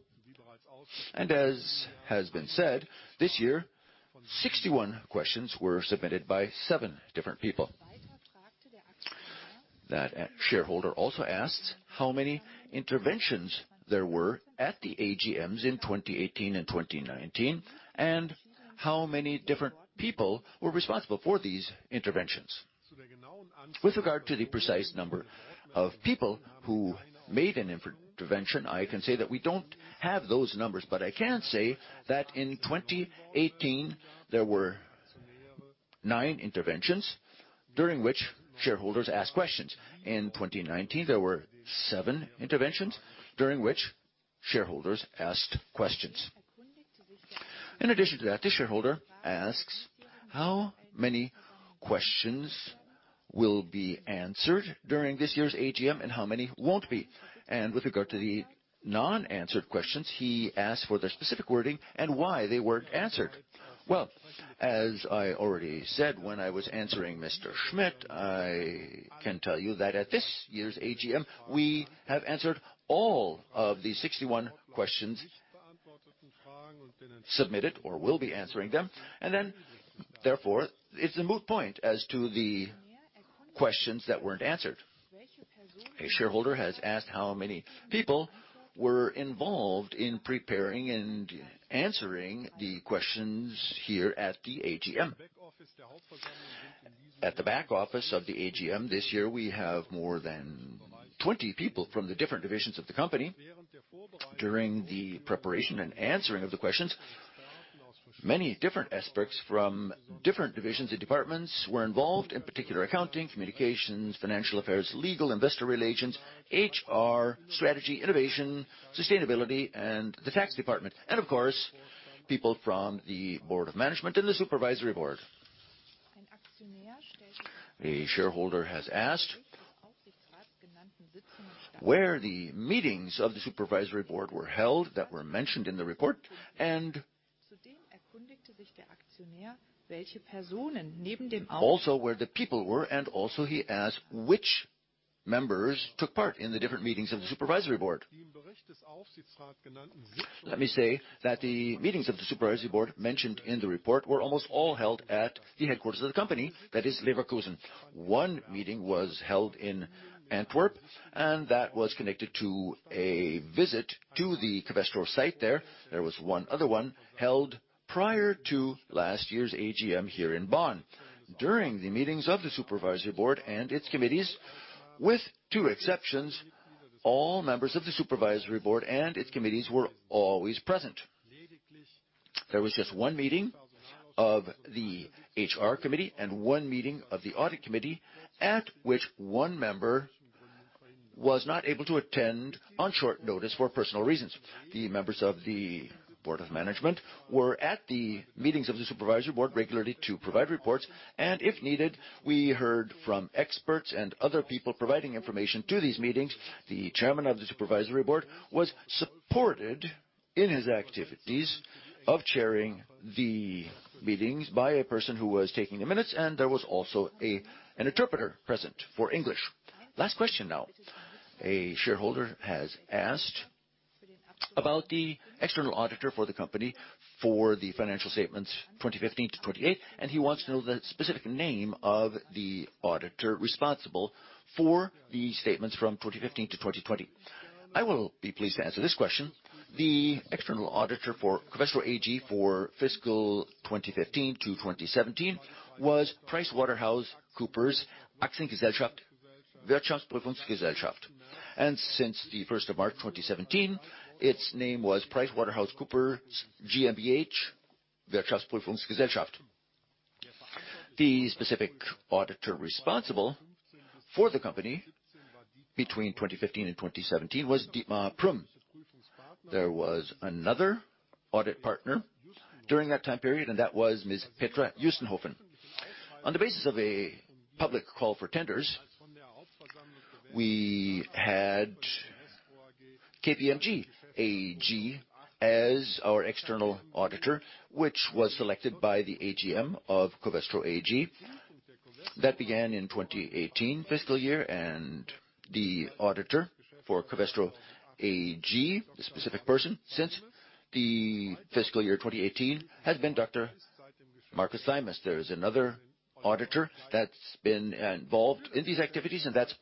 As has been said, this year, 61 questions were submitted by seven different people. That shareholder also asked how many interventions there were at the AGMs in 2018 and 2019 and how many different people were responsible for these interventions. With regard to the precise number of people who made an intervention, I can say that we don't have those numbers, but I can say that in 2018, there were nine interventions during which shareholders asked questions. In 2019, there were seven interventions during which shareholders asked questions. In addition to that, this shareholder asks how many questions will be answered during this year's AGM and how many won't be. And with regard to the non-answered questions, he asked for the specific wording and why they weren't answered. Well, as I already said when I was answering Mr. Schmidt, I can tell you that at this year's AGM, we have answered all of the 61 questions submitted or will be answering them, and then therefore, it's a moot point as to the questions that weren't answered. A shareholder has asked how many people were involved in preparing and answering the questions here at the AGM. At the back office of the AGM this year, we have more than 20 people from the different divisions of the company. During the preparation and answering of the questions, many different aspects from different divisions and departments were involved, in particular accounting, communications, financial affairs, legal, investor relations, HR, strategy, innovation, sustainability, and the tax department, and of course, people from the Board of Management and the Supervisory Board. A shareholder has asked where the meetings of the Supervisory Board were held that were mentioned in the report, and also where the people were, and also he asked which members took part in the different meetings of the Supervisory Board. Let me say that the meetings of the supervisory board mentioned in the report were almost all held at the headquarters of the company, that is, Leverkusen. One meeting was held in Antwerp, and that was connected to a visit to the Covestro site there. There was one other one held prior to last year's AGM here in Bonn. During the meetings of the supervisory board and its committees, with two exceptions, all members of the supervisory board and its committees were always present. There was just one meeting of the HR committee and one meeting of the audit committee at which one member was not able to attend on short notice for personal reasons. The members of the board of management were at the meetings of the supervisory board regularly to provide reports, and if needed, we heard from experts and other people providing information to these meetings. The chairman of the supervisory board was supported in his activities of chairing the meetings by a person who was taking the minutes, and there was also an interpreter present for English. Last question now. A shareholder has asked about the external auditor for the company for the financial statements 2015 to 2028, and he wants to know the specific name of the auditor responsible for the statements from 2015 to 2020. I will be pleased to answer this question. The external auditor for Covestro AG for fiscal 2015 to 2017 was PricewaterhouseCoopers AG Wirtschaftsprüfungsgesellschaft. Since the 1st of March 2017, its name was PricewaterhouseCoopers GmbH Wirtschaftsprüfungsgesellschaft. The specific auditor responsible for the company between 2015 and 2017 was Dietmar Prüm. There was another audit partner during that time period, and that was Ms. Petra Justenhoven. On the basis of a public call for tenders, we had KPMG AG as our external auditor, which was selected by the AGM of Covestro AG. That began in 2018 fiscal year, and the auditor for Covestro AG, the specific person since the fiscal year 2018, has been Dr. Markus Zeimes. There is another auditor that's been involved in these activities, and that's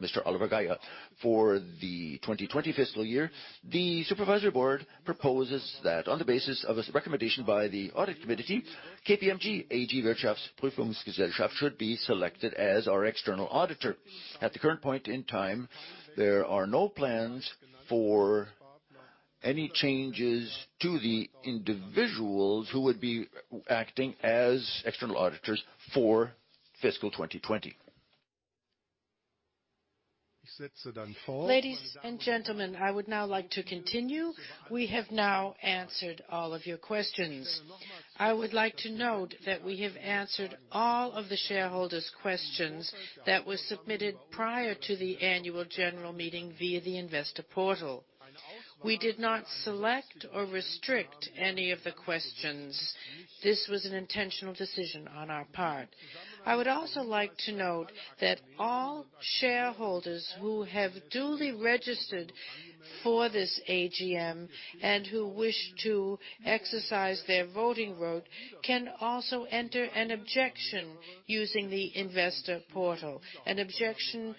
Mr. Oliver Geier. For the 2020 fiscal year, the Supervisory Board proposes that on the basis of a recommendation by the Audit Committee, KPMG AG Wirtschaftsprüfungsgesellschaft should be selected as our external auditor. At the current point in time, there are no plans for any changes to the individuals who would be acting as external auditors for fiscal 2020. Ladies and gentlemen, I would now like to continue. We have now answered all of your questions. I would like to note that we have answered all of the shareholders' questions that were submitted prior to the annual general meeting via the investor portal. We did not select or restrict any of the questions. This was an intentional decision on our part. I would also like to note that all shareholders who have duly registered for this AGM and who wish to exercise their voting right can also enter an objection using the investor portal, an objection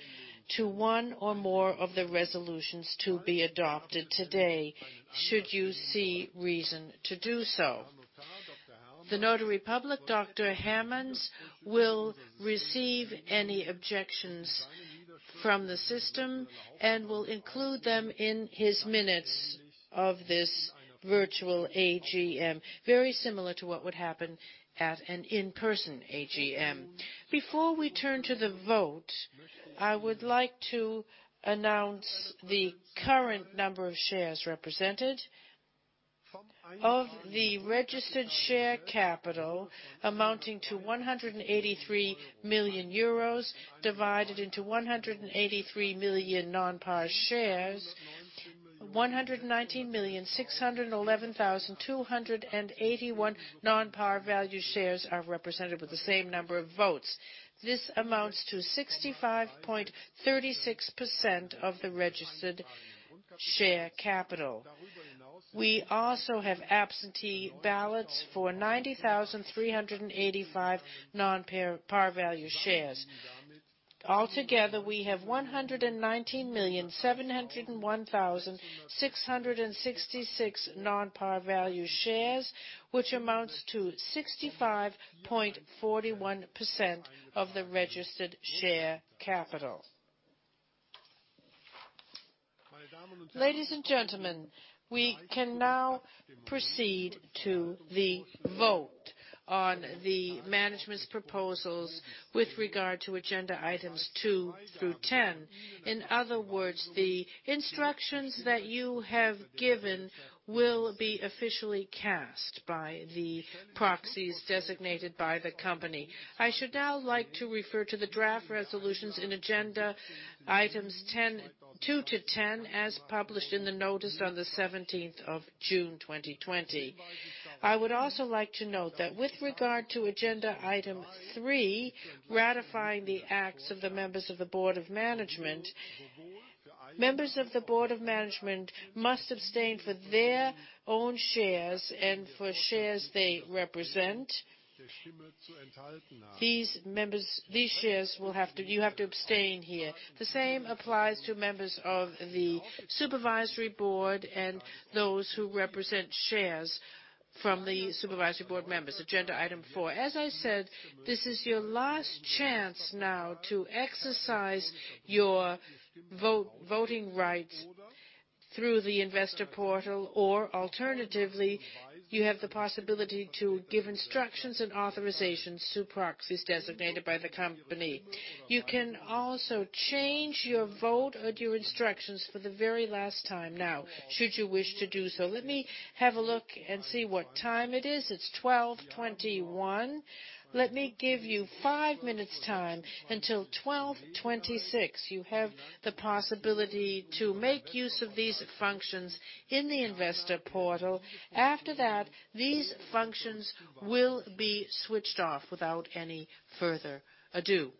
to one or more of the resolutions to be adopted today, should you see reason to do so. The notary public, Dr. Hermanns, will receive any objections from the system and will include them in his minutes of this virtual AGM, very similar to what would happen at an in-person AGM. Before we turn to the vote, I would like to announce the current number of shares represented of the registered share capital amounting to 183 million euros divided into 183 million non-par shares. 119,611,281 non-par value shares are represented with the same number of votes. This amounts to 65.36% of the registered share capital. We also have absentee ballots for 90,385 non-par value shares. Altogether, we have 119,701,666 non-par value shares, which amounts to 65.41% of the registered share capital. Ladies and gentlemen, we can now proceed to the vote on the management's proposals with regard to agenda items 2 through 10. In other words, the instructions that you have given will be officially cast by the proxies designated by the company. I should now like to refer to the draft resolutions in agenda items 2 to 10 as published in the notice on the 17th of June 2020. I would also like to note that with regard to agenda item 3, ratifying the acts of the members of the board of management, members of the board of management must abstain for their own shares and for shares they represent. These shares will have to. You have to abstain here. The same applies to members of the supervisory board and those who represent shares from the supervisory board members. Agenda item 4. As I said, this is your last chance now to exercise your voting rights through the investor portal or alternatively, you have the possibility to give instructions and authorizations to proxies designated by the company. You can also change your vote or your instructions for the very last time now, should you wish to do so. Let me have a look and see what time it is. It's 12:21 P.M. Let me give you five minutes' time until 12:26 P.M. You have the possibility to make use of these functions in the investor portal. After that, these functions will be switched off without any further ado.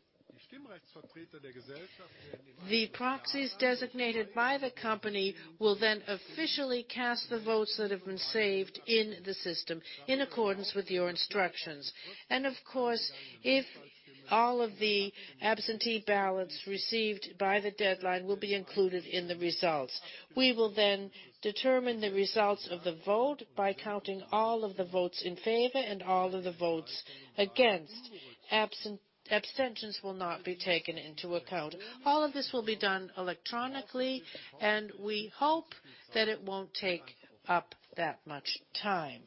The proxies designated by the company will then officially cast the votes that have been saved in the system in accordance with your instructions, and of course, if all of the absentee ballots received by the deadline will be included in the results. We will then determine the results of the vote by counting all of the votes in favor and all of the votes against. Abstentions will not be taken into account. All of this will be done electronically, and we hope that it won't take up that much time.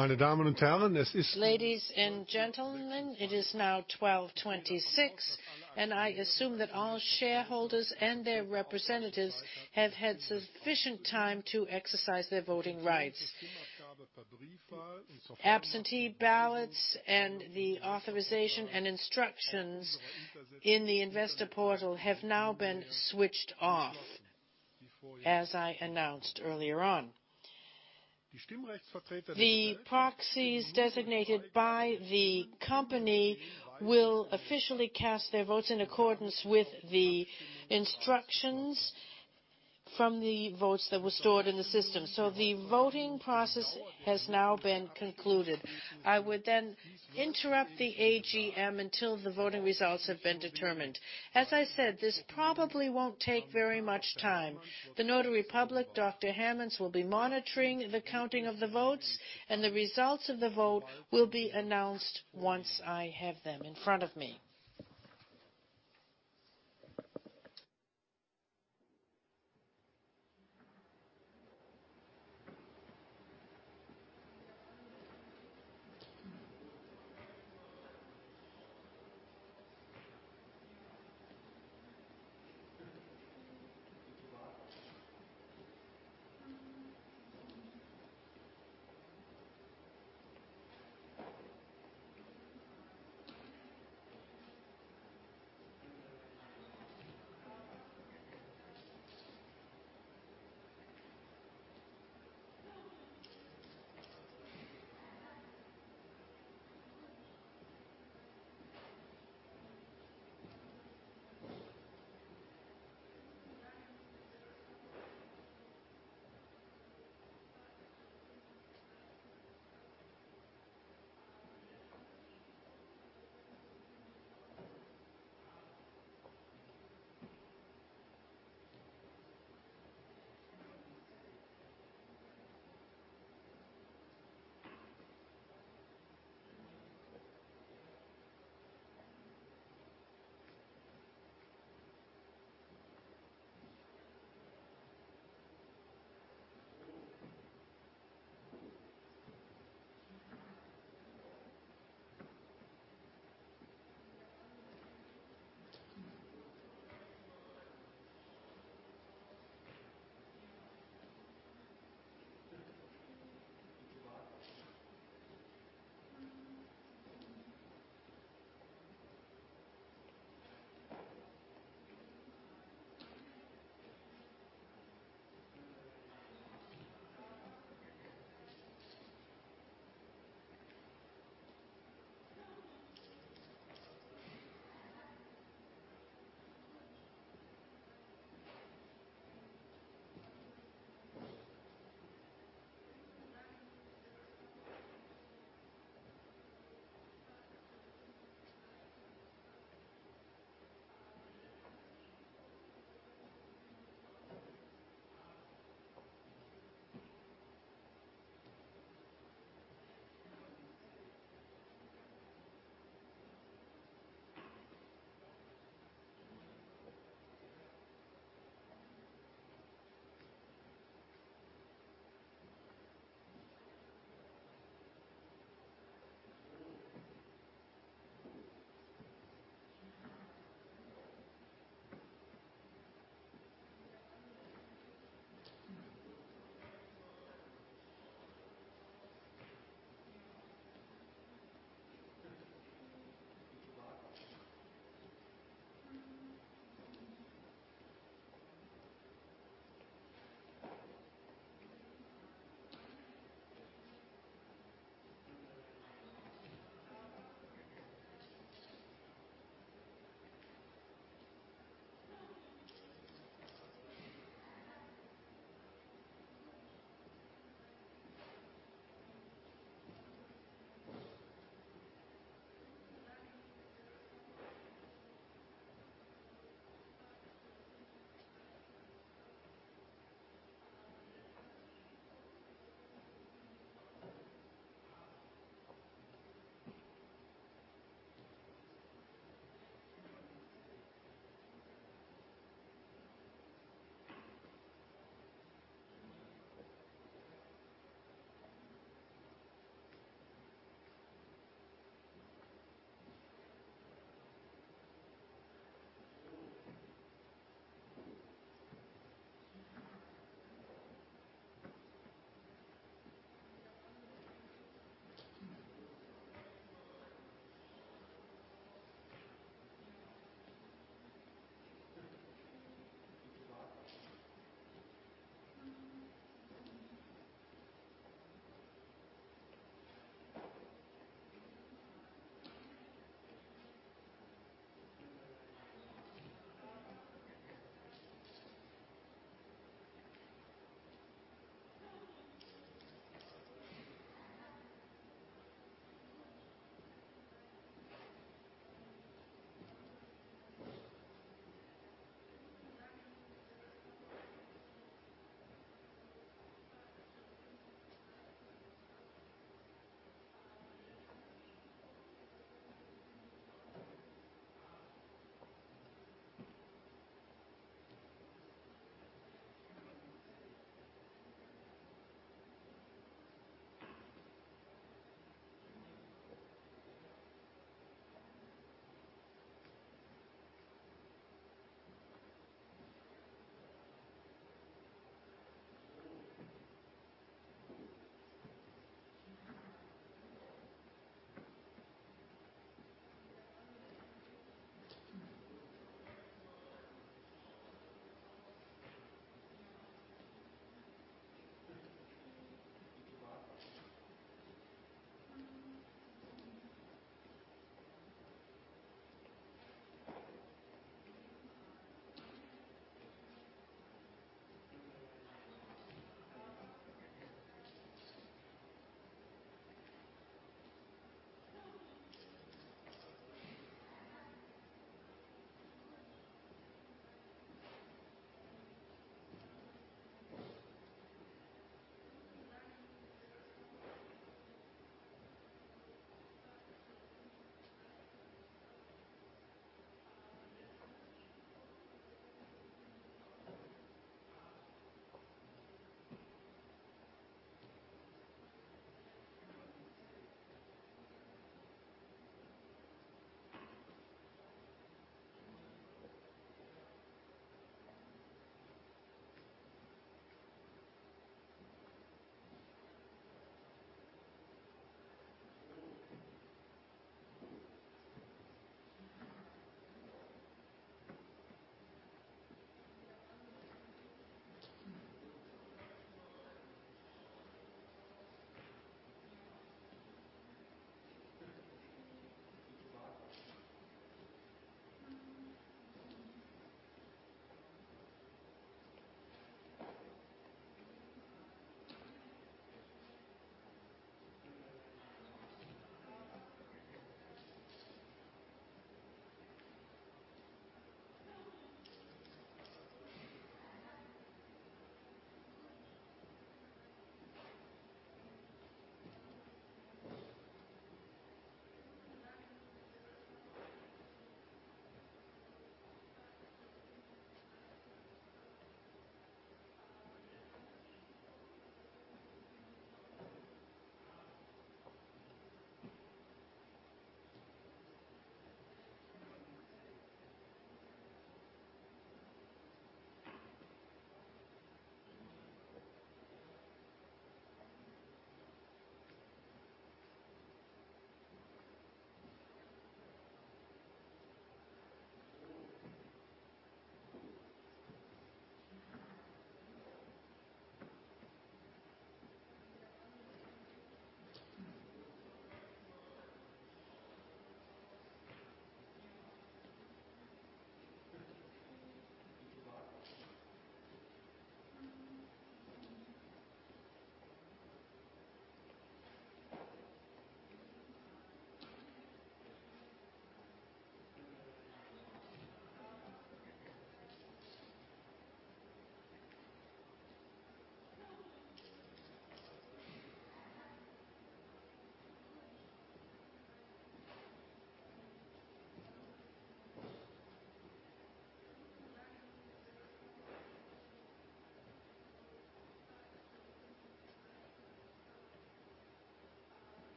Ladies and gentlemen, it is now 12:26 P.M., and I assume that all shareholders and their representatives have had sufficient time to exercise their voting rights. Absentee ballots and the authorization and instructions in the investor portal have now been switched off, as I announced earlier on. The proxies designated by the company will officially cast their votes in accordance with the instructions from the votes that were stored in the system. So the voting process has now been concluded. I would then interrupt the AGM until the voting results have been determined. As I said, this probably won't take very much time. The notary public, Dr. Hermanns, will be monitoring the counting of the votes, and the results of the vote will be announced once I have them in front of me.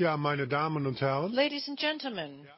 Dann mache ich doch weiter.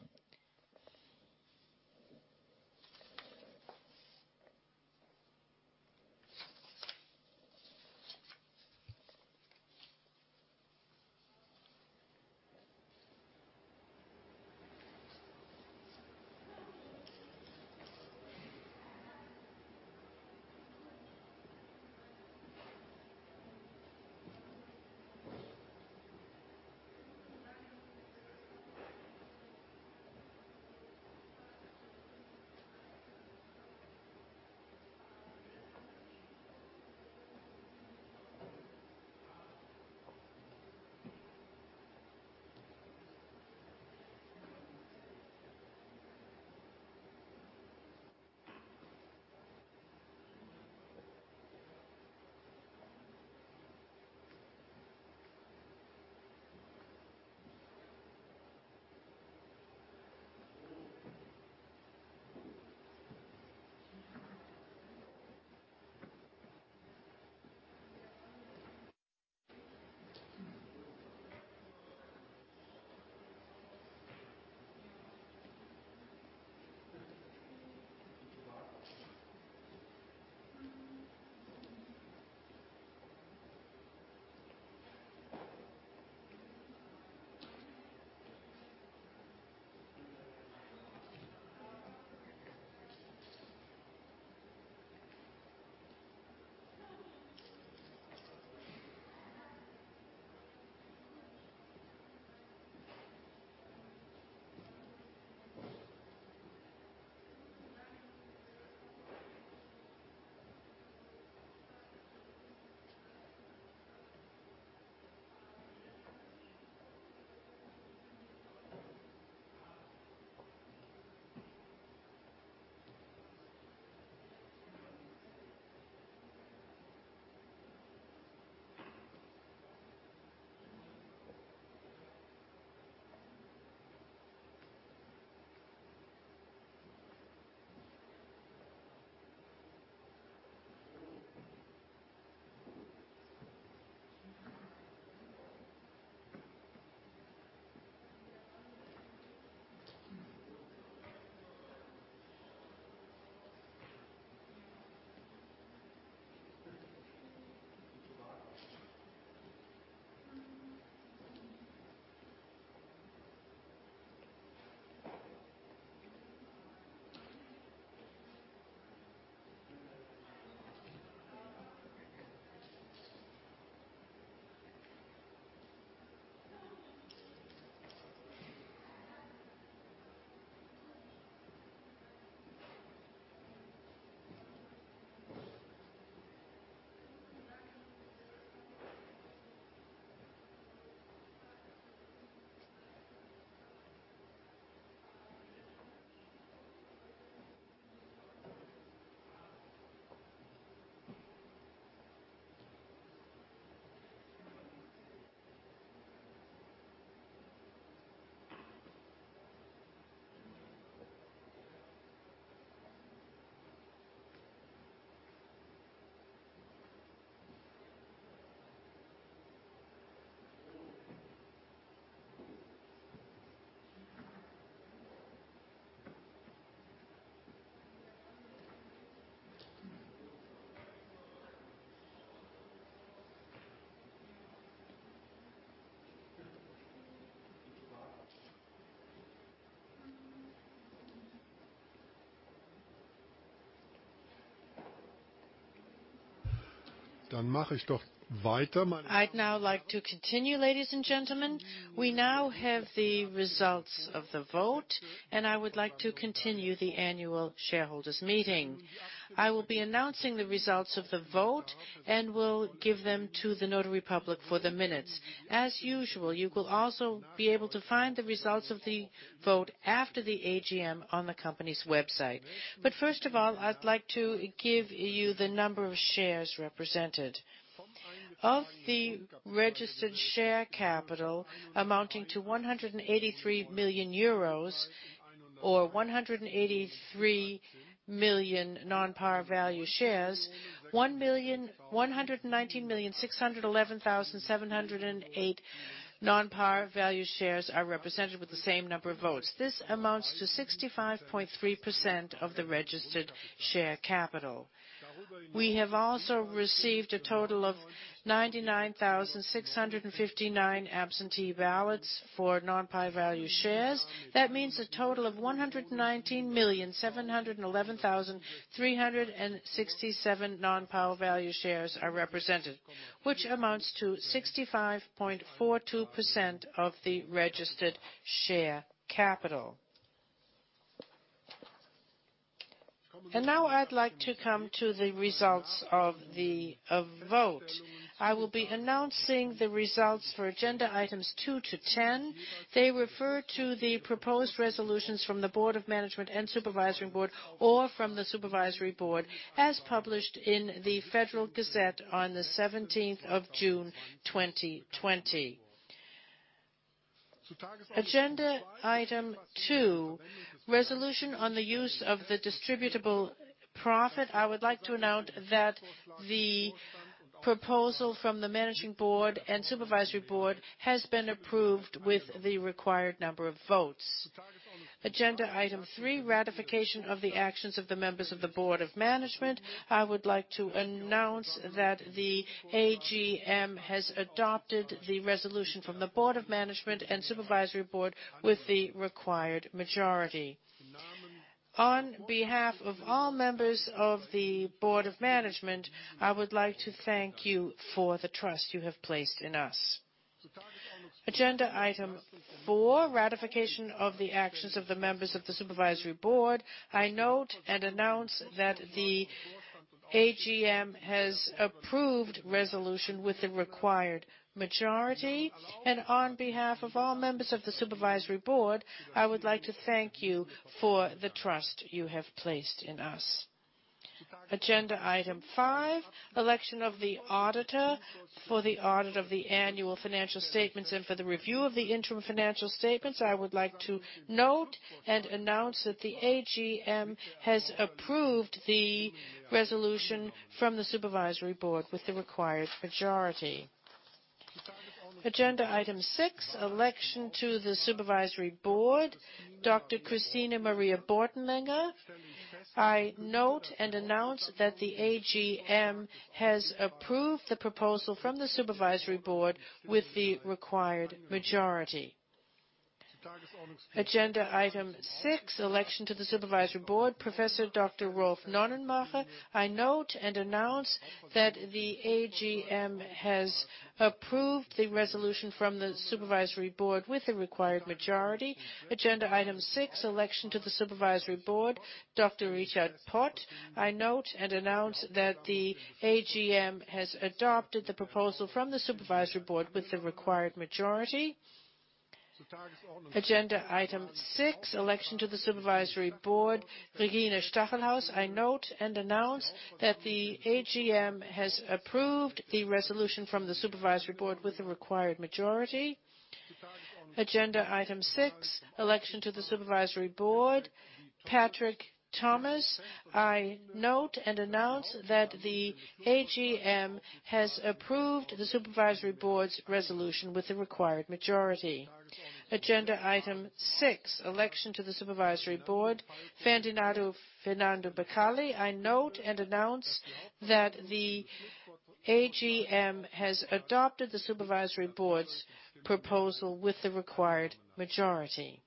I'd now like to continue, ladies and gentlemen. We now have the results of the vote, and I would like to continue the annual shareholders' meeting. I will be announcing the results of the vote and will give them to the notary public for the minutes. As usual, you will also be able to find the results of the vote after the AGM on the company's website. But first of all, I'd like to give you the number of shares represented. Of the registered share capital amounting to 183 million euros or 183 million non-par value shares, 119,611,708 non-par value shares are represented with the same number of votes. This amounts to 65.3% of the registered share capital. We have also received a total of 99,659 absentee ballots for non-par value shares. That means a total of 119,711,367 non-par value shares are represented, which amounts to 65.42% of the registered share capital. And now I'd like to come to the results of the vote. I will be announcing the results for agenda items 2 to 10. They refer to the proposed resolutions from the Board of Management and Supervisory Board or from the Supervisory Board as published in the Federal Gazette on the 17th of June 2020. Agenda item 2, resolution on the use of the distributable profit. I would like to announce that the proposal from the Managing Board and Supervisory Board has been approved with the required number of votes. Agenda item 3, ratification of the actions of the members of the Board of Management. I would like to announce that the AGM has adopted the resolution from the Board of Management and Supervisory Board with the required majority. On behalf of all members of the Board of Management, I would like to thank you for the trust you have placed in us. Agenda item 4, ratification of the actions of the members of the Supervisory Board. I note and announce that the AGM has approved the resolution with the required majority. And on behalf of all members of the Supervisory Board, I would like to thank you for the trust you have placed in us. Agenda item 5, election of the auditor for the audit of the annual financial statements and for the review of the interim financial statements. I would like to note and announce that the AGM has approved the resolution from the Supervisory Board with the required majority. Agenda item 6, election to the Supervisory Board, Dr. Christina Maria Bortenlänger. I note and announce that the AGM has approved the proposal from the Supervisory Board with the required majority. Agenda item 6, election to the Supervisory Board, Prof. Dr. Rolf Nonnenmacher. I note and announce that the AGM has approved the resolution from the Supervisory Board with the required majority. Agenda item 6, election to the Supervisory Board, Dr. Richard Pott. I note and announce that the AGM has adopted the proposal from the Supervisory Board with the required majority. Agenda item 6, election to the Supervisory Board, Regina Stachelhaus. I note and announce that the AGM has approved the resolution from the Supervisory Board with the required majority. Agenda item 6, election to the Supervisory Board, Patrick Thomas. I note and announce that the AGM has approved the Supervisory Board's resolution with the required majority. Agenda item 6, election to the Supervisory Board, Ferdinando Beccalli. I note and announce that the AGM has adopted the Supervisory Board's proposal with the required majority.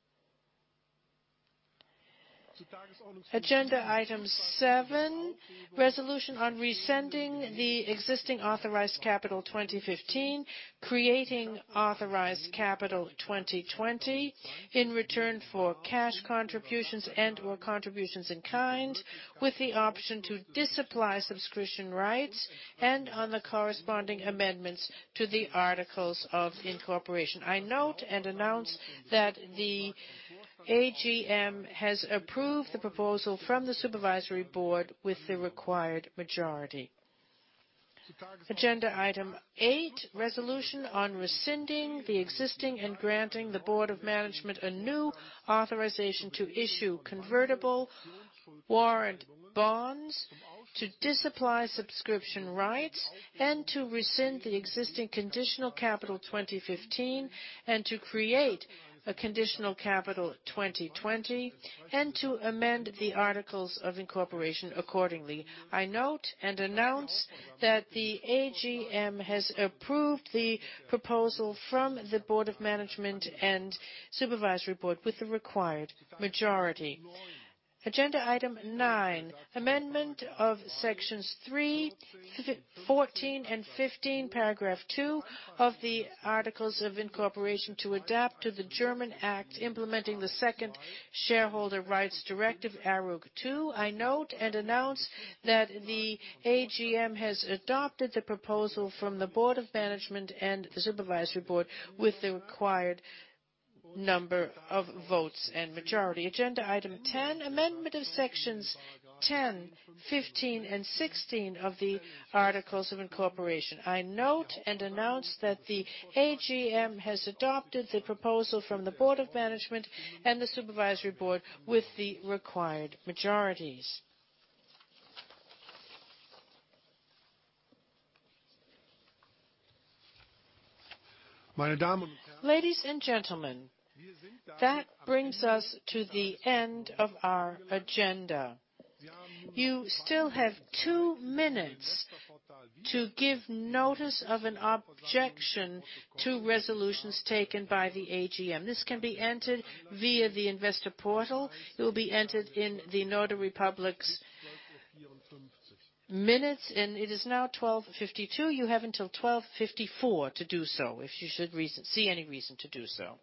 Agenda item 7, resolution on rescinding the existing authorized capital 2015, creating authorized capital 2020 in return for cash contributions and/or contributions in kind with the option to disapply subscription rights and on the corresponding amendments to the articles of incorporation. I note and announce that the AGM has approved the proposal from the Supervisory Board with the required majority. Agenda item 8, resolution on rescinding the existing and granting the Board of Management a new authorization to issue convertible warrant bonds to disapply subscription rights and to rescind the existing conditional capital 2015 and to create a conditional capital 2020 and to amend the articles of incorporation accordingly. I note and announce that the AGM has approved the proposal from the Board of Management and Supervisory Board with the required majority. Agenda item 9, amendment of sections 3, 14, and 15, paragraph 2 of the articles of incorporation to adapt to the German Act implementing the second shareholder rights directive, ARUG II. I note and announce that the AGM has adopted the proposal from the Board of Management and the Supervisory Board with the required number of votes and majority. Agenda item 10, amendment of sections 10, 15, and 16 of the articles of incorporation. I note and announce that the AGM has adopted the proposal from the Board of Management and the Supervisory Board with the required majorities. Meine Damen und Herren. Ladies and gentlemen, that brings us to the end of our agenda. You still have two minutes to give notice of an objection to resolutions taken by the AGM. This can be entered via the investor portal. It will be entered in the notary public's minutes, and it is now 12:52 P.M. You have until 12:54 P.M. to do so if you should see any reason to do so.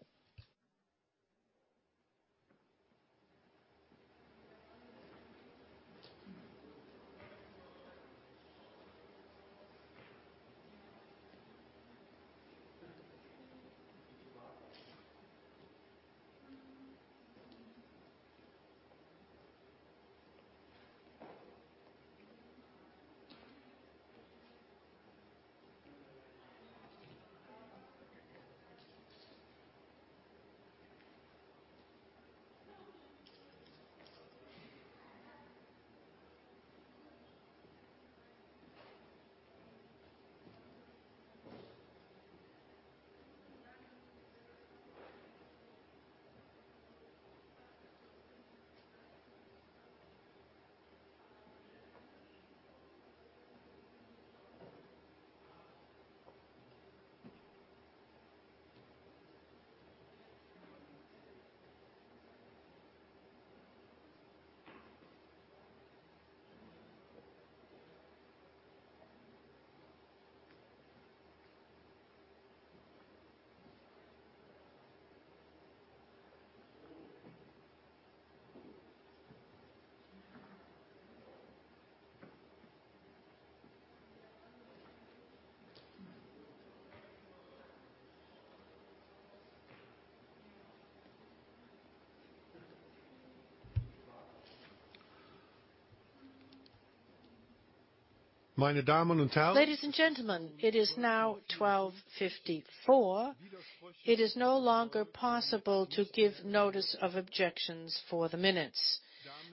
Meine Damen und Herren. Ladies and gentlemen, it is now 12:54 P.M. It is no longer possible to give notice of objections for the minutes.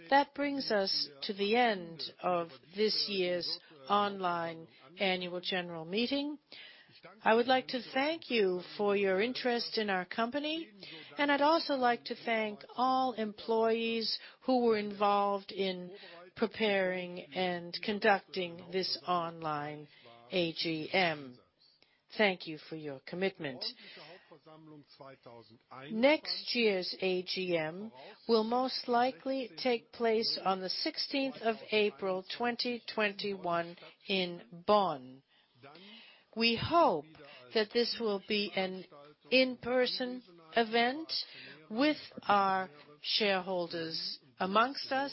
That brings us to the end of this year's online annual general meeting. I would like to thank you for your interest in our company, and I'd like to thank all employees who were involved in preparing and conducting this online AGM. Thank you for your commitment. Next year's AGM will most likely take place on the 16th of April 2021 in Bonn. We hope that this will be an in-person event with our shareholders amongst us,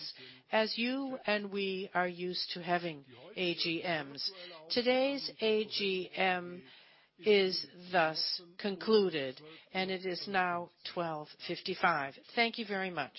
as you and we are used to having AGMs. Today's AGM is thus concluded, and it is now 12:55 P.M. Thank you very much.